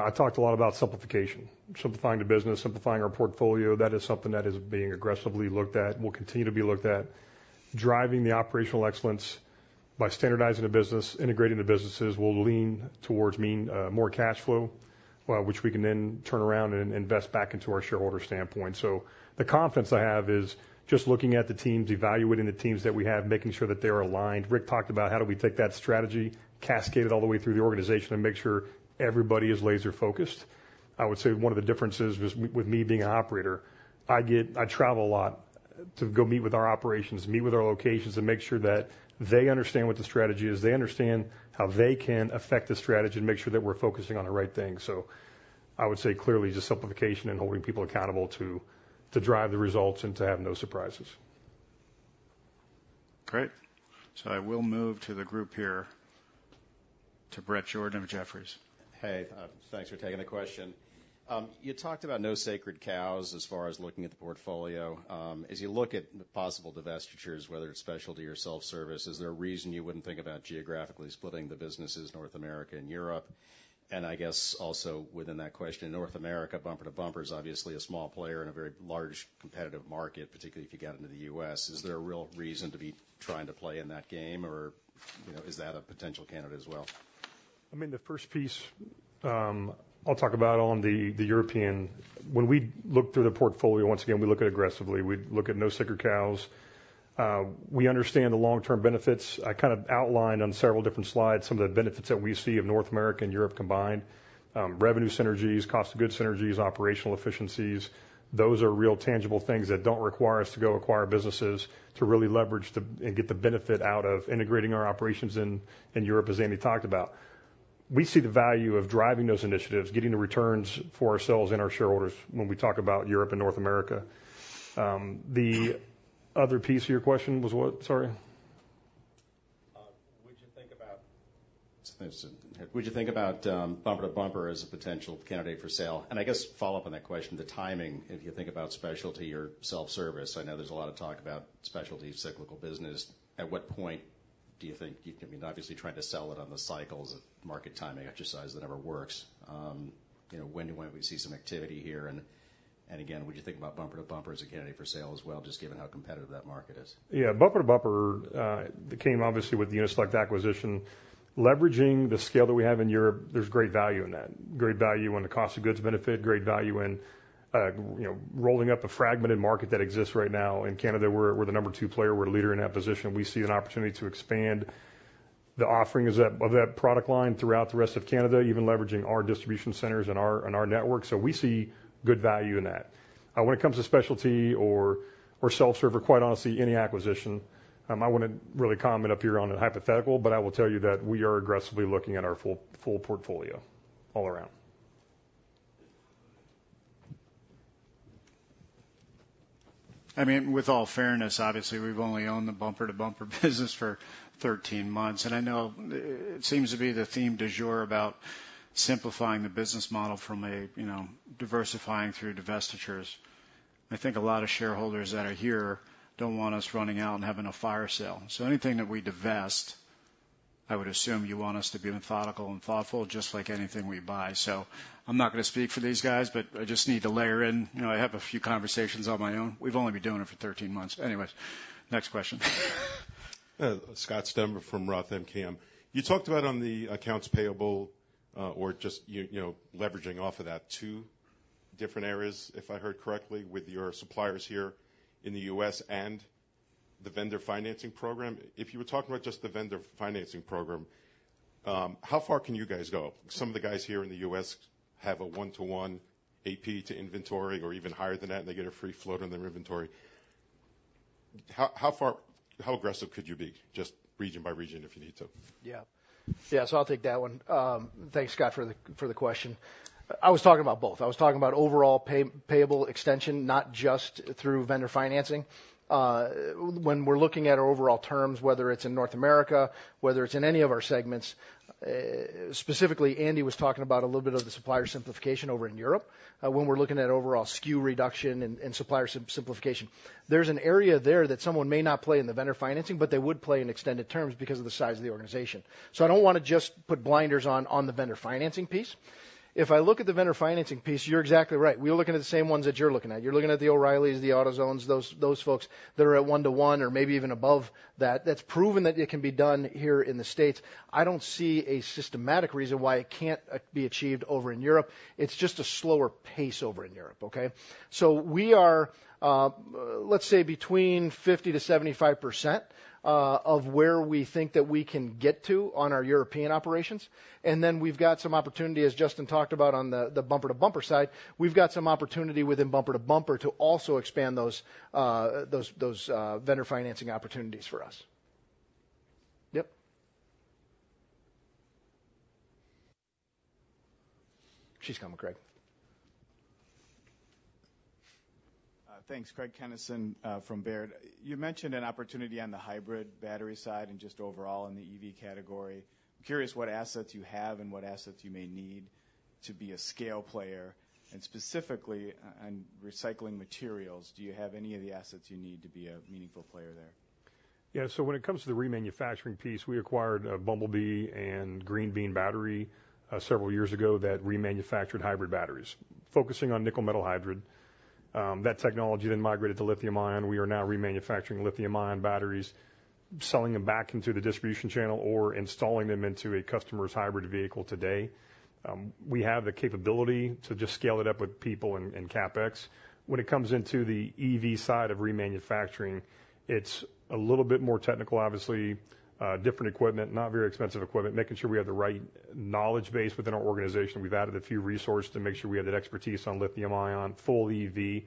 I talked a lot about simplification. Simplifying the business, simplifying our portfolio, that is something that is being aggressively looked at, and will continue to be looked at. Driving the operational excellence by standardizing the business, integrating the businesses, will lean towards more cash flow, which we can then turn around and invest back into our shareholder standpoint. So the confidence I have is just looking at the teams, evaluating the teams that we have, making sure that they are aligned. Rick talked about how do we take that strategy, cascade it all the way through the organization, and make sure everybody is laser-focused?I would say one of the differences with me being an operator, I get I travel a lot to go meet with our operations, meet with our locations, and make sure that they understand what the strategy is, they understand how they can affect the strategy and make sure that we're focusing on the right things. So I would say clearly, just simplification and holding people accountable to drive the results and to have no surprises. Great. So I will move to the group here, to Brett Jordan of Jefferies. Hey, thanks for taking the question. You talked about no sacred cows as far as looking at the portfolio. As you look at the possible divestitures, whether it's specialty or self-service, is there a reason you wouldn't think about geographically splitting the businesses North America and Europe? And I guess also within that question, North America, Bumper to Bumper is obviously a small player in a very large competitive market, particularly if you get into the U.S. Is there a real reason to be trying to play in that game, or, you know, is that a potential candidate as well? I mean, the first piece, I'll talk about on the European. When we look through the portfolio, once again, we look at it aggressively. We look at no sacred cows. We understand the long-term benefits. I kind of outlined on several different slides some of the benefits that we see of North America and Europe combined. Revenue synergies, cost of goods synergies, operational efficiencies, those are real, tangible things that don't require us to go acquire businesses to really leverage and get the benefit out of integrating our operations in Europe, as Andy talked about. We see the value of driving those initiatives, getting the returns for ourselves and our shareholders when we talk about Europe and North America. The other piece of your question was what? Sorry. Would you think about Bumper to Bumper as a potential candidate for sale? And I guess, follow-up on that question, the timing, if you think about specialty or self-service, I know there's a lot of talk about specialty cyclical business. At what point do you think you can? I mean, obviously, trying to sell it on the cycles of market timing exercise, that never works. You know, when might we see some activity here? And again, would you think about Bumper to Bumper as a candidate for sale as well, just given how competitive that market is? Yeah, Bumper to Bumper, that came obviously with the Uni-Select acquisition. Leveraging the scale that we have in Europe, there's great value in that. Great value in the cost of goods benefit, great value in, you know, rolling up a fragmented market that exists right now. In Canada, we're the number two player. We're a leader in that position. We see an opportunity to expand the offering of that product line throughout the rest of Canada, even leveraging our distribution centers and our network. So we see good value in that. When it comes to specialty or self-service, quite honestly, any acquisition, I wouldn't really comment up here on a hypothetical, but I will tell you that we are aggressively looking at our full portfolio all around. I mean, with all fairness, obviously, we've only owned the Bumper to Bumper business for 13 months, and I know it, it seems to be the theme du jour about simplifying the business model from a, you know, diversifying through divestitures. I think a lot of shareholders that are here don't want us running out and having a fire sale. So anything that we divest, I would assume you want us to be methodical and thoughtful, just like anything we buy. So I'm not gonna speak for these guys, but I just need to layer in. You know, I have a few conversations on my own. We've only been doing it for 13 months. Anyways, next question. Scott Stember from Roth MKM. You talked about on the accounts payable, or just, you know, leveraging off of that, two different areas, if I heard correctly, with your suppliers here in the US and the vendor financing program. If you were talking about just the vendor financing program, how far can you guys go? Some of the guys here in the US have a one-to-one AP to inventory or even higher than that, and they get a free float on their inventory. How far, how aggressive could you be? Just region by region, if you need to. Yeah. Yeah, so I'll take that one. Thanks, Scott, for the question. I was talking about both. I was talking about overall payable extension, not just through vendor financing. When we're looking at our overall terms, whether it's in North America, whether it's in any of our segments, specifically, Andy was talking about a little bit of the supplier simplification over in Europe, when we're looking at overall SKU reduction and supplier simplification. There's an area there that someone may not play in the vendor financing, but they would play in extended terms because of the size of the organization. So I don't wanna just put blinders on the vendor financing piece. If I look at the vendor financing piece, you're exactly right. We're looking at the same ones that you're looking at. You're looking at the O'Reillys, the AutoZones, those folks that are at one-to-one or maybe even above that. That's proven that it can be done here in the States. I don't see a systematic reason why it can't be achieved over in Europe. It's just a slower pace over in Europe, okay? So we are, let's say between 50%-75% of where we think that we can get to on our European operations. And then we've got some opportunity, as Justin talked about on the Bumper to Bumper side, we've got some opportunity within Bumper to Bumper to also expand those vendor financing opportunities for us. Yep. She's coming, Craig. Thanks, Craig Kennison, from Baird. You mentioned an opportunity on the hybrid battery side and just overall in the EV category. I'm curious what assets you have and what assets you may need to be a scale player, and specifically, on recycling materials, do you have any of the assets you need to be a meaningful player there? Yeah, so when it comes to the remanufacturing piece, we acquired Bumblebee and Green Bean Battery several years ago that remanufactured hybrid batteries. Focusing on nickel-metal hydride, that technology then migrated to lithium-ion. We are now remanufacturing lithium-ion batteries, selling them back into the distribution channel or installing them into a customer's hybrid vehicle today. We have the capability to just scale it up with people and CapEx. When it comes into the EV side of remanufacturing, it's a little bit more technical, obviously, different equipment, not very expensive equipment, making sure we have the right knowledge base within our organization. We've added a few resources to make sure we have that expertise on lithium-ion, full EV.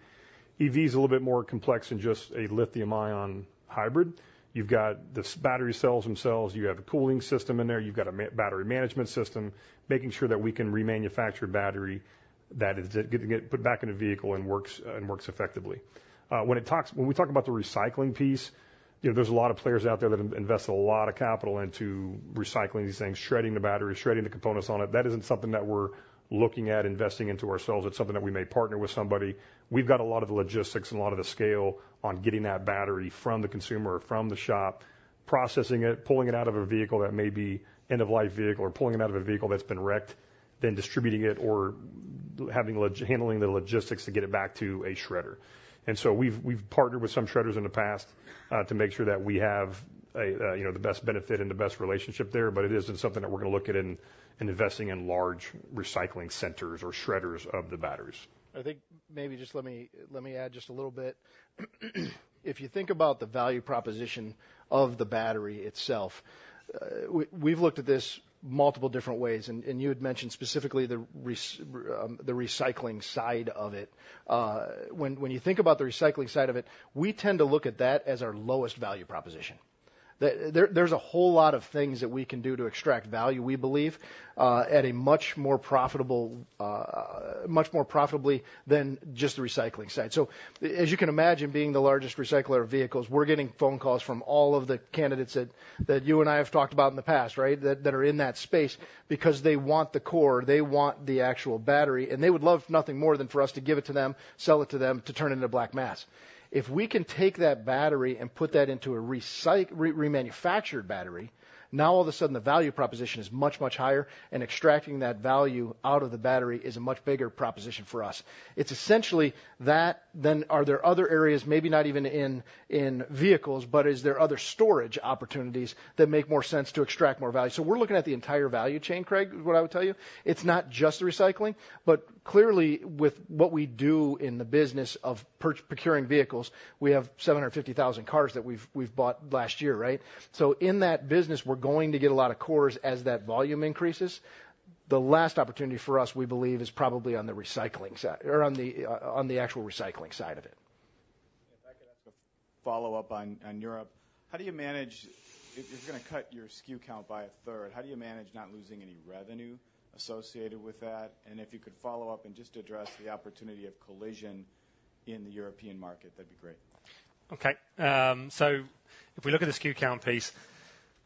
EV is a little bit more complex than just a lithium-ion hybrid. You've got the battery cells themselves, you have a cooling system in there, you've got a battery management system, making sure that we can remanufacture a battery that is gonna get put back in the vehicle and works, and works effectively. When we talk about the recycling piece, you know, there's a lot of players out there that invest a lot of capital into recycling these things, shredding the battery, shredding the components on it. That isn't something that we're looking at investing into ourselves. It's something that we may partner with somebody. We've got a lot of the logistics and a lot of the scale on getting that battery from the consumer or from the shop, processing it, pulling it out of a vehicle that may be end-of-life vehicle or pulling it out of a vehicle that's been wrecked, then distributing it or handling the logistics to get it back to a shredder. And so we've partnered with some shredders in the past, to make sure that we have, you know, the best benefit and the best relationship there, but it isn't something that we're gonna look at in investing in large recycling centers or shredders of the batteries. I think maybe just let me add just a little bit. If you think about the value proposition of the battery itself, we've looked at this multiple different ways, and you had mentioned specifically the recycling side of it. When you think about the recycling side of it, we tend to look at that as our lowest value proposition. There's a whole lot of things that we can do to extract value, we believe, at a much more profitable, much more profitably than just the recycling side. So as you can imagine, being the largest recycler of vehicles, we're getting phone calls from all of the candidates that you and I have talked about in the past, right? That are in that space because they want the core, they want the actual battery, and they would love nothing more than for us to give it to them, sell it to them, to turn it into black mass. If we can take that battery and put that into a remanufactured battery, now all of a sudden, the value proposition is much, much higher, and extracting that value out of the battery is a much bigger proposition for us. It's essentially that, then are there other areas Maybe not even in vehicles, but is there other storage opportunities that make more sense to extract more value? So we're looking at the entire value chain, Craig, is what I would tell you. It's not just the recycling, but clearly, with what we do in the business of procuring vehicles, we have 750,000 cars that we've bought last year, right? So in that business, we're going to get a lot of cores as that volume increases. The last opportunity for us, we believe, is probably on the recycling side, or on the actual recycling side of it. If I could ask a follow-up on Europe. How do you manage, if you're going to cut your SKU count by a third, how do you manage not losing any revenue associated with that? And if you could follow up and just address the opportunity of collision in the European market, that'd be great. Okay, so if we look at the SKU count piece,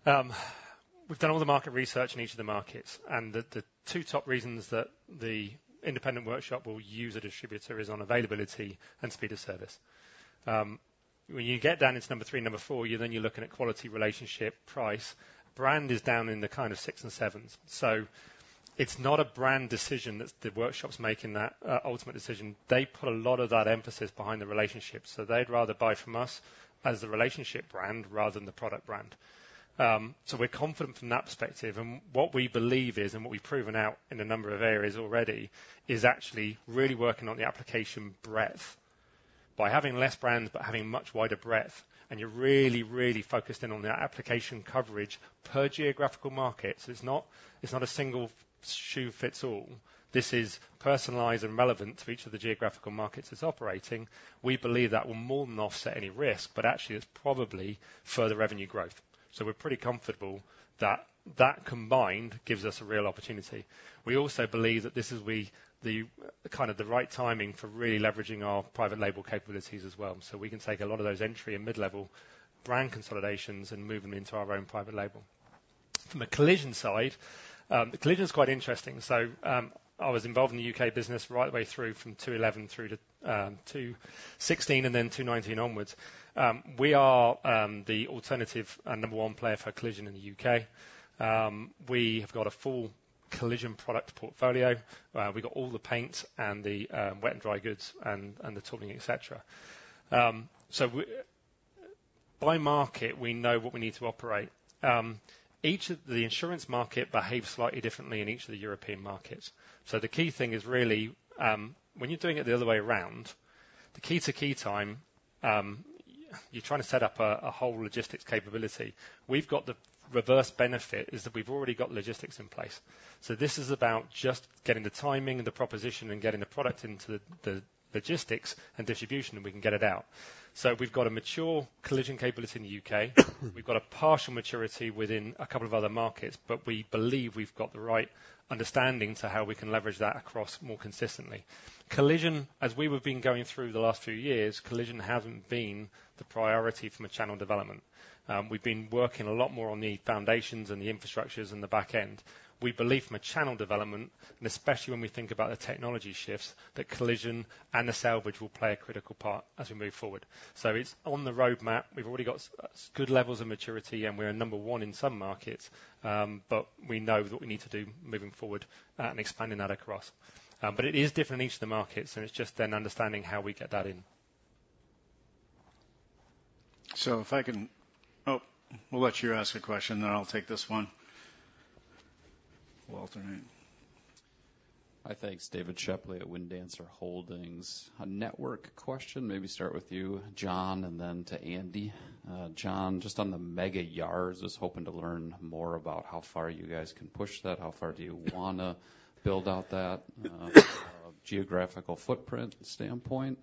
we've done all the market research in each of the markets, and the two top reasons that the independent workshop will use a distributor is on availability and speed of service. When you get down into number three and number four, then you're looking at quality, relationship, price. Brand is down in the kind of six and sevens. So it's not a brand decision that the workshop's making that ultimate decision. They put a lot of that emphasis behind the relationship, so they'd rather buy from us as the relationship brand rather than the product brand. So we're confident from that perspective, and what we believe is, and what we've proven out in a number of areas already, is actually really working on the application breadth. By having less brands, but having much wider breadth, and you're really, really focused in on that application coverage per geographical markets, it's not, it's not a single shoe fits all. This is personalized and relevant to each of the geographical markets it's operating. We believe that will more than offset any risk, but actually it's probably further revenue growth. So we're pretty comfortable that that combined gives us a real opportunity. We also believe that this is the kind of right timing for really leveraging our private label capabilities as well. So we can take a lot of those entry and mid-level brand consolidations and move them into our own private label. From a collision side, the collision is quite interesting. I was involved in the U.K. business right the way through from 2011 through to 2016 and then 2019 onwards. We are the alternative and number one player for collision in the U.K. We have got a full collision product portfolio. We've got all the paints and the wet and dry goods and the tooling, et cetera. By market, we know what we need to operate. Each of the insurance market behaves slightly differently in each of the European markets. The key thing is really, when you're doing it the other way around, the key-to-key time, you're trying to set up a whole logistics capability. We've got the reverse benefit, is that we've already got logistics in place. This is about just getting the timing and the proposition and getting the product into the, the logistics and distribution, and we can get it out. We've got a mature collision capability in the U.K. We've got a partial maturity within a couple of other markets, but we believe we've got the right understanding to how we can leverage that across more consistently. Collision, as we have been going through the last few years, collision hasn't been the priority from a channel development. We've been working a lot more on the foundations and the infrastructures in the back end. We believe from a channel development, and especially when we think about the technology shifts, that collision and the salvage will play a critical part as we move forward. It's on the roadmap. We've already got good levels of maturity, and we're number one in some markets, but we know what we need to do moving forward, and expanding that across. But it is different in each of the markets, and it's just then understanding how we get that in. Oh, we'll let you ask a question, then I'll take this one. We'll alternate. Hi, thanks. David Shepley at Windacre Partnership. A network question, maybe start with you, John, and then to Andy. John, just on the mega yards, just hoping to learn more about how far you guys can push that. How far do you wanna build out that, geographical footprint standpoint?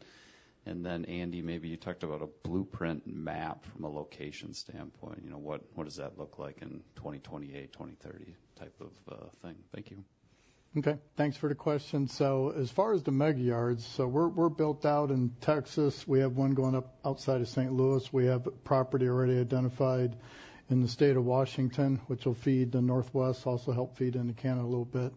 And then, Andy, maybe you talked about a blueprint map from a location standpoint. You know, what, what does that look like in 2028, 2030 type of, thing? Thank you. Okay, thanks for the question. So as far as the mega yards, we're built out in Texas. We have one going up outside of St. Louis. We have property already identified in the state of Washington, which will feed the Northwest, also help feed into Canada a little bit.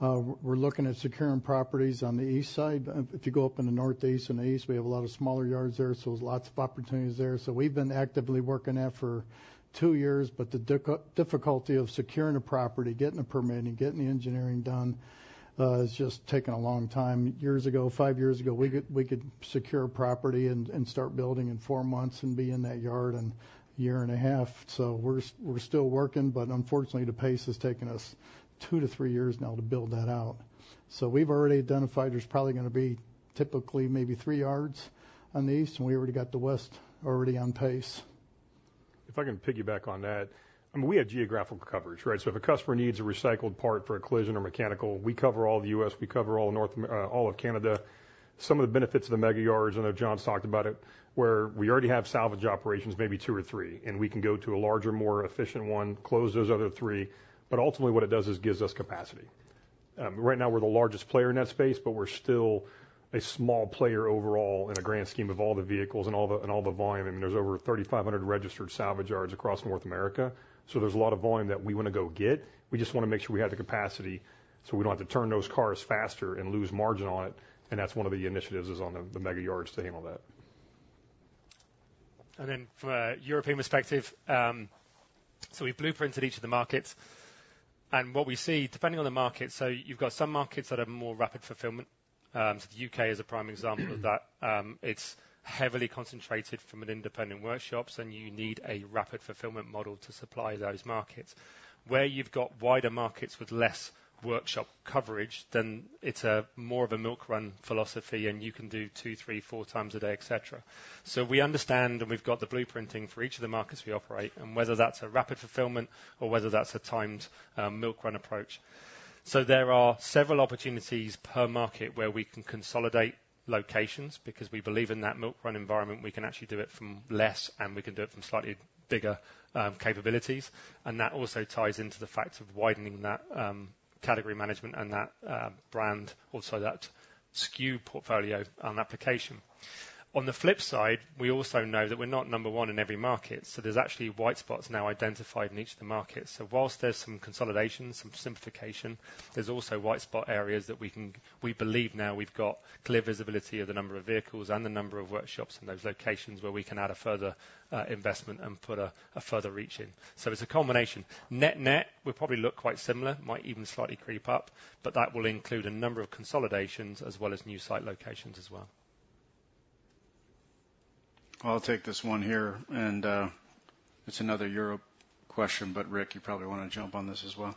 We're looking at securing properties on the east side. If you go up in the northeast and the east, we have a lot of smaller yards there, so there's lots of opportunities there. So we've been actively working that for two years, but the difficulty of securing a property, getting the permitting, getting the engineering done, has just taken a long time. Years ago, five years ago, we could secure a property and start building in four months and be in that yard in a year and a half. So we're still working, but unfortunately, the pace has taken us two to three years now to build that out. So we've already identified there's probably gonna be typically maybe three yards on the east, and we already got the west on pace. If I can piggyback on that, I mean, we have geographical coverage, right? So if a customer needs a recycled part for a collision or mechanical, we cover all of the U.S., we cover all North America, all of Canada. Some of the benefits of the mega yards, I know John's talked about it, where we already have salvage operations, maybe two or three, and we can go to a larger, more efficient one, close those other three, but ultimately, what it does is gives us capacity. Right now, we're the largest player in that space, but we're still a small player overall in the grand scheme of all the vehicles and all the, and all the volume. I mean, there's over 3,500 registered salvage yards across North America, so there's a lot of volume that we want to go get. We just want to make sure we have the capacity, so we don't have to turn those cars faster and lose margin on it, and that's one of the initiatives is on the mega yards to handle that. And then from a European perspective. So we've blueprinted each of the markets, and what we see, depending on the market, so you've got some markets that are more rapid fulfillment. So the U.K. is a prime example of that. It's heavily concentrated from an independent workshops, and you need a rapid fulfillment model to supply those markets. Where you've got wider markets with less workshop coverage, then it's a more of a milk run philosophy, and you can do two, three, four times a day, et cetera. So we understand, and we've got the blueprinting for each of the markets we operate, and whether that's a rapid fulfillment or whether that's a timed milk run approach. So there are several opportunities per market where we can consolidate locations, because we believe in that milk run environment, we can actually do it from less, and we can do it from slightly bigger capabilities. And that also ties into the fact of widening that category management and that brand, also that SKU portfolio and application. On the flip side, we also know that we're not number one in every market, so there's actually white spots now identified in each of the markets. So whilst there's some consolidation, some simplification, there's also white spot areas that we can. We believe now we've got clear visibility of the number of vehicles and the number of workshops in those locations, where we can add a further investment and put a further reach in. So it's a combination. Net-net, we probably look quite similar, might even slightly creep up, but that will include a number of consolidations as well as new site locations as well. I'll take this one here, and, it's another Europe question, but Rick, you probably want to jump on this as well.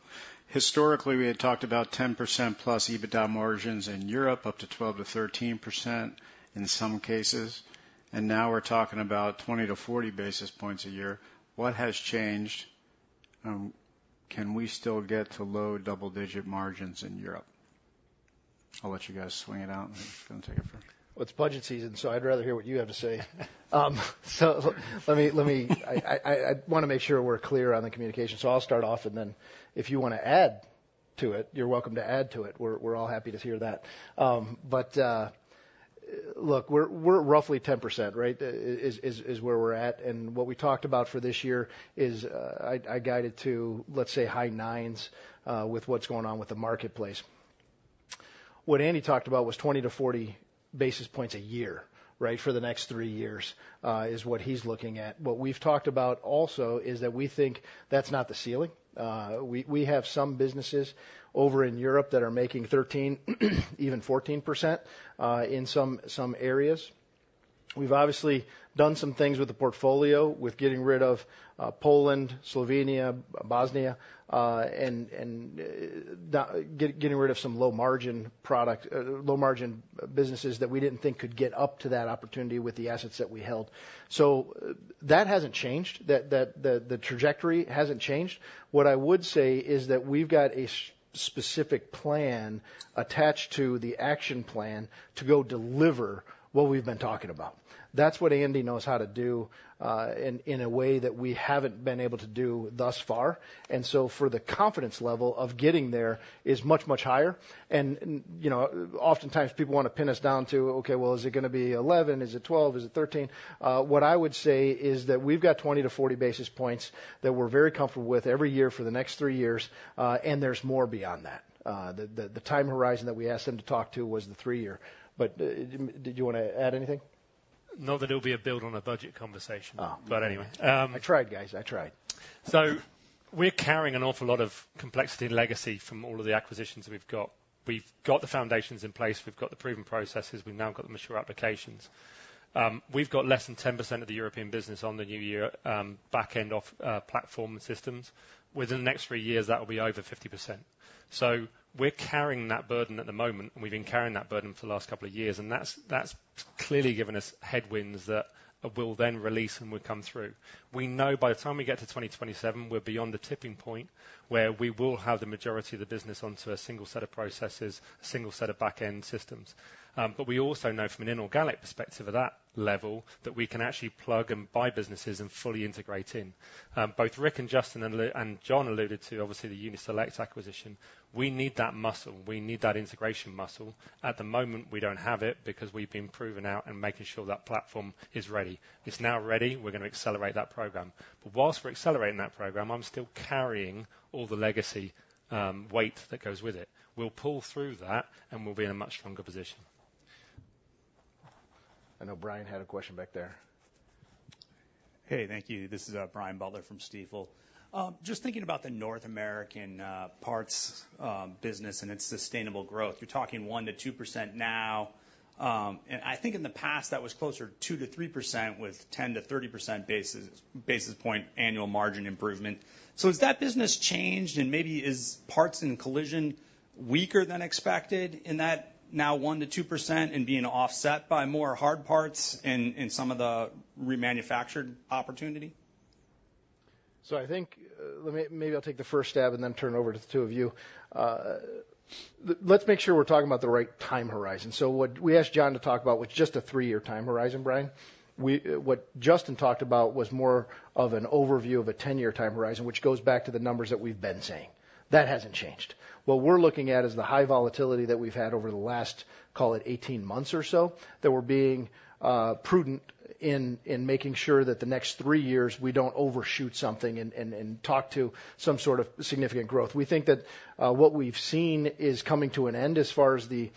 Historically, we had talked about 10% plus EBITDA margins in Europe, up to 12-13% in some cases, and now we're talking about 20-40 basis points a year. What has changed? Can we still get to low double-digit margins in Europe? I'll let you guys swing it out, and then take it from there. It's budget season, so I'd rather hear what you have to say. So let me. I want to make sure we're clear on the communication, so I'll start off, and then if you want to add to it, you're welcome to add to it. We're all happy to hear that. Look, we're roughly 10%, right? Is where we're at, and what we talked about for this year is, I guided to, let's say, high 9s, with what's going on with the marketplace. What Andy talked about was 20 to 40 basis points a year, right? For the next three years, is what he's looking at. What we've talked about also is that we think that's not the ceiling. We have some businesses over in Europe that are making 13%, even 14%, in some areas. We've obviously done some things with the portfolio, with getting rid of Poland, Slovenia, Bosnia, and getting rid of some low-margin product, low-margin businesses that we didn't think could get up to that opportunity with the assets that we held. So that hasn't changed. The trajectory hasn't changed. What I would say is that we've got a specific plan attached to the action plan to go deliver what we've been talking about. That's what Andy knows how to do, in a way that we haven't been able to do thus far. And so for the confidence level of getting there is much, much higher. You know, oftentimes people want to pin us down to, "Okay, well, is it gonna be eleven? Is it twelve? Is it thirteen?" What I would say is that we've got twenty to forty basis points that we're very comfortable with every year for the next three years, and there's more beyond that. The time horizon that we asked them to talk to was the three year. But, did you want to add anything? Not that it'll be a build on a budget conversation. Ah. But anyway, I tried, guys. I tried. So we're carrying an awful lot of complexity and legacy from all of the acquisitions we've got. We've got the foundations in place, we've got the proven processes, we've now got the mature applications. We've got less than 10% of the European business on the new ERP backend platform and systems. Within the next three years, that will be over 50%. So we're carrying that burden at the moment, and we've been carrying that burden for the last couple of years, and that's clearly given us headwinds that we'll then release, and we come through. We know by the time we get to 2027, we're beyond the tipping point, where we will have the majority of the business onto a single set of processes, a single set of back-end systems. But we also know from an inorganic perspective at that level, that we can actually plug and buy businesses and fully integrate in. Both Rick and Justin and John alluded to, obviously, the Uni-Select acquisition. We need that muscle. We need that integration muscle. At the moment, we don't have it because we've been proven out and making sure that platform is ready. It's now ready. We're gonna accelerate that program. But whilst we're accelerating that program, I'm still carrying all the legacy weight that goes with it. We'll pull through that, and we'll be in a much stronger position. I know Brian had a question back there. Hey, thank you. This is Brian Butler from Stifel. Just thinking about the North American parts business and its sustainable growth, you're talking 1-2% now, and I think in the past, that was closer to 2-3%, with 10-30 basis point annual margin improvement. So has that business changed, and maybe is parts and collision weaker than expected in that now 1-2% and being offset by more hard parts in some of the remanufactured opportunity? So I think, let me, maybe I'll take the first stab and then turn it over to the two of you. Let's make sure we're talking about the right time horizon. So what we asked John to talk about was just a three-year time horizon, Brian. We, what Justin talked about was more of an overview of a 10-year time horizon, which goes back to the numbers that we've been saying. That hasn't changed. What we're looking at is the high volatility that we've had over the last, call it 18 months or so, that we're being prudent in making sure that the next three years, we don't overshoot something and talk to some sort of significant growth. We think that what we've seen is coming to an end as far as the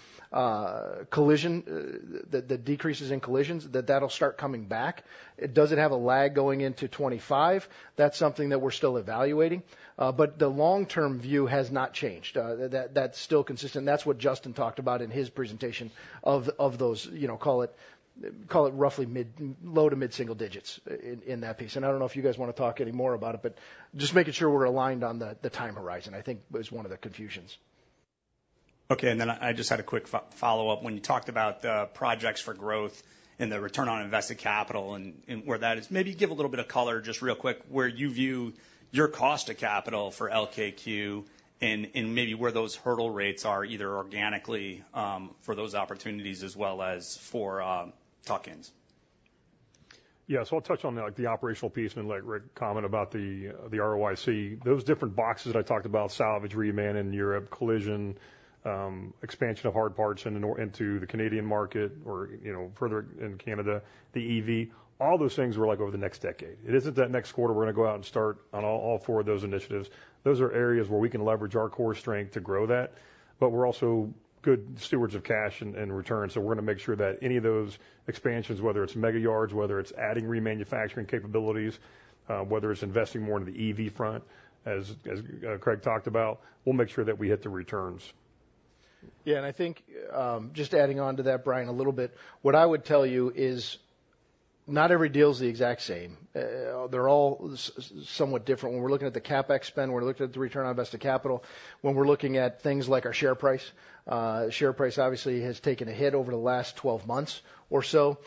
collision, the decreases in collisions, that that'll start coming back. It doesn't have a lag going into 2025. That's something that we're still evaluating, but the long-term view has not changed. That, that's still consistent, and that's what Justin talked about in his presentation of those, you know, call it roughly mid-low to mid single digits in that piece. And I don't know if you guys wanna talk any more about it, but just making sure we're aligned on the time horizon, I think was one of the confusions. Okay, and then I just had a quick follow-up. When you talked about projects for growth and the return on invested capital and where that is, maybe give a little bit of color, just real quick, where you view your cost of capital for LKQ and maybe where those hurdle rates are, either organically for those opportunities as well as for tuck-ins. Yeah. So I'll touch on, like, the operational piece and let Rick comment about the, the ROIC. Those different boxes that I talked about, salvage, reman in Europe, collision, expansion of hard parts into the Canadian market or, you know, further in Canada, the EV, all those things were, like, over the next decade. It isn't that next quarter we're gonna go out and start on all four of those initiatives. Those are areas where we can leverage our core strength to grow that, but we're also good stewards of cash and return. So we're gonna make sure that any of those expansions, whether it's mega yards, whether it's adding remanufacturing capabilities, whether it's investing more into the EV front, as Craig talked about, we'll make sure that we hit the returns. Yeah, and I think, just adding on to that, Brian, a little bit, what I would tell you is not every deal is the exact same. They're all somewhat different. When we're looking at the CapEx spend, when we're looking at the return on invested capital, when we're looking at things like our share price, share price obviously has taken a hit over the last 12 months or so.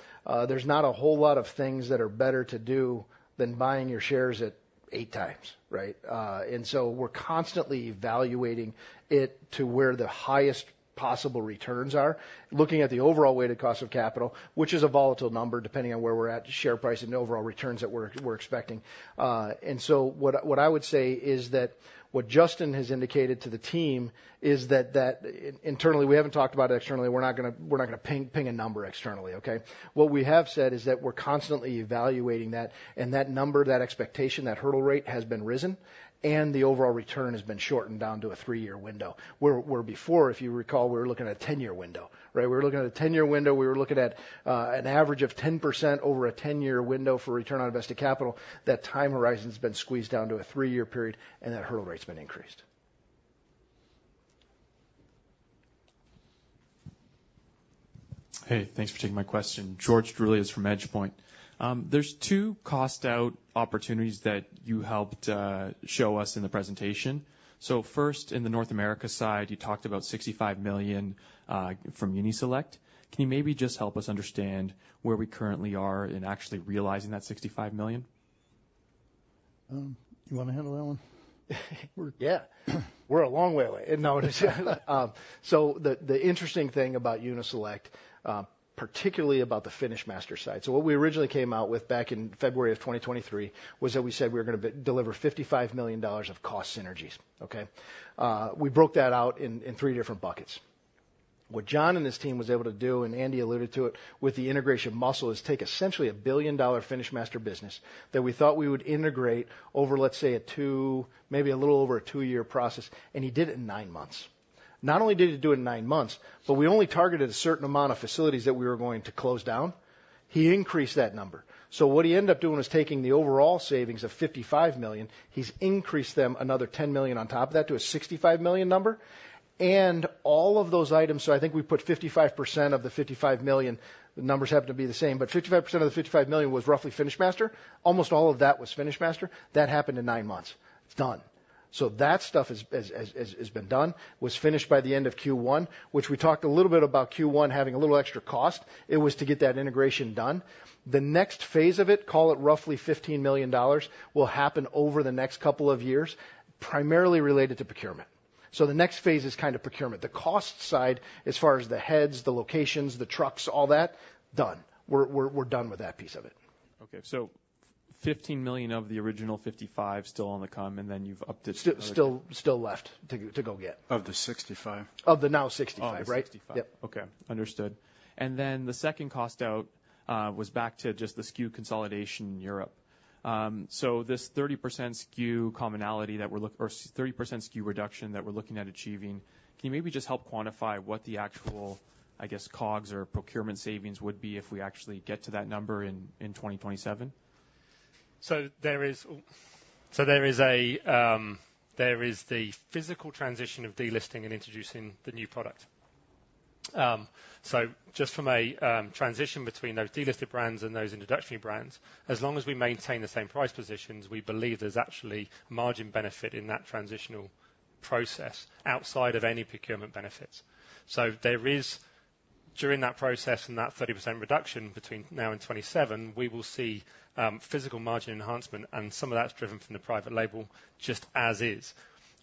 There's not a whole lot of things that are better to do than buying your shares at eight times, right? And so we're constantly evaluating it to where the highest possible returns are, looking at the overall weighted cost of capital, which is a volatile number, depending on where we're at, the share price and the overall returns that we're, we're expecting. And so what I would say is that what Justin has indicated to the team is that internally. We haven't talked about it externally, we're not gonna ping a number externally, okay? What we have said is that we're constantly evaluating that, and that number, that expectation, that hurdle rate has been risen, and the overall return has been shortened down to a three-year window. Where before, if you recall, we were looking at a ten-year window, right? We were looking at a ten-year window. We were looking at an average of 10% over a ten-year window for return on invested capital. That time horizon has been squeezed down to a three-year period, and that hurdle rate's been increased. Hey, thanks for taking my question. George Droulias from EdgePoint. There's two cost out opportunities that you helped show us in the presentation. So first, in the North America side, you talked about $65 million from Uni-Select. Can you maybe just help us understand where we currently are in actually realizing that $65 million? You wanna handle that one? Yeah. We're a long way away. No, just kidding. So the interesting thing about Uni-Select, particularly about the FinishMaster side, so what we originally came out with back in February of 2023, was that we said we were gonna deliver $55 million of cost synergies, okay? We broke that out in three different buckets. What John and his team was able to do, and Andy alluded to it, with the integration muscle, is take essentially a $1 billion-dollar FinishMaster business that we thought we would integrate over, let's say, a two, maybe a little over a two-year process, and he did it in nine months. Not only did he do it in nine months, but we only targeted a certain amount of facilities that we were going to close down. He increased that number. What he ended up doing was taking the overall savings of $55 million. He's increased them another $10 million on top of that to a $65 million number. And all of those items, so I think we put 55% of the $55 million, the numbers happen to be the same, but 55% of the $55 million was roughly FinishMaster. Almost all of that was FinishMaster. That happened in nine months. It's done. So that stuff has been done, was finished by the end of Q1, which we talked a little bit about Q1 having a little extra cost. It was to get that integration done. The next phase of it, call it roughly $15 million, will happen over the next couple of years, primarily related to procurement. So the next phase is kind of procurement. The cost side, as far as the heads, the locations, the trucks, all that, done. We're done with that piece of it. Okay, so fifteen million of the original fifty-five still on the come, and then you've upped it- Still left to go get. Of the sixty-five. Of the now sixty-five, right? Of the sixty-five. Yep. Okay, understood. And then the second cost out was back to just the SKU consolidation in Europe. So this 30% SKU commonality, or 30% SKU reduction, that we're looking at achieving, can you maybe just help quantify what the actual, I guess, COGS or procurement savings would be if we actually get to that number in 2027? So there is the physical transition of delisting and introducing the new product. So just from a transition between those delisted brands and those introductory brands, as long as we maintain the same price positions, we believe there's actually margin benefit in that transitional process outside of any procurement benefits. During that process and that 30% reduction between now and 2027, we will see physical margin enhancement, and some of that's driven from the private label, just as is.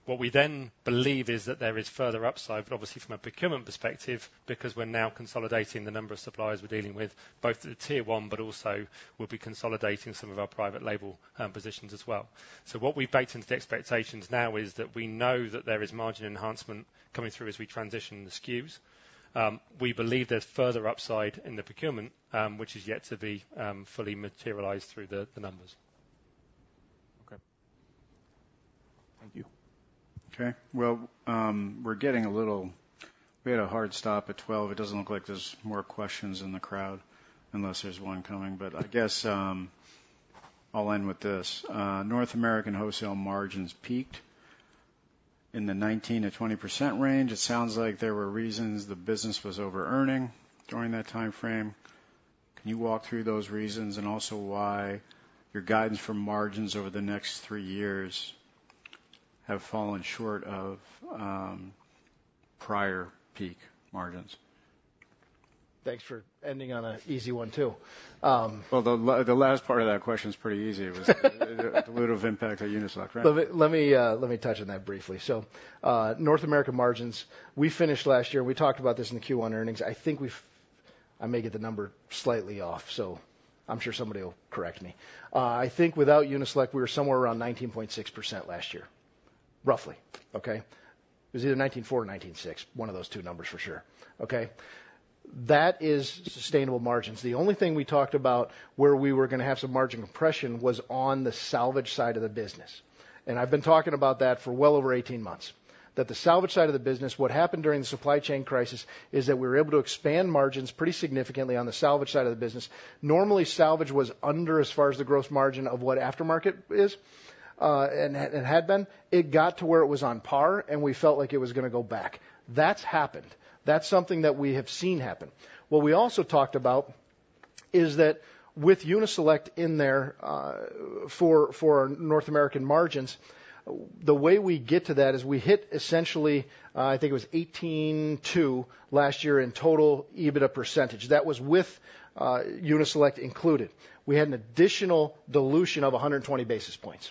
What we then believe is that there is further upside, but obviously from a procurement perspective, because we're now consolidating the number of suppliers we're dealing with, both at the tier one, but also we'll be consolidating some of our private label positions as well. What we've baked into the expectations now is that we know that there is margin enhancement coming through as we transition the SKUs. We believe there's further upside in the procurement, which is yet to be fully materialized through the numbers. Okay. Thank you. Okay. Well, we're getting a little. We had a hard stop at twelve. It doesn't look like there's more questions in the crowd, unless there's one coming, but I guess, I'll end with this. North American wholesale margins peaked in the 19%-20% range. It sounds like there were reasons the business was overearning during that time frame. Can you walk through those reasons and also why your guidance for margins over the next three years have fallen short of, prior peak margins? Thanks for ending on an easy one, too. The last part of that question is pretty easy. It was the dilutive impact of Uni-Select, right? Let me touch on that briefly. North America margins, we finished last year. We talked about this in the Q1 earnings. I think we've—I may get the number slightly off, so I'm sure somebody will correct me. I think without Uni-Select, we were somewhere around 19.6% last year, roughly. Okay? It was either 19.4% or 19.6%, one of those two numbers for sure, okay? That is sustainable margins. The only thing we talked about where we were gonna have some margin compression was on the salvage side of the business, and I've been talking about that for well over 18 months, that the salvage side of the business, what happened during the supply chain crisis is that we were able to expand margins pretty significantly on the salvage side of the business. Normally, salvage was under, as far as the gross margin of what aftermarket is, and had been. It got to where it was on par, and we felt like it was gonna go back. That's happened. That's something that we have seen happen. What we also talked about is that with Uni-Select in there, for North American margins, the way we get to that is we hit essentially, I think it was 18.2% last year in total EBITDA percentage. That was with, Uni-Select included. We had an additional dilution of 120 basis points.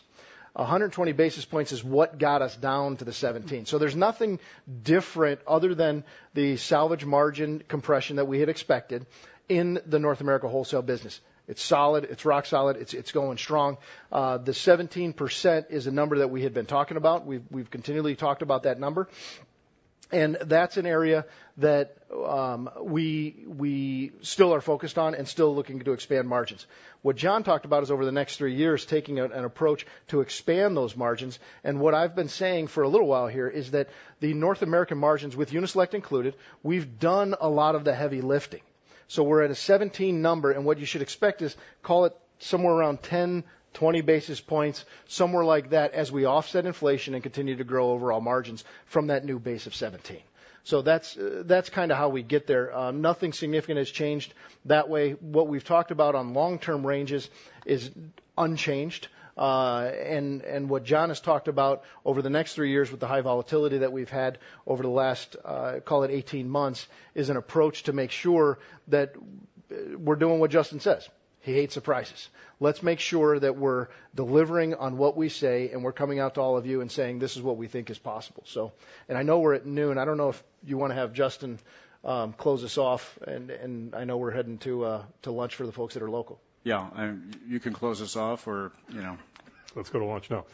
120 basis points is what got us down to the 17%. So there's nothing different other than the salvage margin compression that we had expected in the North America wholesale business. It's solid. It's rock solid. It's going strong. The 17% is a number that we had been talking about. We've continually talked about that number, and that's an area that we still are focused on and still looking to expand margins. What John talked about is over the next three years, taking an approach to expand those margins, and what I've been saying for a little while here is that the North American margins with Uni-Select included, we've done a lot of the heavy lifting. So we're at a 17% number, and what you should expect is, call it somewhere around 10-20 basis points, somewhere like that, as we offset inflation and continue to grow overall margins from that new base of 17%. That's kind of how we get there. Nothing significant has changed that way. What we've talked about on long-term ranges is unchanged. And what John has talked about over the next three years with the high volatility that we've had over the last, call it eighteen months, is an approach to make sure that we're doing what Justin says. He hates surprises. Let's make sure that we're delivering on what we say, and we're coming out to all of you and saying, "This is what we think is possible." So... And I know we're at noon. I don't know if you want to have Justin close us off, and I know we're heading to lunch for the folks that are local. Yeah, and you can close us off or, you know. Let's go to lunch. No.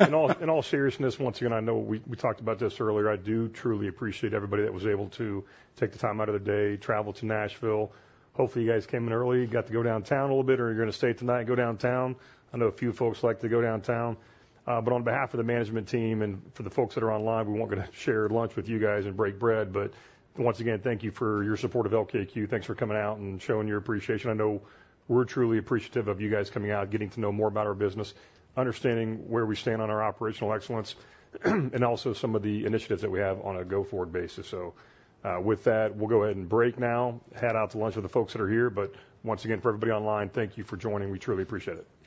In all seriousness, once again, I know we talked about this earlier. I do truly appreciate everybody that was able to take the time out of their day, travel to Nashville. Hopefully, you guys came in early, got to go downtown a little bit, or you're gonna stay tonight, go downtown. I know a few folks like to go downtown. But on behalf of the management team and for the folks that are online, we're gonna share lunch with you guys and break bread. But once again, thank you for your support of LKQ. Thanks for coming out and showing your appreciation. I know we're truly appreciative of you guys coming out, getting to know more about our business, understanding where we stand on our operational excellence, and also some of the initiatives that we have on a go-forward basis. So, with that, we'll go ahead and break now. Head out to lunch with the folks that are here. But once again, for everybody online, thank you for joining. We truly appreciate it.